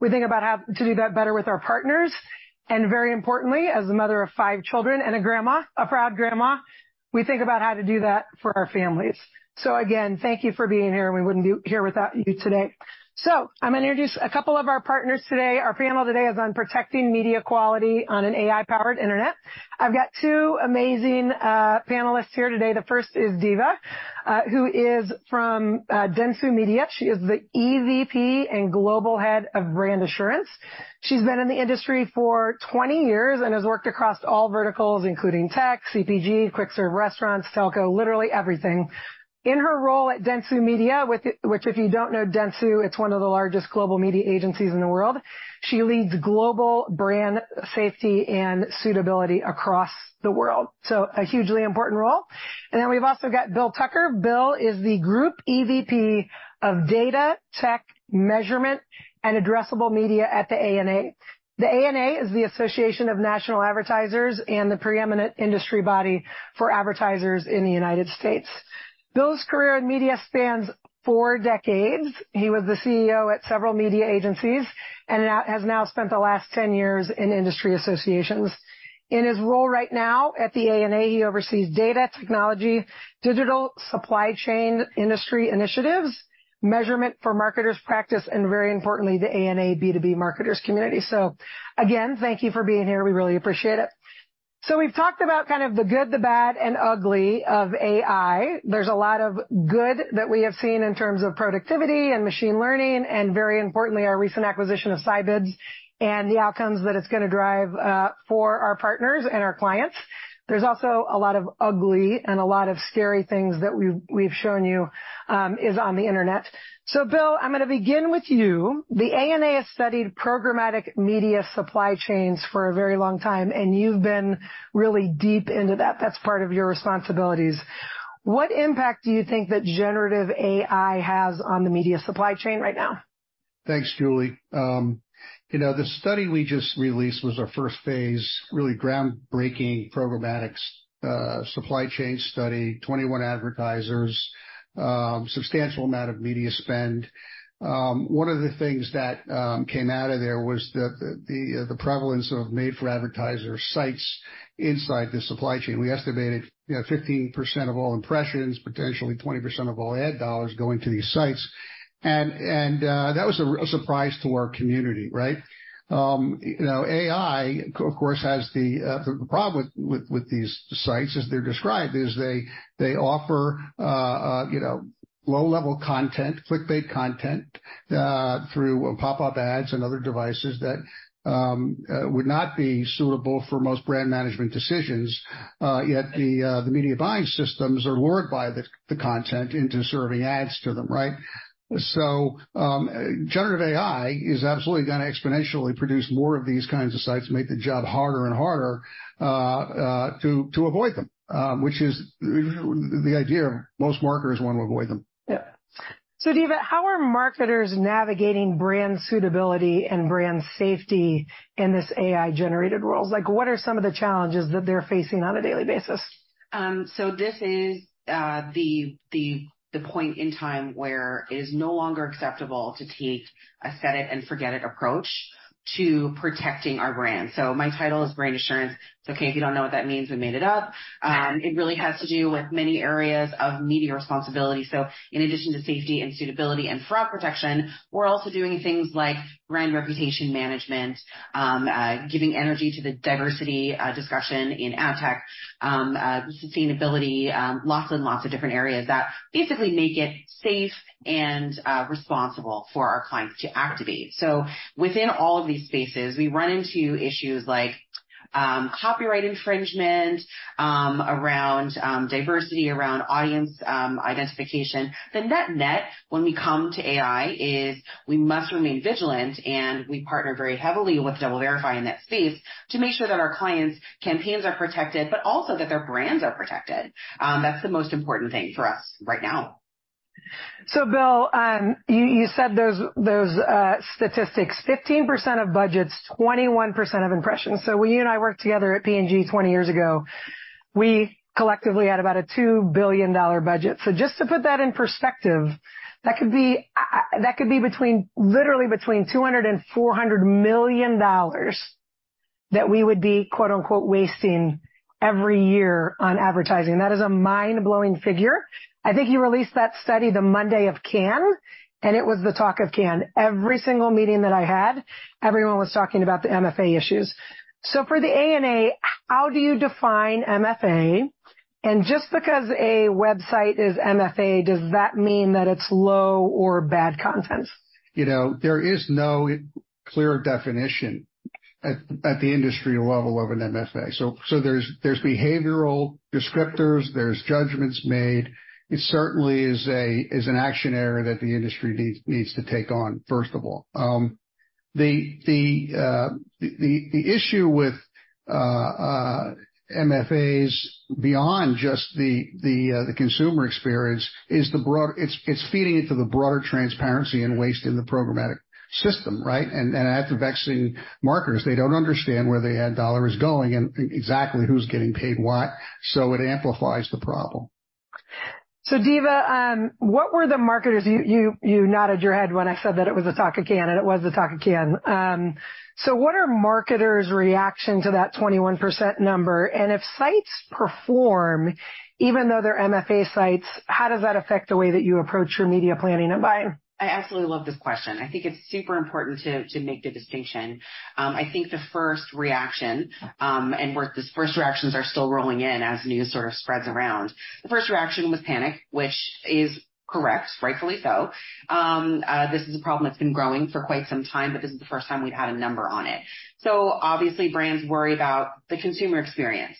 We think about how to do that better with our partners, and very importantly, as the mother of five children and a grandma, a proud grandma, we think about how to do that for our families. So again, thank you for being here, and we wouldn't be here without you today. So I'm going to introduce a couple of our partners today. Our panel today is on protecting media quality on an AI-powered internet. I've got two amazing panelists here today. The first is Deva, who is from Dentsu. She is the EVP and Global Head of Brand Assurance. She's been in the industry for 20 years and has worked across all verticals, including tech, CPG, quick serve restaurants, telco, literally everything. In her role at Dentsu, which if you don't know Dentsu, it's one of the largest global media agencies in the world. She leads global brand safety and suitability across the world. So a hugely important role. And then we've also got Bill Tucker. Bill is the Group EVP of Data, Tech, Measurement, and Addressable Media at the ANA. The ANA is the Association of National Advertisers and the preeminent industry body for advertisers in the United States. Bill's career in media spans four decades. He was the CEO at several media agencies and now has now spent the last 10 years in industry associations. In his role right now at the ANA, he oversees data technology, digital supply chain, industry initiatives, measurement for marketers practice, and very importantly, the ANA B2B marketers community. So again, thank you for being here. We really appreciate it. So we've talked about kind of the good, the bad, and ugly of AI. There's a lot of good that we have seen in terms of productivity and machine learning, and very importantly, our recent acquisition of Scibids and the outcomes that it's gonna drive for our partners and our clients. There's also a lot of ugly and a lot of scary things that we've shown you is on the Internet. So Bill, I'm gonna begin with you. The ANA has studied programmatic media supply chains for a very long time, and you've been really deep into that. That's part of your responsibilities. What impact do you think that generative AI has on the media supply chain right now? Thanks, Julie. You know, the study we just released was our first phase, really groundbreaking programmatic supply chain study, 21 advertisers, substantial amount of media spend. One of the things that came out of there was the prevalence of made-for-advertising sites inside the supply chain. We estimated, you know, 15% of all impressions, potentially 20% of all ad dollars going to these sites. And that was a surprise to our community, right? You know, AI, of course, has the problem with these sites, as they're described, is they offer, you know-... low-level content, clickbait content, through pop-up ads and other devices that would not be suitable for most brand management decisions. Yet the media buying systems are lured by the content into serving ads to them, right? So, generative AI is absolutely going to exponentially produce more of these kinds of sites, make the job harder and harder to avoid them, which is the idea. Most marketers want to avoid them. Yeah. So, Deva, how are marketers navigating brand suitability and brand safety in this AI-generated world? Like, what are some of the challenges that they're facing on a daily basis? So this is the point in time where it is no longer acceptable to take a set-it-and-forget-it approach to protecting our brand. So my title is Brand Assurance. It's okay if you don't know what that means. We made it up. It really has to do with many areas of media responsibility. So in addition to safety and suitability and fraud protection, we're also doing things like brand reputation management, giving energy to the diversity discussion in ad tech, sustainability, lots and lots of different areas that basically make it safe and responsible for our clients to activate. So within all of these spaces, we run into issues like copyright infringement, around diversity, around audience identification. The net-net, when we come to AI, is we must remain vigilant, and we partner very heavily with DoubleVerify in that space to make sure that our clients' campaigns are protected, but also that their brands are protected. That's the most important thing for us right now. So, Bill, you said those statistics, 15% of budgets, 21% of impressions. So when you and I worked together at P&G 20 years ago, we collectively had about a $2 billion budget. So just to put that in perspective, that could be between, literally between $200 million and $400 million that we would be, quote, unquote "wasting" every year on advertising. That is a mind-blowing figure. I think you released that study the Monday of Cannes, and it was the talk of Cannes. Every single meeting that I had, everyone was talking about the MFA issues. So for the ANA, how do you define MFA? And just because a website is MFA, does that mean that it's low or bad content? You know, there is no clear definition at the industry level of an MFA. So there's behavioral descriptors, there's judgments made. It certainly is an action area that the industry needs to take on, first of all. The issue with MFAs beyond just the consumer experience is the broad. It's feeding into the broader transparency and waste in the programmatic system, right? And that's vexing marketers. They don't understand where their ad dollar is going and exactly who's getting paid what, so it amplifies the problem. So, Deva, what were the marketers... You, you, you nodded your head when I said that it was the talk of Cannes, and it was the talk of Cannes. So what are marketers' reaction to that 21% number? And if sites perform, even though they're MFA sites, how does that affect the way that you approach your media planning and buying? I absolutely love this question. I think it's super important to make the distinction. I think the first reaction, and we're... These first reactions are still rolling in as news sort of spreads around. The first reaction was panic, which is correct, rightfully so. This is a problem that's been growing for quite some time, but this is the first time we've had a number on it. So obviously, brands worry about the consumer experience.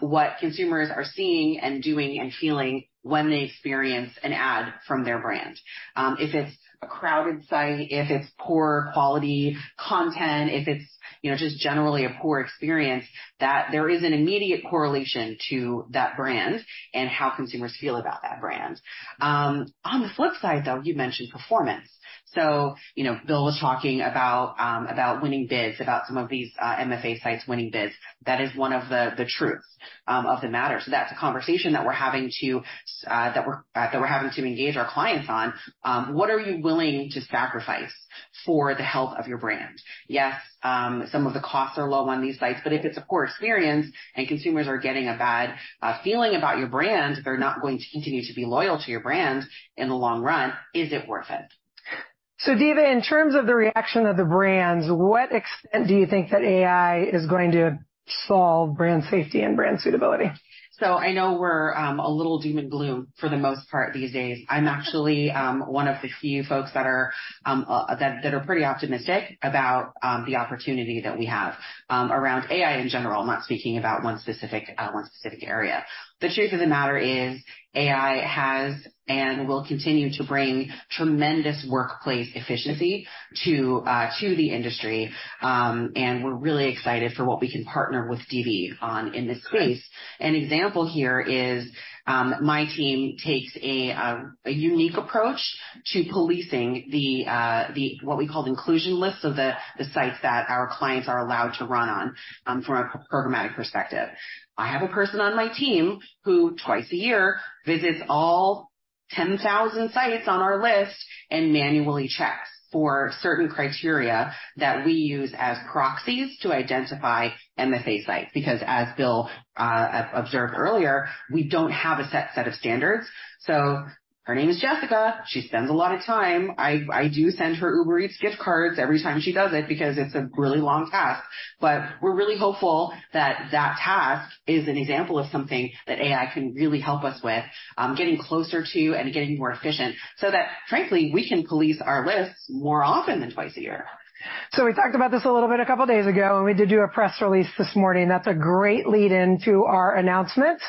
What consumers are seeing and doing and feeling when they experience an ad from their brand. If it's a crowded site, if it's poor quality content, if it's, you know, just generally a poor experience, that there is an immediate correlation to that brand and how consumers feel about that brand. On the flip side, though, you mentioned performance. So, you know, Bill was talking about winning bids, about some of these MFA sites winning bids. That is one of the truths of the matter. So that's a conversation that we're having to engage our clients on. What are you willing to sacrifice for the health of your brand? Yes, some of the costs are low on these sites, but if it's a poor experience and consumers are getting a bad feeling about your brand, they're not going to continue to be loyal to your brand in the long run. Is it worth it? So, Deva, in terms of the reaction of the brands, what do you think that AI is going to solve brand safety and brand suitability? So I know we're a little doom and gloom for the most part these days. I'm actually one of the few folks that are pretty optimistic about the opportunity that we have around AI in general. I'm not speaking about one specific area. The truth of the matter is, AI has and will continue to bring tremendous workplace efficiency to the industry. And we're really excited for what we can partner with DV on in this space. An example here is my team takes a unique approach to policing the what we call inclusion lists, so the sites that our clients are allowed to run on from a programmatic perspective. I have a person on my team who twice a year visits all 10,000 sites on our list and manually checks for certain criteria that we use as proxies to identify MFA sites, because as Bill observed earlier, we don't have a set of standards. So her name is Jessica. She spends a lot of time. I do send her Uber Eats gift cards every time she does it, because it's a really long task, but we're really hopeful that that task is an example of something that AI can really help us with, getting closer to and getting more efficient so that, frankly, we can police our lists more often than twice a year. So we talked about this a little bit a couple of days ago, and we did do a press release this morning. That's a great lead-in to our announcement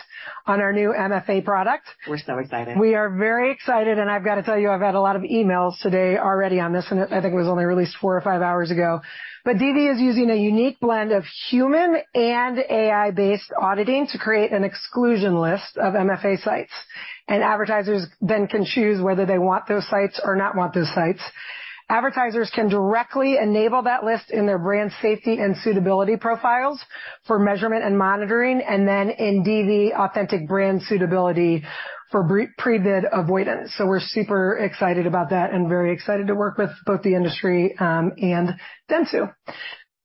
on our new MFA product. We're so excited. We are very excited, and I've got to tell you, I've had a lot of emails today already on this, and I think it was only released four or five hours ago. But DV is using a unique blend of human and AI-based auditing to create an exclusion list of MFA sites, and advertisers then can choose whether they want those sites or not want those sites. Advertisers can directly enable that list in their brand safety and suitability profiles for measurement and monitoring, and then in DV Authentic Brand Suitability for pre-bid avoidance. So we're super excited about that and very excited to work with both the industry, and Dentsu.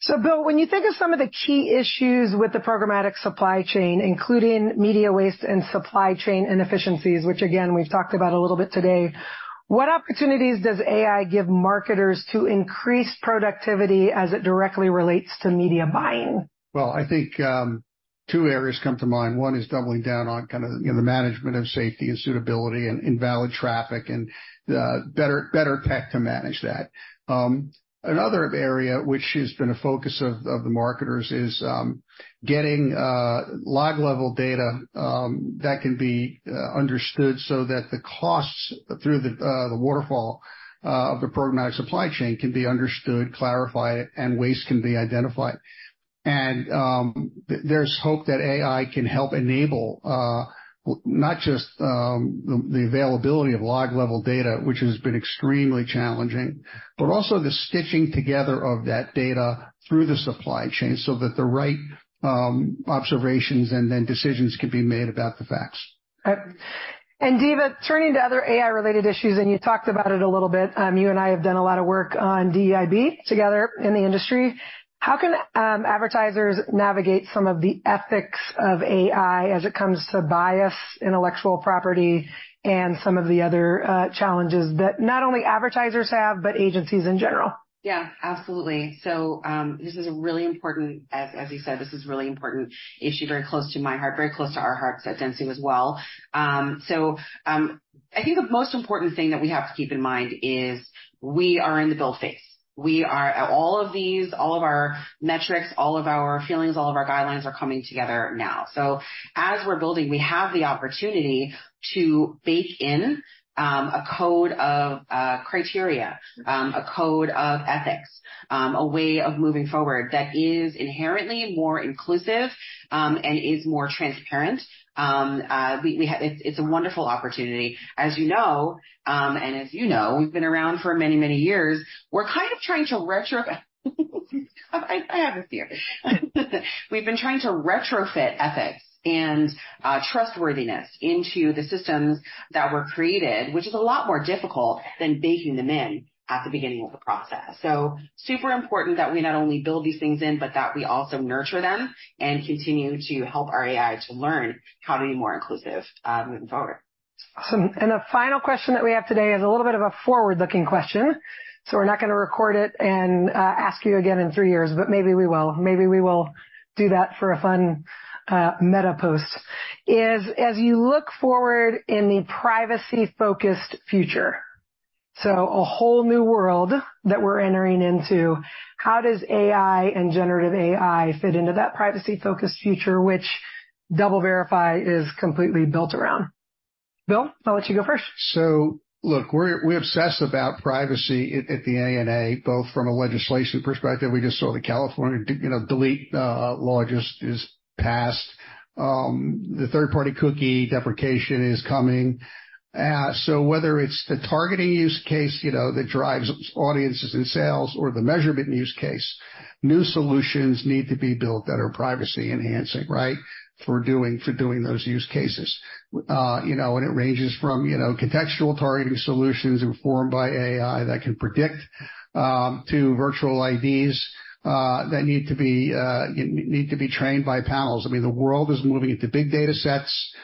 So, Bill, when you think of some of the key issues with the programmatic supply chain, including media waste and supply chain inefficiencies, which again, we've talked about a little bit today, what opportunities does AI give marketers to increase productivity as it directly relates to media buying? Well, I think, two areas come to mind. One is doubling down on kind of the management of safety and suitability and invalid traffic and the better tech to manage that. Another area which has been a focus of the marketers is getting log-level data that can be understood so that the costs through the waterfall of the programmatic supply chain can be understood, clarified, and waste can be identified. There's hope that AI can help enable not just the availability of log-level data, which has been extremely challenging, but also the stitching together of that data through the supply chain so that the right observations and then decisions can be made about the facts. Deva, turning to other AI-related issues, and you talked about it a little bit. You and I have done a lot of work on DEIB together in the industry. How can advertisers navigate some of the ethics of AI as it comes to bias, intellectual property, and some of the other challenges that not only advertisers have, but agencies in general? Yeah, absolutely. So, this is a really important issue, as you said, this is a really important issue, very close to my heart, very close to our hearts at Dentsu as well. So, I think the most important thing that we have to keep in mind is we are in the build phase. We are at all of these, all of our metrics, all of our feelings, all of our guidelines are coming together now. So as we're building, we have the opportunity to bake in, a code of criteria, a code of ethics, a way of moving forward that is inherently more inclusive, and is more transparent. We have... It's a wonderful opportunity. As you know, and as you know, we've been around for many, many years. We're kind of trying to retro... I have this here. We've been trying to retrofit ethics and trustworthiness into the systems that were created, which is a lot more difficult than baking them in at the beginning of the process. So super important that we not only build these things in, but that we also nurture them and continue to help our AI to learn how to be more inclusive, moving forward. Awesome. The final question that we have today is a little bit of a forward-looking question, so we're not going to record it and, ask you again in three years, but maybe we will. Maybe we will do that for a fun, meta post. Is, as you look forward in the privacy-focused future, so a whole new world that we're entering into, how does AI and generative AI fit into that privacy-focused future, which DoubleVerify is completely built around? Bill, I'll let you go first. So look, we're, we obsess about privacy at, at the ANA, both from a legislation perspective, we just saw the California, you know, delete law just is passed. The third-party cookie deprecation is coming. So whether it's the targeting use case, you know, that drives audiences and sales or the measurement use case, new solutions need to be built that are privacy-enhancing, right? For doing, for doing those use cases. You know, and it ranges from, you know, contextual targeting solutions informed by AI that can predict, to virtual IDs, that need to be, need to be trained by panels. I mean, the world is moving into big data sets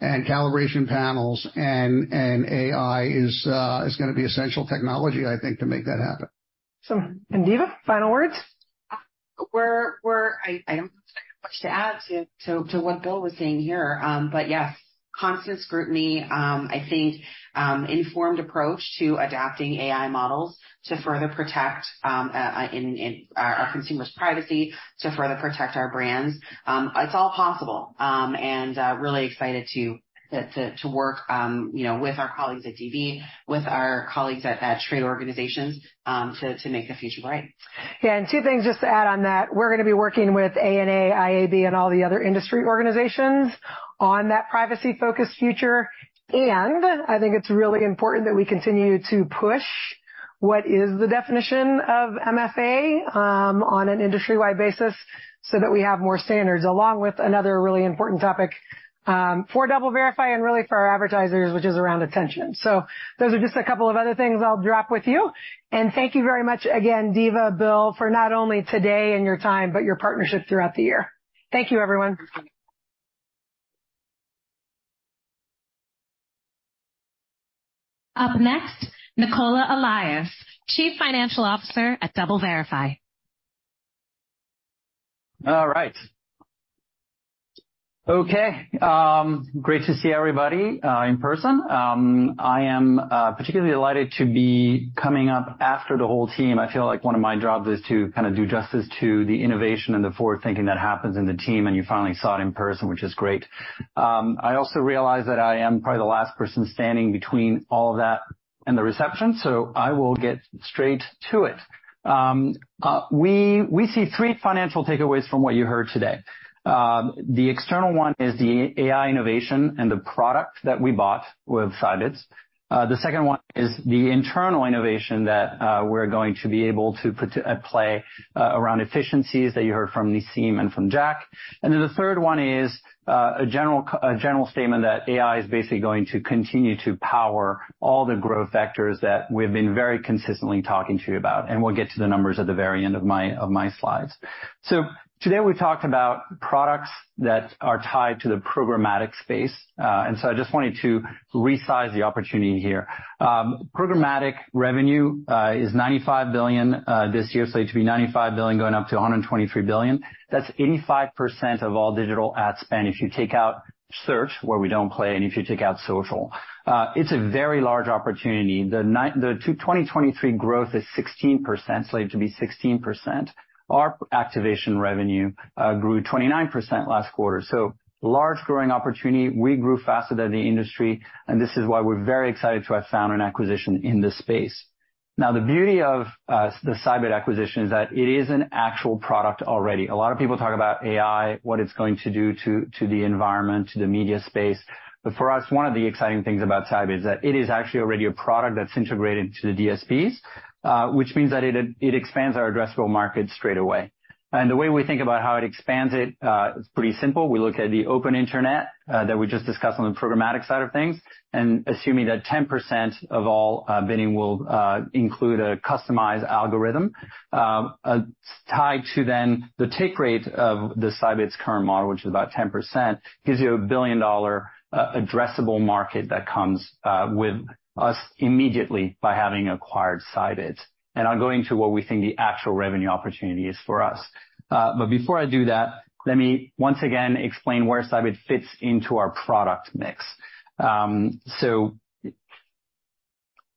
and calibration panels, and, and AI is, is gonna be essential technology, I think, to make that happen. Deva, final words? I don't have much to add to what Bill was saying here, but yes, constant scrutiny, I think, informed approach to adapting AI models to further protect our consumer's privacy, to further protect our brands. It's all possible, and really excited to work, you know, with our colleagues at DV, with our colleagues at trade organizations, to make the future bright. Yeah, and two things just to add on that. We're gonna be working with ANA, IAB, and all the other industry organizations on that privacy-focused future. And I think it's really important that we continue to push what is the definition of MFA on an industry-wide basis, so that we have more standards, along with another really important topic for DoubleVerify and really for our advertisers, which is around attention. So those are just a couple of other things I'll drop with you. And thank you very much again, Deva, Bill, for not only today and your time, but your partnership throughout the year. Thank you, everyone. Up next, Nicola Allais, Chief Financial Officer at DoubleVerify.... All right. Okay, great to see everybody in person. I am particularly delighted to be coming up after the whole team. I feel like one of my jobs is to kind of do justice to the innovation and the forward thinking that happens in the team, and you finally saw it in person, which is great. I also realize that I am probably the last person standing between all of that and the reception, so I will get straight to it. We see three financial takeaways from what you heard today. The external one is the AI innovation and the product that we bought with Scibids. The second one is the internal innovation that we're going to be able to put at play around efficiencies that you heard from Nisim and from Jack. And then the third one is a general statement that AI is basically going to continue to power all the growth vectors that we've been very consistently talking to you about, and we'll get to the numbers at the very end of my slides. So today, we talked about products that are tied to the programmatic space, and so I just wanted to resize the opportunity here. Programmatic revenue is $95 billion this year, slated to be $95 billion, going up to $123 billion. That's 85% of all digital ad spend if you take out search, where we don't play, and if you take out social. It's a very large opportunity. The 2023 growth is 16%, slated to be 16%. Our activation revenue grew 29% last quarter, so large growing opportunity. We grew faster than the industry, and this is why we're very excited to have found an acquisition in this space. Now, the beauty of the Scibids acquisition is that it is an actual product already. A lot of people talk about AI, what it's going to do to the environment, to the media space. But for us, one of the exciting things about Scibids is that it is actually already a product that's integrated to the DSPs, which means that it expands our addressable market straight away. And the way we think about how it expands it is pretty simple. We look at the open internet, that we just discussed on the programmatic side of things, and assuming that 10% of all bidding will include a customized algorithm, tied to then the take rate of the Scibids current model, which is about 10%, gives you a billion-dollar addressable market that comes with us immediately by having acquired Scibids. I'll go into what we think the actual revenue opportunity is for us. But before I do that, let me once again explain where Scibids fits into our product mix.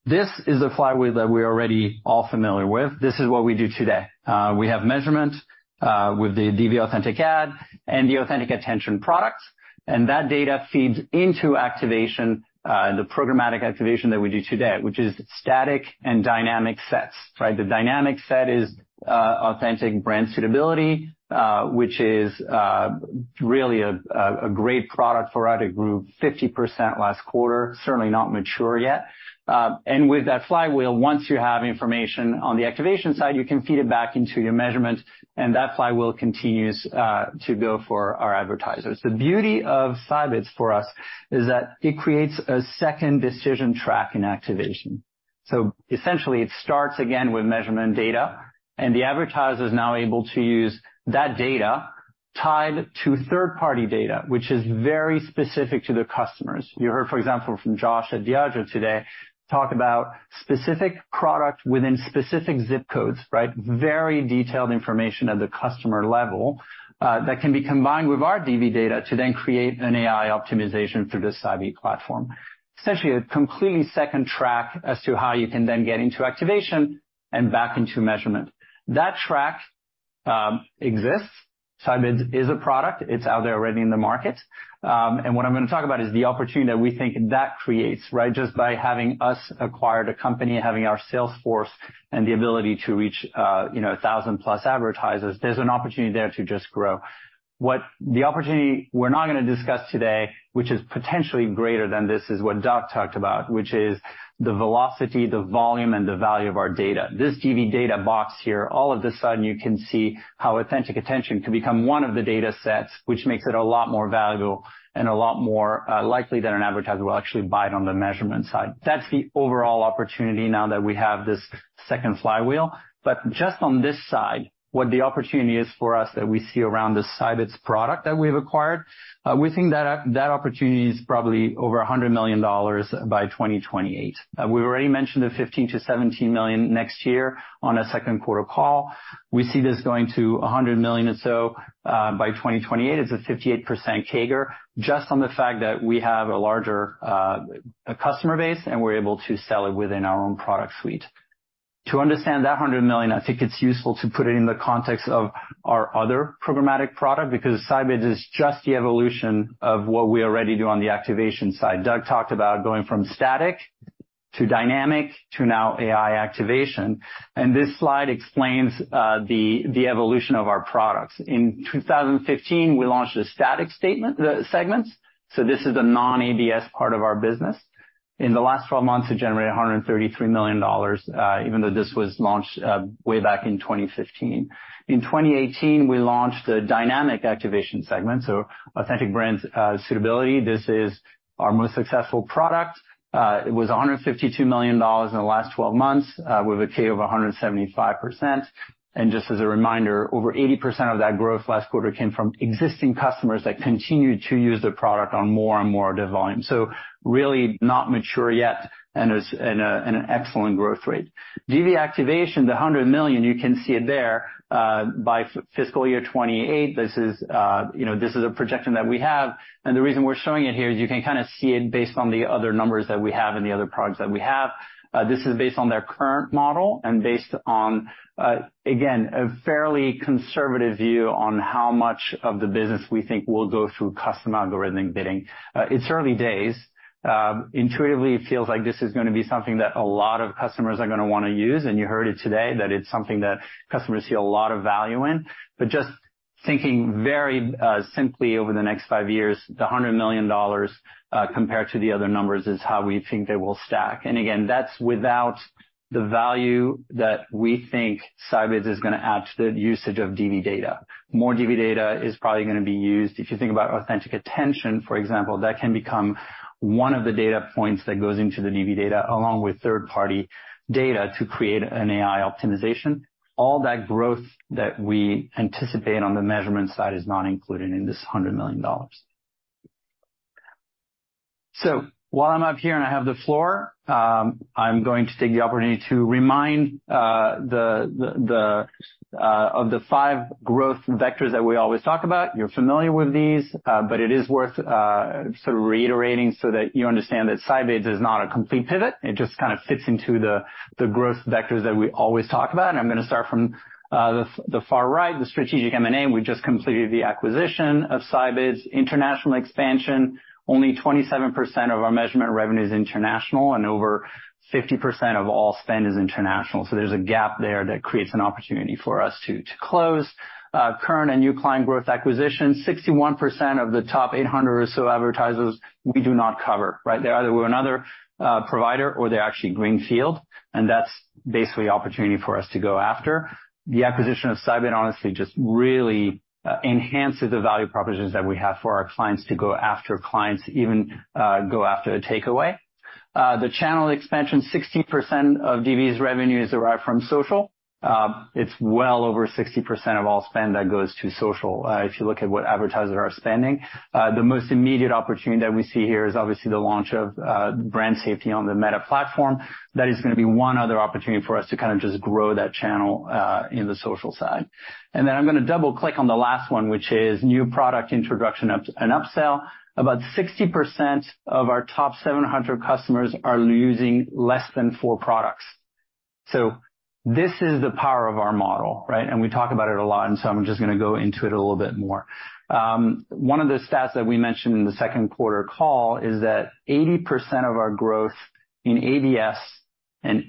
This is the flywheel that we're already all familiar with. This is what we do today. We have measurement with the DV Authentic Ad and the Authentic Attention products, and that data feeds into activation, the programmatic activation that we do today, which is static and dynamic sets, right? The dynamic set is Authentic Brand Suitability, which is really a great product for us. It grew 50% last quarter, certainly not mature yet. And with that flywheel, once you have information on the activation side, you can feed it back into your measurement, and that flywheel continues to go for our advertisers. The beauty of Scibids for us is that it creates a second decision track in activation. So essentially, it starts again with measurement data, and the advertiser is now able to use that data tied to third-party data, which is very specific to the customers. You heard, for example, from Josh at Diageo today, talk about specific product within specific zip codes, right? Very detailed information at the customer level that can be combined with our DV data to then create an AI optimization through the Scibids platform. Essentially, a completely second track as to how you can then get into activation and back into measurement. That track exists. Scibids is a product. It's out there already in the market. And what I'm gonna talk about is the opportunity that we think that creates, right? Just by having us acquired a company, having our sales force and the ability to reach, you know, 1,000+ advertisers, there's an opportunity there to just grow. What the opportunity we're not gonna discuss today, which is potentially greater than this, is what Doug talked about, which is the velocity, the volume, and the value of our data. This DV data box here, all of a sudden, you can see how Authentic Attention can become one of the datasets, which makes it a lot more valuable and a lot more likely that an advertiser will actually buy it on the measurement side. That's the overall opportunity now that we have this second flywheel. But just on this side, what the opportunity is for us that we see around this Scibids product that we've acquired, we think that that opportunity is probably over $100 million by 2028. We've already mentioned the $15 million-$17 million next year on a second quarter call. We see this going to $100 million or so by 2028. It's a 58% CAGR, just on the fact that we have a larger customer base, and we're able to sell it within our own product suite. To understand that $100 million, I think it's useful to put it in the context of our other programmatic product, because Scibids is just the evolution of what we already do on the activation side. Doug talked about going from static to dynamic to now AI activation, and this slide explains the evolution of our products. In 2015, we launched the static segments, so this is the non-ABS part of our business. In the last 12 months, it generated $133 million, even though this was launched way back in 2015. In 2018, we launched the dynamic activation segment, so Authentic Brand Suitability. This is our most successful product. It was $152 million in the last 12 months, with a CAGR of 175%. And just as a reminder, over 80% of that growth last quarter came from existing customers that continued to use the product on more and more of the volume. So really not mature yet and is in an excellent growth rate. DV activation, the $100 million, you can see it there, by fiscal year 2028. This is, you know, this is a projection that we have, and the reason we're showing it here is you can kind of see it based on the other numbers that we have and the other products that we have. This is based on their current model and based on, again, a fairly conservative view on how much of the business we think will go through custom algorithmic bidding. It's early days. Intuitively, it feels like this is gonna be something that a lot of customers are gonna wanna use, and you heard it today, that it's something that customers see a lot of value in. But thinking very, simply over the next five years, the $100 million, compared to the other numbers, is how we think they will stack. And again, that's without the value that we think Scibids is gonna add to the usage of DV data. More DV data is probably gonna be used. If you think about Authentic Attention, for example, that can become one of the data points that goes into the DV data, along with third-party data, to create an AI optimization. All that growth that we anticipate on the measurement side is not included in this $100 million. So while I'm up here, and I have the floor, I'm going to take the opportunity to remind of the five growth vectors that we always talk about. You're familiar with these, but it is worth sort of reiterating so that you understand that Scibids is not a complete pivot. It just kind of fits into the growth vectors that we always talk about. And I'm gonna start from the far right, the strategic M&A. We just completed the acquisition of Scibids. International expansion, only 27% of our measurement revenue is international, and over 50% of all spend is international, so there's a gap there that creates an opportunity for us to close. Current and new client growth acquisition, 61% of the top 800 or so advertisers we do not cover, right? They're either with another provider or they're actually greenfield, and that's basically opportunity for us to go after. The acquisition of Scibids, honestly, just really enhances the value propositions that we have for our clients to go after clients, even go after a takeaway. The channel expansion, 60% of DV's revenue is derived from social. It's well over 60% of all spend that goes to social, if you look at what advertisers are spending. The most immediate opportunity that we see here is obviously the launch of brand safety on the Meta platform. That is gonna be one other opportunity for us to kind of just grow that channel in the social side. And then I'm gonna double-click on the last one, which is new product introduction up and upsell. About 60% of our top 700 customers are using less than four products. So this is the power of our model, right? And we talk about it a lot, and so I'm just gonna go into it a little bit more. One of the stats that we mentioned in the second quarter call is that 80% of our growth in ABS and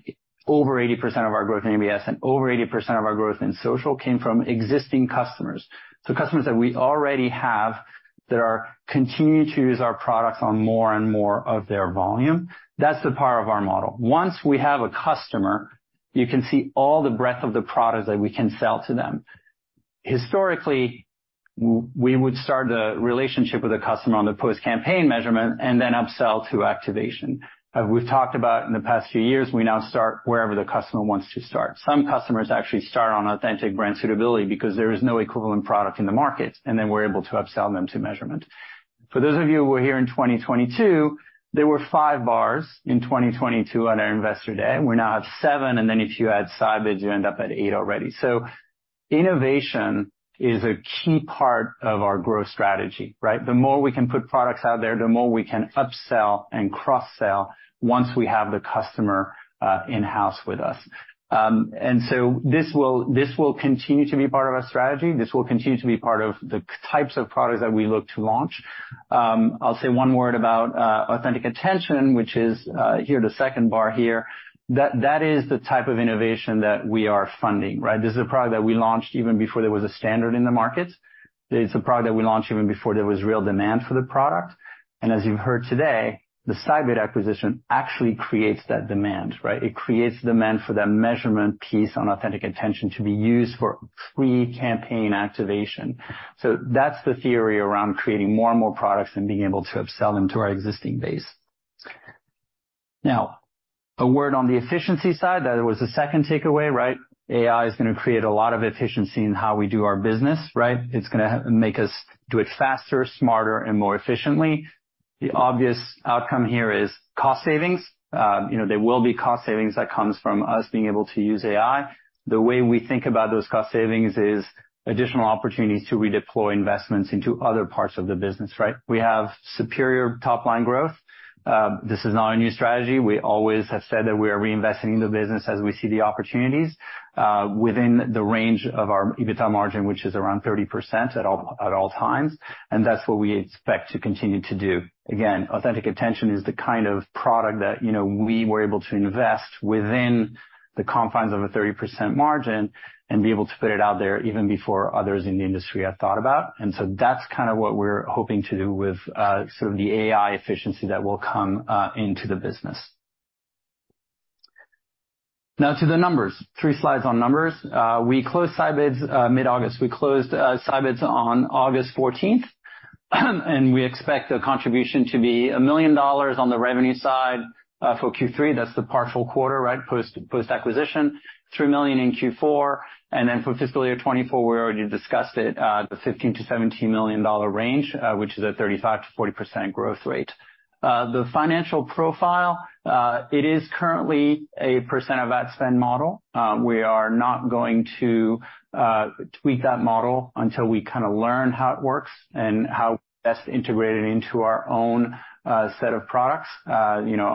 over 80% of our growth in ABS and over 80% of our growth in social came from existing customers. So customers that we already have that are continuing to use our products on more and more of their volume, that's the power of our model. Once we have a customer, you can see all the breadth of the products that we can sell to them. Historically, we would start the relationship with a customer on the post-campaign measurement and then upsell to activation. We've talked about in the past few years, we now start wherever the customer wants to start. Some customers actually start on Authentic Brand Suitability because there is no equivalent product in the market, and then we're able to upsell them to measurement. For those of you who were here in 2022, there were five bars in 2022 on our Investor Day. We're now at seven, and then if you add Scibids, you end up at eight already. So innovation is a key part of our growth strategy, right? The more we can put products out there, the more we can upsell and cross-sell once we have the customer in-house with us. And so this will, this will continue to be part of our strategy. This will continue to be part of the types of products that we look to launch. I'll say one word about Authentic Attention, which is here, the second bar here. That, that is the type of innovation that we are funding, right? This is a product that we launched even before there was a standard in the market. It's a product that we launched even before there was real demand for the product. And as you've heard today, the Scibids acquisition actually creates that demand, right? It creates demand for that measurement piece on Authentic Attention to be used for pre-campaign activation. So that's the theory around creating more and more products and being able to upsell them to our existing base. Now, a word on the efficiency side, that was the second takeaway, right? AI is gonna create a lot of efficiency in how we do our business, right? It's gonna make us do it faster, smarter, and more efficiently. The obvious outcome here is cost savings. You know, there will be cost savings that comes from us being able to use AI. The way we think about those cost savings is additional opportunities to redeploy investments into other parts of the business, right? We have superior top-line growth. This is not a new strategy. We always have said that we are reinvesting in the business as we see the opportunities, within the range of our EBITDA margin, which is around 30% at all times, and that's what we expect to continue to do. Again, Authentic Attention is the kind of product that, you know, we were able to invest within the confines of a 30% margin and be able to put it out there even before others in the industry had thought about. And so that's kind of what we're hoping to do with, sort of the AI efficiency that will come into the business. Now to the numbers. Three slides on numbers. We closed Scibids mid-August. We closed Scibids on August 14th, and we expect the contribution to be $1 million on the revenue side, for Q3. That's the partial quarter, right? Post-acquisition. $3 million in Q4, and then for fiscal year 2024, we already discussed it, the $15 million-$17 million range, which is a 35%-40% growth rate. The financial profile, it is currently a % of ad spend model. We are not going to tweak that model until we kind of learn how it works and how best to integrate it into our own set of products. You know,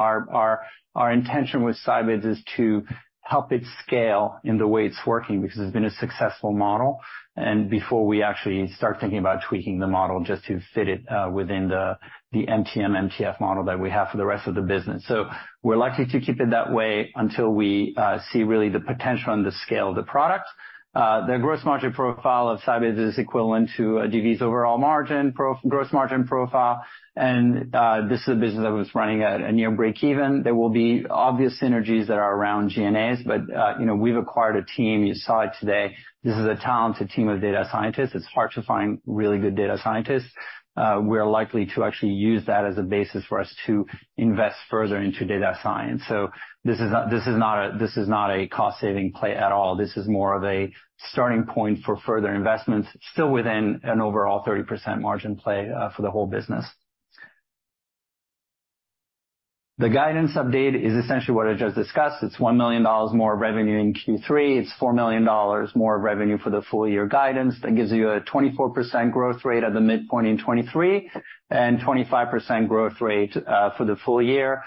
our intention with Scibids is to help it scale in the way it's working, because it's been a successful model, and before we actually start thinking about tweaking the model, just to fit it within the MMM, MTA model that we have for the rest of the business. So we're likely to keep it that way until we see really the potential and the scale of the product. The gross margin profile of Scibids is equivalent to DV's overall margin, pro-gross margin profile. And this is a business that was running at a near breakeven. There will be obvious synergies that are around G&A's, but you know, we've acquired a team, you saw it today. This is a talented team of data scientists. It's hard to find really good data scientists. We're likely to actually use that as a basis for us to invest further into data science. So this is not, this is not a, this is not a cost-saving play at all. This is more of a starting point for further investments, still within an overall 30% margin play, for the whole business. The guidance update is essentially what I just discussed. It's $1 million more revenue in Q3. It's $4 million more of revenue for the full year guidance. That gives you a 24% growth rate at the midpoint in 2023, and 25% growth rate for the full year.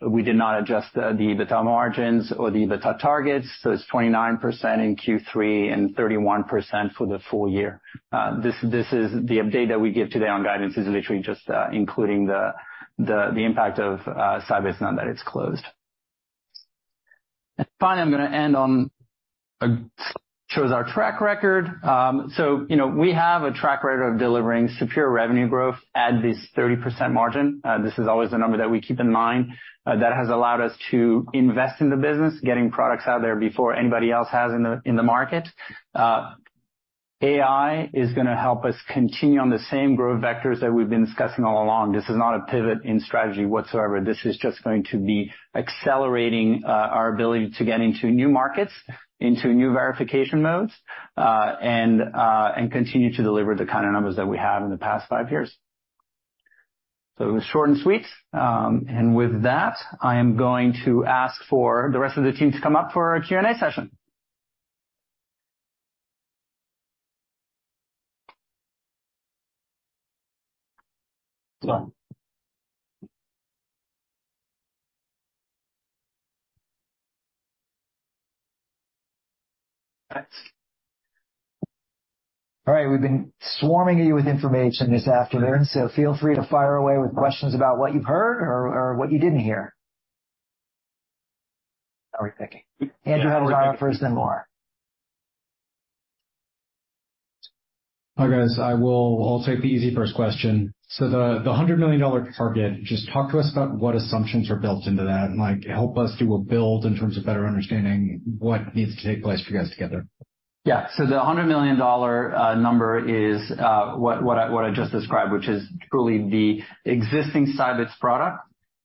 We did not adjust the EBITDA margins or the EBITDA targets, so it's 29% in Q3 and 31% for the full year. This is the update that we give today on guidance. It is literally just including the impact of Scibids now that it's closed. And finally, I'm gonna end on a slide that shows our track record. So, you know, we have a track record of delivering superior revenue growth at this 30% margin. This is always the number that we keep in mind. That has allowed us to invest in the business, getting products out there before anybody else has in the market. AI is gonna help us continue on the same growth vectors that we've been discussing all along. This is not a pivot in strategy whatsoever. This is just going to be accelerating our ability to get into new markets, into new verification modes, and continue to deliver the kind of numbers that we have in the past five years. So it was short and sweet. And with that, I am going to ask for the rest of the team to come up for our Q&A session. All right. We've been swarming you with information this afternoon, so feel free to fire away with questions about what you've heard or what you didn't hear. How are we thinking? Andrew, have a go first, then Laura. Hi, guys. I'll take the easy first question. So the $100 million target, just talk to us about what assumptions are built into that, and, like, help us do a build in terms of better understanding what needs to take place for you guys to get there. Yeah. So the $100 million number is, what, what I, what I just described, which is truly the existing Scibids product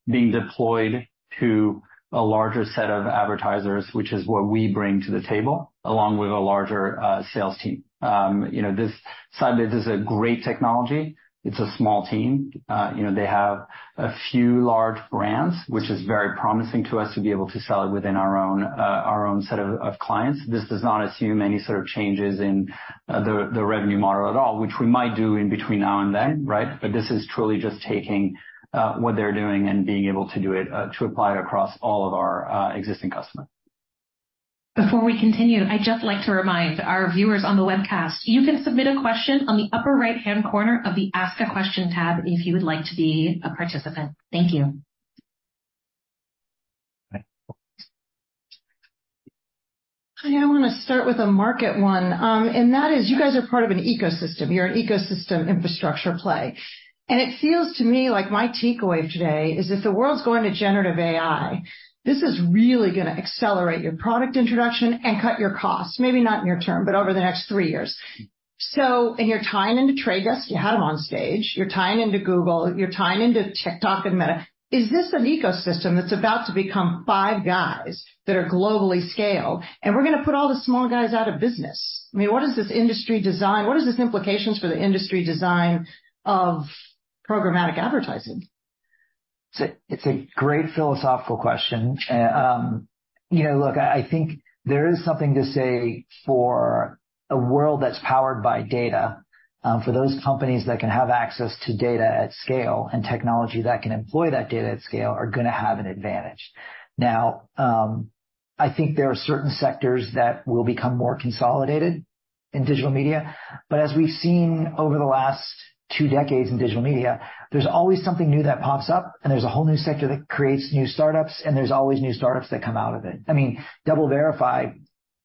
being deployed to a larger set of advertisers, which is what we bring to the table, along with a larger sales team. You know, this Scibids is a great technology. It's a small team. You know, they have a few large brands, which is very promising to us to be able to sell it within our own, our own set of, of clients. This does not assume any sort of changes in, the, the revenue model at all, which we might do in between now and then, right? But this is truly just taking, what they're doing and being able to do it, to apply it across all of our, existing customers. Before we continue, I'd just like to remind our viewers on the webcast. You can submit a question on the upper right-hand corner of the Ask a Question tab, if you would like to be a participant. Thank you. Right. I want to start with a market one, and that is, you guys are part of an ecosystem. You're an ecosystem infrastructure play. And it feels to me like my take away today is if the world's going to generative AI, this is really gonna accelerate your product introduction and cut your costs. Maybe not near term, but over the next three years. So, and you're tying into The Trade Desk, you had them on stage, you're tying into Google, you're tying into TikTok and Meta. Is this an ecosystem that's about to become five guys that are globally scaled, and we're gonna put all the small guys out of business? I mean, what is this industry design? What is the implications for the industry design of programmatic advertising? It's a great philosophical question. You know, look, I think there is something to say for a world that's powered by data, for those companies that can have access to data at scale, and technology that can employ that data at scale are gonna have an advantage. Now, I think there are certain sectors that will become more consolidated in digital media, but as we've seen over the last two decades in digital media, there's always something new that pops up, and there's a whole new sector that creates new startups, and there's always new startups that come out of it. I mean, DoubleVerify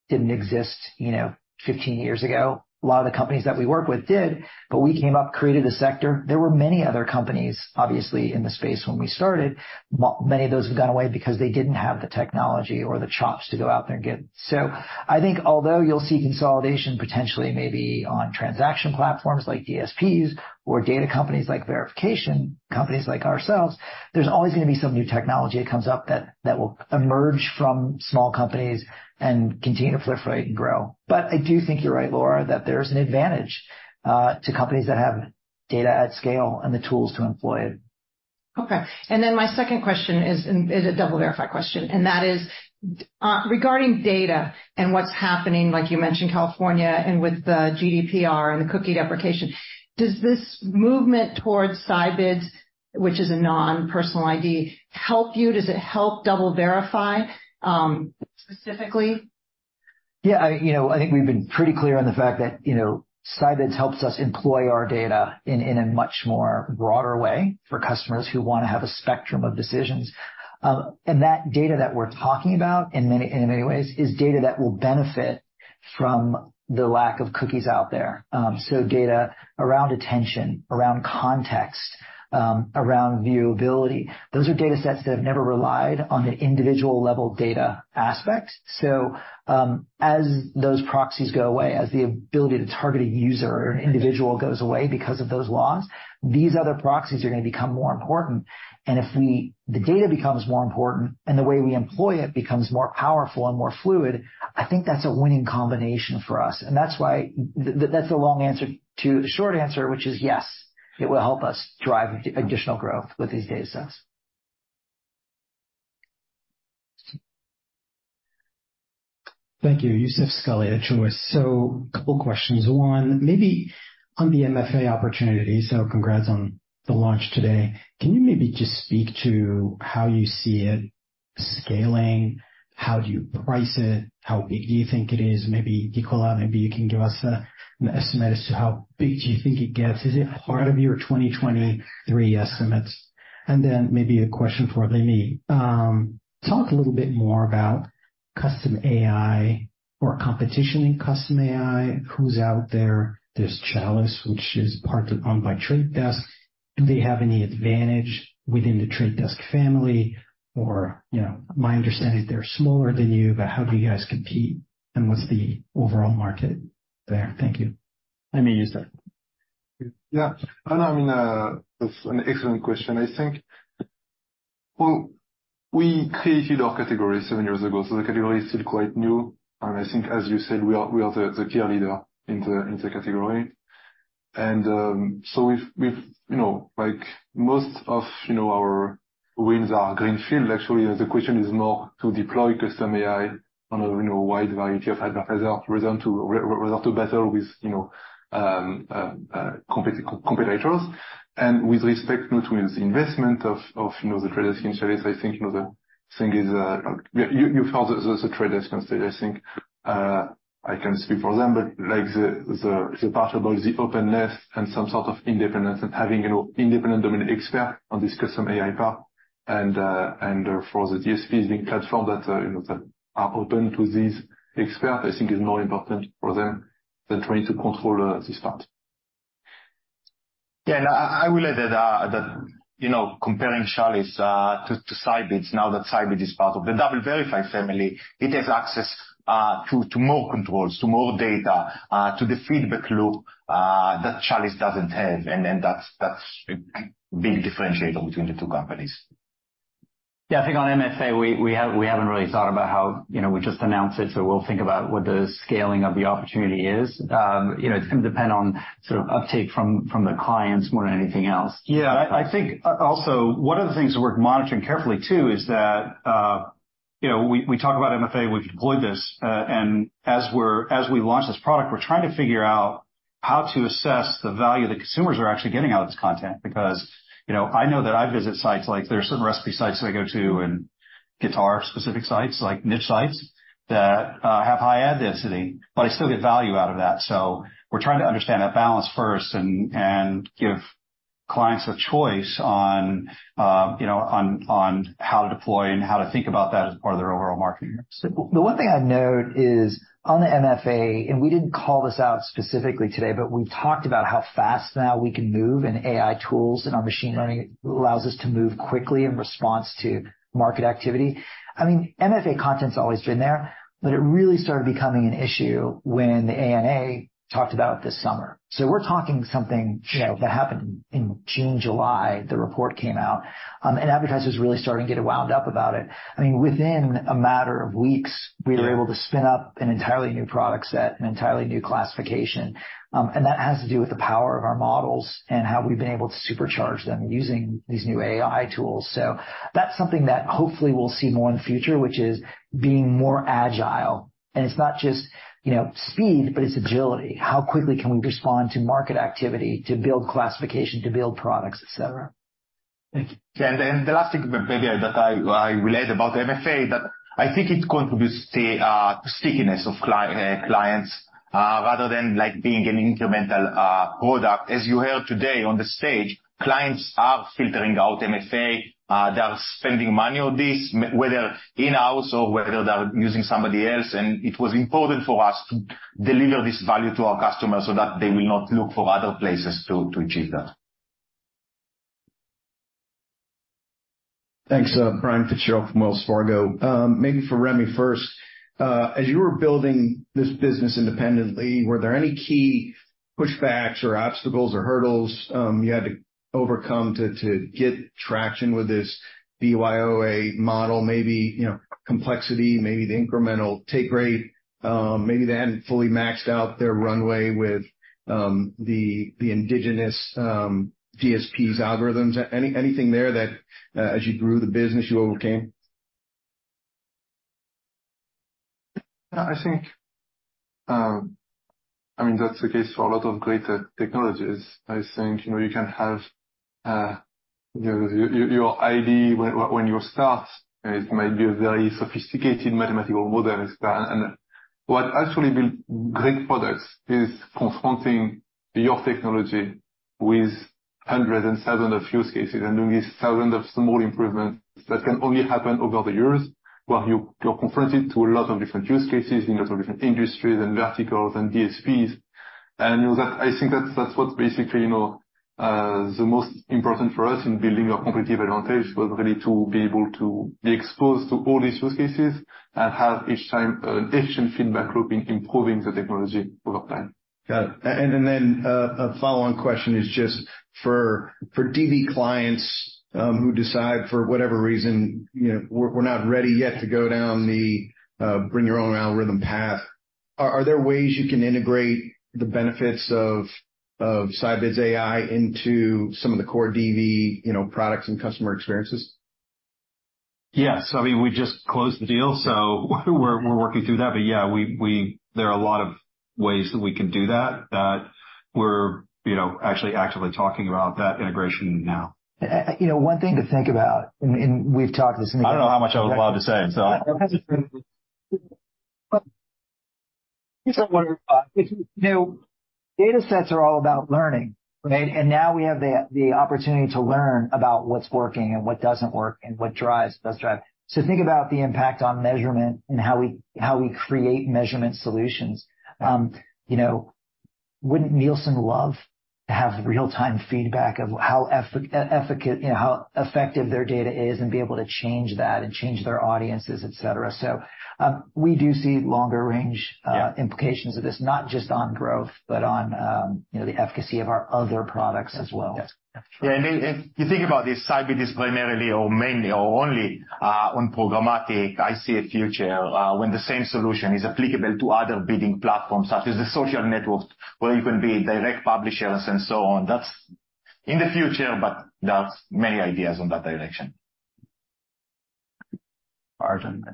didn't exist, you know, 15 years ago. A lot of the companies that we work with did, but we came up, created a sector. There were many other companies, obviously, in the space when we started. Many of those have gone away because they didn't have the technology or the chops to go out there and get it. So I think although you'll see consolidation potentially maybe on transaction platforms like DSPs or data companies like verification, companies like ourselves, there's always gonna be some new technology that comes up that will emerge from small companies and continue to proliferate and grow. But I do think you're right, Laura, that there's an advantage to companies that have data at scale and the tools to employ it. Okay. And then my second question is, is a DoubleVerify question, and that is, regarding data and what's happening, like you mentioned, California and with the GDPR and the cookie deprecation, does this movement towards Scibids, which is a non-personal ID, help you? Does it help DoubleVerify, specifically? Yeah, you know, I think we've been pretty clear on the fact that, you know, Scibids helps us employ our data in a much more broader way for customers who want to have a spectrum of decisions. And that data that we're talking about in many ways is data that will benefit from the lack of cookies out there. So data around attention, around context, around viewability, those are data sets that have never relied on the individual level data aspect. So, as those proxies go away, as the ability to target a user or an individual goes away because of those laws, these other proxies are gonna become more important. And the data becomes more important and the way we employ it becomes more powerful and more fluid, I think that's a winning combination for us. And that's why, that's a long answer to the short answer, which is, yes, it will help us drive additional growth with these data sets. Thank you. Youssef Squali at Truist. So a couple questions. One, maybe on the MFA opportunity, so congrats on the launch today. Can you maybe just speak to how you see it scaling? How do you price it? How big do you think it is? Maybe Nicola, maybe you can give us an estimate as to how big do you think it gets. Is it part of your 2023 estimates? And then maybe a question for Rémi. Talk a little bit more about custom AI or competition in custom AI. Who's out there? There's Chalice, which is part owned by The Trade Desk. Do they have any advantage within The Trade Desk family? Or, you know, my understanding, they're smaller than you, but how do you guys compete, and what's the overall market there? Thank you. I mean, Youssef. Yeah, I know, I mean, that's an excellent question. I think, well, we created our category seven years ago, so the category is still quite new, and I think, as you said, we are, we are the clear leader in the, in the category. And, so we've, we've, you know, like most of, you know, our wins are greenfield. Actually, the question is more to deploy custom AI on a, you know, wide variety of advertisers rather than to battle with, you know, competitors. With respect to the investment of, you know, the Trade Desk service, I think, you know, the thing is, you felt the Trade Desk, I think, I can speak for them, but like, the part about the openness and some sort of independence and having, you know, independent domain expert on this custom AI part, and for the DSPs, the platform that, you know, that are open to these experts, I think is more important for them than trying to control this part. Yeah, and I will add that, you know, comparing Chalice to Scibids, now that Scibids is part of the DoubleVerify family, it has access to more controls, to more data, to the feedback loop that Chalice doesn't have, and then that's a big differentiator between the two companies. Yeah, I think on MFA, we haven't really thought about how... You know, we just announced it, so we'll think about what the scaling of the opportunity is. You know, it's gonna depend on sort of uptake from the clients more than anything else. Yeah. I think, also one of the things we're monitoring carefully, too, is that, you know, we, we talk about MFA, we've deployed this, and as we launch this product, we're trying to figure out how to assess the value that consumers are actually getting out of this content. Because, you know, I know that I visit sites, like, there are some recipe sites that I go to and guitar-specific sites, like niche sites, that, have high ad density, but I still get value out of that. So we're trying to understand that balance first and, and give clients a choice on, you know, on, on how to deploy and how to think about that as part of their overall marketing mix. The one thing I'd note is on the MFA, and we didn't call this out specifically today, but we talked about how fast now we can move, and AI tools and our machine learning allows us to move quickly in response to market activity. I mean, MFA content's always been there, but it really started becoming an issue when the ANA talked about it this summer. So we're talking something, you know, that happened in June, July, the report came out, and advertisers were really starting to get wound up about it. I mean, within a matter of weeks, we were able to spin up an entirely new product set, an entirely new classification, and that has to do with the power of our models and how we've been able to supercharge them using these new AI tools. So that's something that hopefully we'll see more in the future, which is being more agile. And it's not just, you know, speed, but it's agility. How quickly can we respond to market activity, to build classification, to build products, et cetera? Thank you. Yeah, and the last thing that I read about MFA, that I think it contributes to stickiness of clients rather than like being an incremental product. As you heard today on the stage, clients are filtering out MFA, they are spending money on this, whether in-house or whether they are using somebody else, and it was important for us to deliver this value to our customers so that they will not look for other places to achieve that. Thanks. Brian Fitzgerald from Wells Fargo. Maybe for Remy first. As you were building this business independently, were there any key pushbacks or obstacles or hurdles, you had to overcome to get traction with this BYOA model? Maybe, you know, complexity, maybe the incremental take rate, maybe they hadn't fully maxed out their runway with the indigenous DSPs algorithms. Anything there that, as you grew the business, you overcame? I think, I mean, that's the case for a lot of great technologies. I think, you know, you can have your idea when you start, it might be a very sophisticated mathematical model, and what actually build great products is confronting your technology with hundreds and thousands of use cases and doing thousands of small improvements that can only happen over the years. While you're confronted to a lot of different use cases in lots of different industries and verticals and DSPs, and, you know, that, I think that's what basically, you know, the most important for us in building our competitive advantage, was really to be able to be exposed to all these use cases and have each time an efficient feedback loop in improving the technology over time. Got it. And, and then, a follow-on question is just for, for DV clients, who decide, for whatever reason, you know, "We're, we're not ready yet to go down the, bring your own algorithm path," are, are there ways you can integrate the benefits of, of Scibids AI into some of the core DV, you know, products and customer experiences? Yes. I mean, we just closed the deal, so we're working through that. But, yeah, there are a lot of ways that we can do that, that we're, you know, actually actively talking about that integration now. You know, one thing to think about, and, and we've talked this- I don't know how much I was allowed to say, so... You know, data sets are all about learning, right? And now we have the opportunity to learn about what's working and what doesn't work and what drives, does drive. So think about the impact on measurement and how we create measurement solutions. You know, wouldn't Nielsen love to have real-time feedback of how effective their data is and be able to change that and change their audiences, et cetera? So, we do see longer range. Yeah... implications of this, not just on growth, but on, you know, the efficacy of our other products as well. Yes. Yeah, and if you think about this, Scibids is primarily or mainly or only, on programmatic, I see a future, when the same solution is applicable to other bidding platforms, such as the social networks, where you can be direct publishers and so on. That's in the future, but there are many ideas on that direction. Arjun?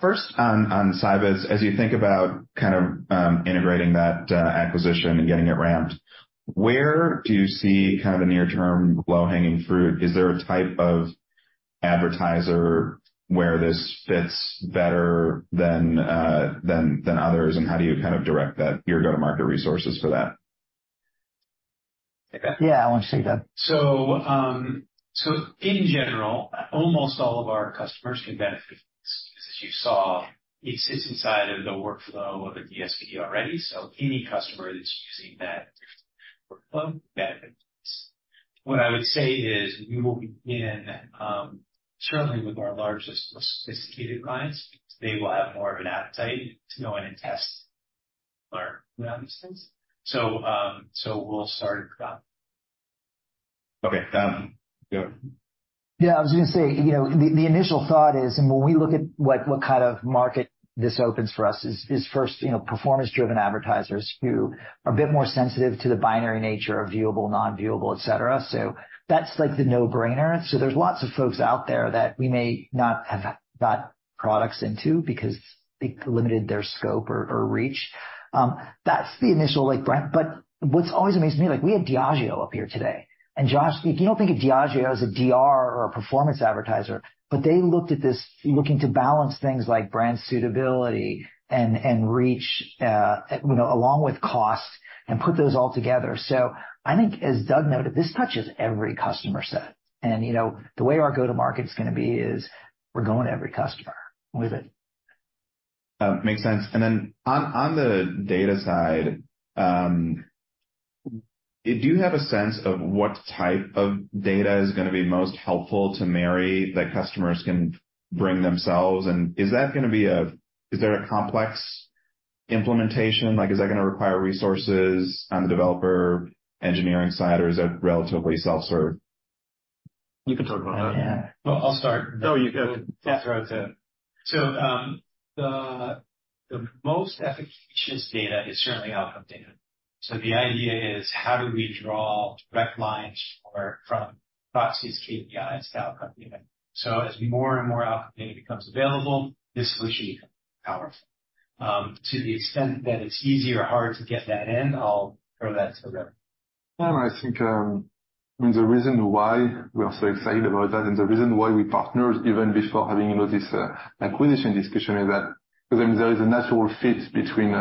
First on Scibids, as you think about kind of integrating that acquisition and getting it ramped, where do you see kind of the near-term low-hanging fruit? Is there a type of advertiser where this fits better than others, and how do you kind of direct that, your go-to-market resources for that? Yeah, I want to say, Doug. So in general, almost all of our customers can benefit. As you saw, it's inside of the workflow of the DSP already, so any customer that's using that workflow benefits. What I would say is, we will begin certainly with our largest, most sophisticated clients. They will have more of an appetite to go in and test our instances. So we'll start with that. Okay. Yeah. Yeah, I was going to say, you know, the initial thought is, and when we look at what kind of market this opens for us is first, you know, performance-driven advertisers who are a bit more sensitive to the binary nature of viewable, non-viewable, et cetera. So that's, like, the no-brainer. So there's lots of folks out there that we may not have got products into because they limited their scope or, or reach. That's the initial, like, brand, but what's always amazed me, like, we had Diageo up here today, and Josh, you don't think of Diageo as a DR or a performance advertiser, but they looked at this looking to balance things like brand suitability and, and reach, you know, along with cost, and put those all together. So I think, as Doug noted, this touches every customer set, and, you know, the way our go-to-market is gonna be is we're going to every customer with it. Makes sense. And then on the data side, do you have a sense of what type of data is gonna be most helpful to marry that customers can bring themselves? And is there a complex implementation? Like, is that gonna require resources on the developer engineering side, or is it relatively self-serve? You can talk about that. Yeah. Well, I'll start. No, you go. So, the most efficacious data is certainly outcome data. So the idea is: How do we draw direct lines or from proxies, KPIs to outcome data? So as more and more outcome data becomes available, this solution becomes powerful. To the extent that it's easy or hard to get that in, I'll throw that to Rémi. And I think, the reason why we are so excited about that and the reason why we partnered, even before having, you know, this, acquisition discussion, is that there is a natural fit between,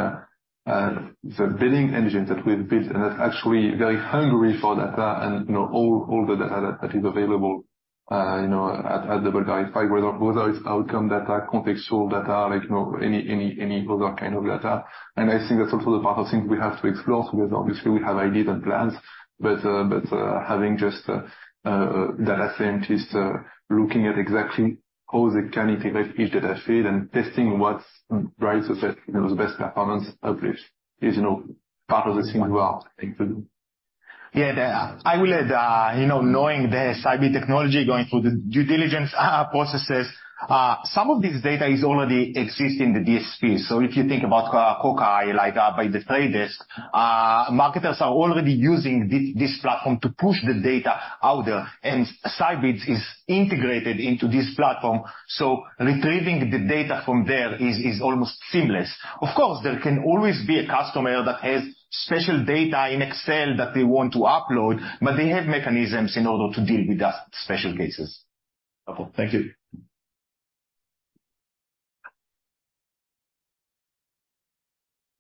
the bidding engine that we built, and it's actually very hungry for data and, you know, all the data that is available, you know, at the outcome data, contextual data, like, you know, any other kind of data. And I think that's also the part of things we have to explore, because obviously we have ideas and plans, but, having data scientists, looking at exactly how they can integrate each data feed and testing what drives the, you know, the best performance of this is, you know, part of the things we are trying to do. Yeah, I will add, you know, knowing the Scibids technology, going through the due diligence processes, some of this data already exists in the DSP. So if you think about, Kokai, like, by The Trade Desk, marketers are already using this platform to push the data out there, and Scibids is integrated into this platform, so retrieving the data from there is almost seamless. Of course, there can always be a customer that has special data in Excel that they want to upload, but they have mechanisms in order to deal with that special cases. Okay. Thank you.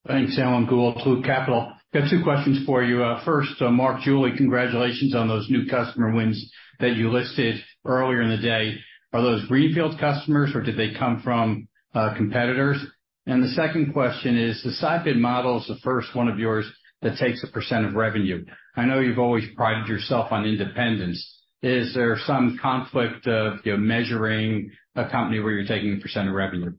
Thanks, Alan Gould, Loop Capital. Got two questions for you. First, Mark, Julie, congratulations on those new customer wins that you listed earlier in the day. Are those greenfield customers or did they come from competitors? And the second question is, the Scibids model is the first one of yours that takes a % of revenue. I know you've always prided yourself on independence. Is there some conflict of, you know, measuring a company where you're taking a % of revenue?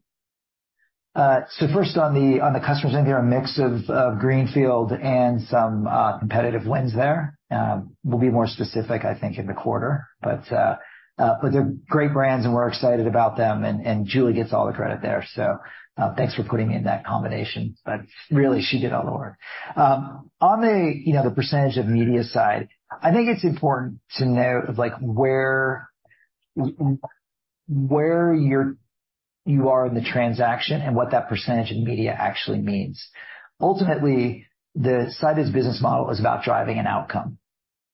So first on the customers end, there are a mix of greenfield and some competitive wins there. We'll be more specific, I think, in the quarter, but they're great brands, and we're excited about them, and Julie gets all the credit there, so thanks for putting in that combination, but really, she did all the work. On the, you know, the percentage of media side, I think it's important to note of, like, where you are in the transaction and what that percentage in media actually means. Ultimately, the Scibids's business model is about driving an outcome.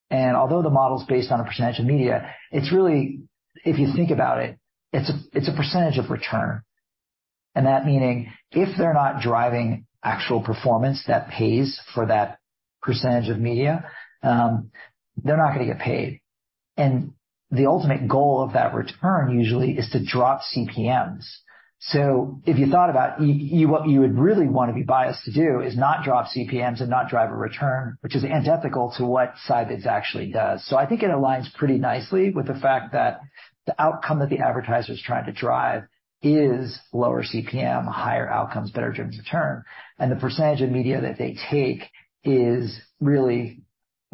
And although the model is based on a percentage of media, it's really, if you think about it, it's a percentage of return. And that meaning, if they're not driving actual performance that pays for that percentage of media, they're not gonna get paid. And the ultimate goal of that return usually is to drop CPMs. So if you thought about, you, what you would really want to be biased to do is not drop CPMs and not drive a return, which is antithetical to what Scibids actually does. So I think it aligns pretty nicely with the fact that the outcome that the advertiser is trying to drive is lower CPM, higher outcomes, better return. And the percentage of media that they take is really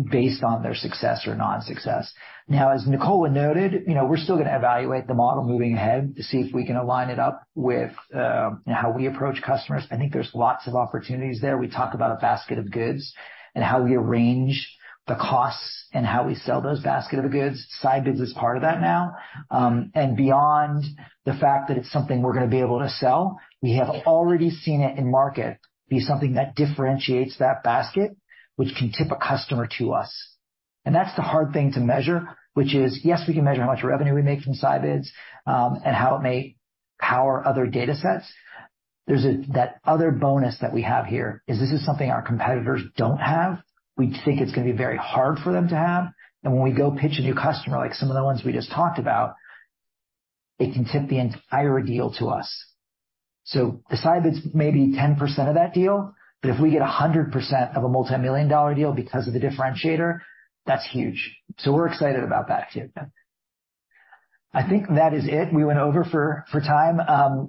based on their success or non-success. Now, as Nicola had noted, you know, we're still gonna evaluate the model moving ahead to see if we can align it up with, how we approach customers. I think there's lots of opportunities there. We talk about a basket of goods and how we arrange the costs and how we sell those basket of the goods. Scibids is part of that now. And beyond the fact that it's something we're gonna be able to sell, we have already seen it in market, be something that differentiates that basket, which can tip a customer to us. And that's the hard thing to measure, which is, yes, we can measure how much revenue we make from Scibids, and how it may power other datasets. There's that other bonus that we have here, is this is something our competitors don't have. We think it's gonna be very hard for them to have, and when we go pitch a new customer, like some of the ones we just talked about, it can tip the entire deal to us. So Scibids may be 10% of that deal, but if we get 100% of a multimillion-dollar deal because of the differentiator, that's huge. So we're excited about that, too. I think that is it. We went over for time.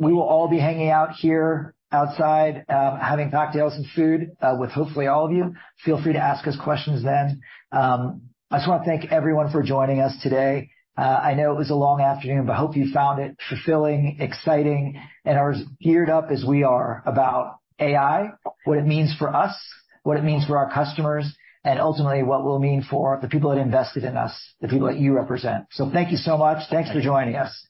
We will all be hanging out here outside, having cocktails and food, with hopefully all of you. Feel free to ask us questions then. I just wanna thank everyone for joining us today. I know it was a long afternoon, but I hope you found it fulfilling, exciting, and are as geared up as we are about AI, what it means for us, what it means for our customers, and ultimately, what it will mean for the people that invested in us, the people that you represent. So thank you so much. Thanks for joining us. Bye.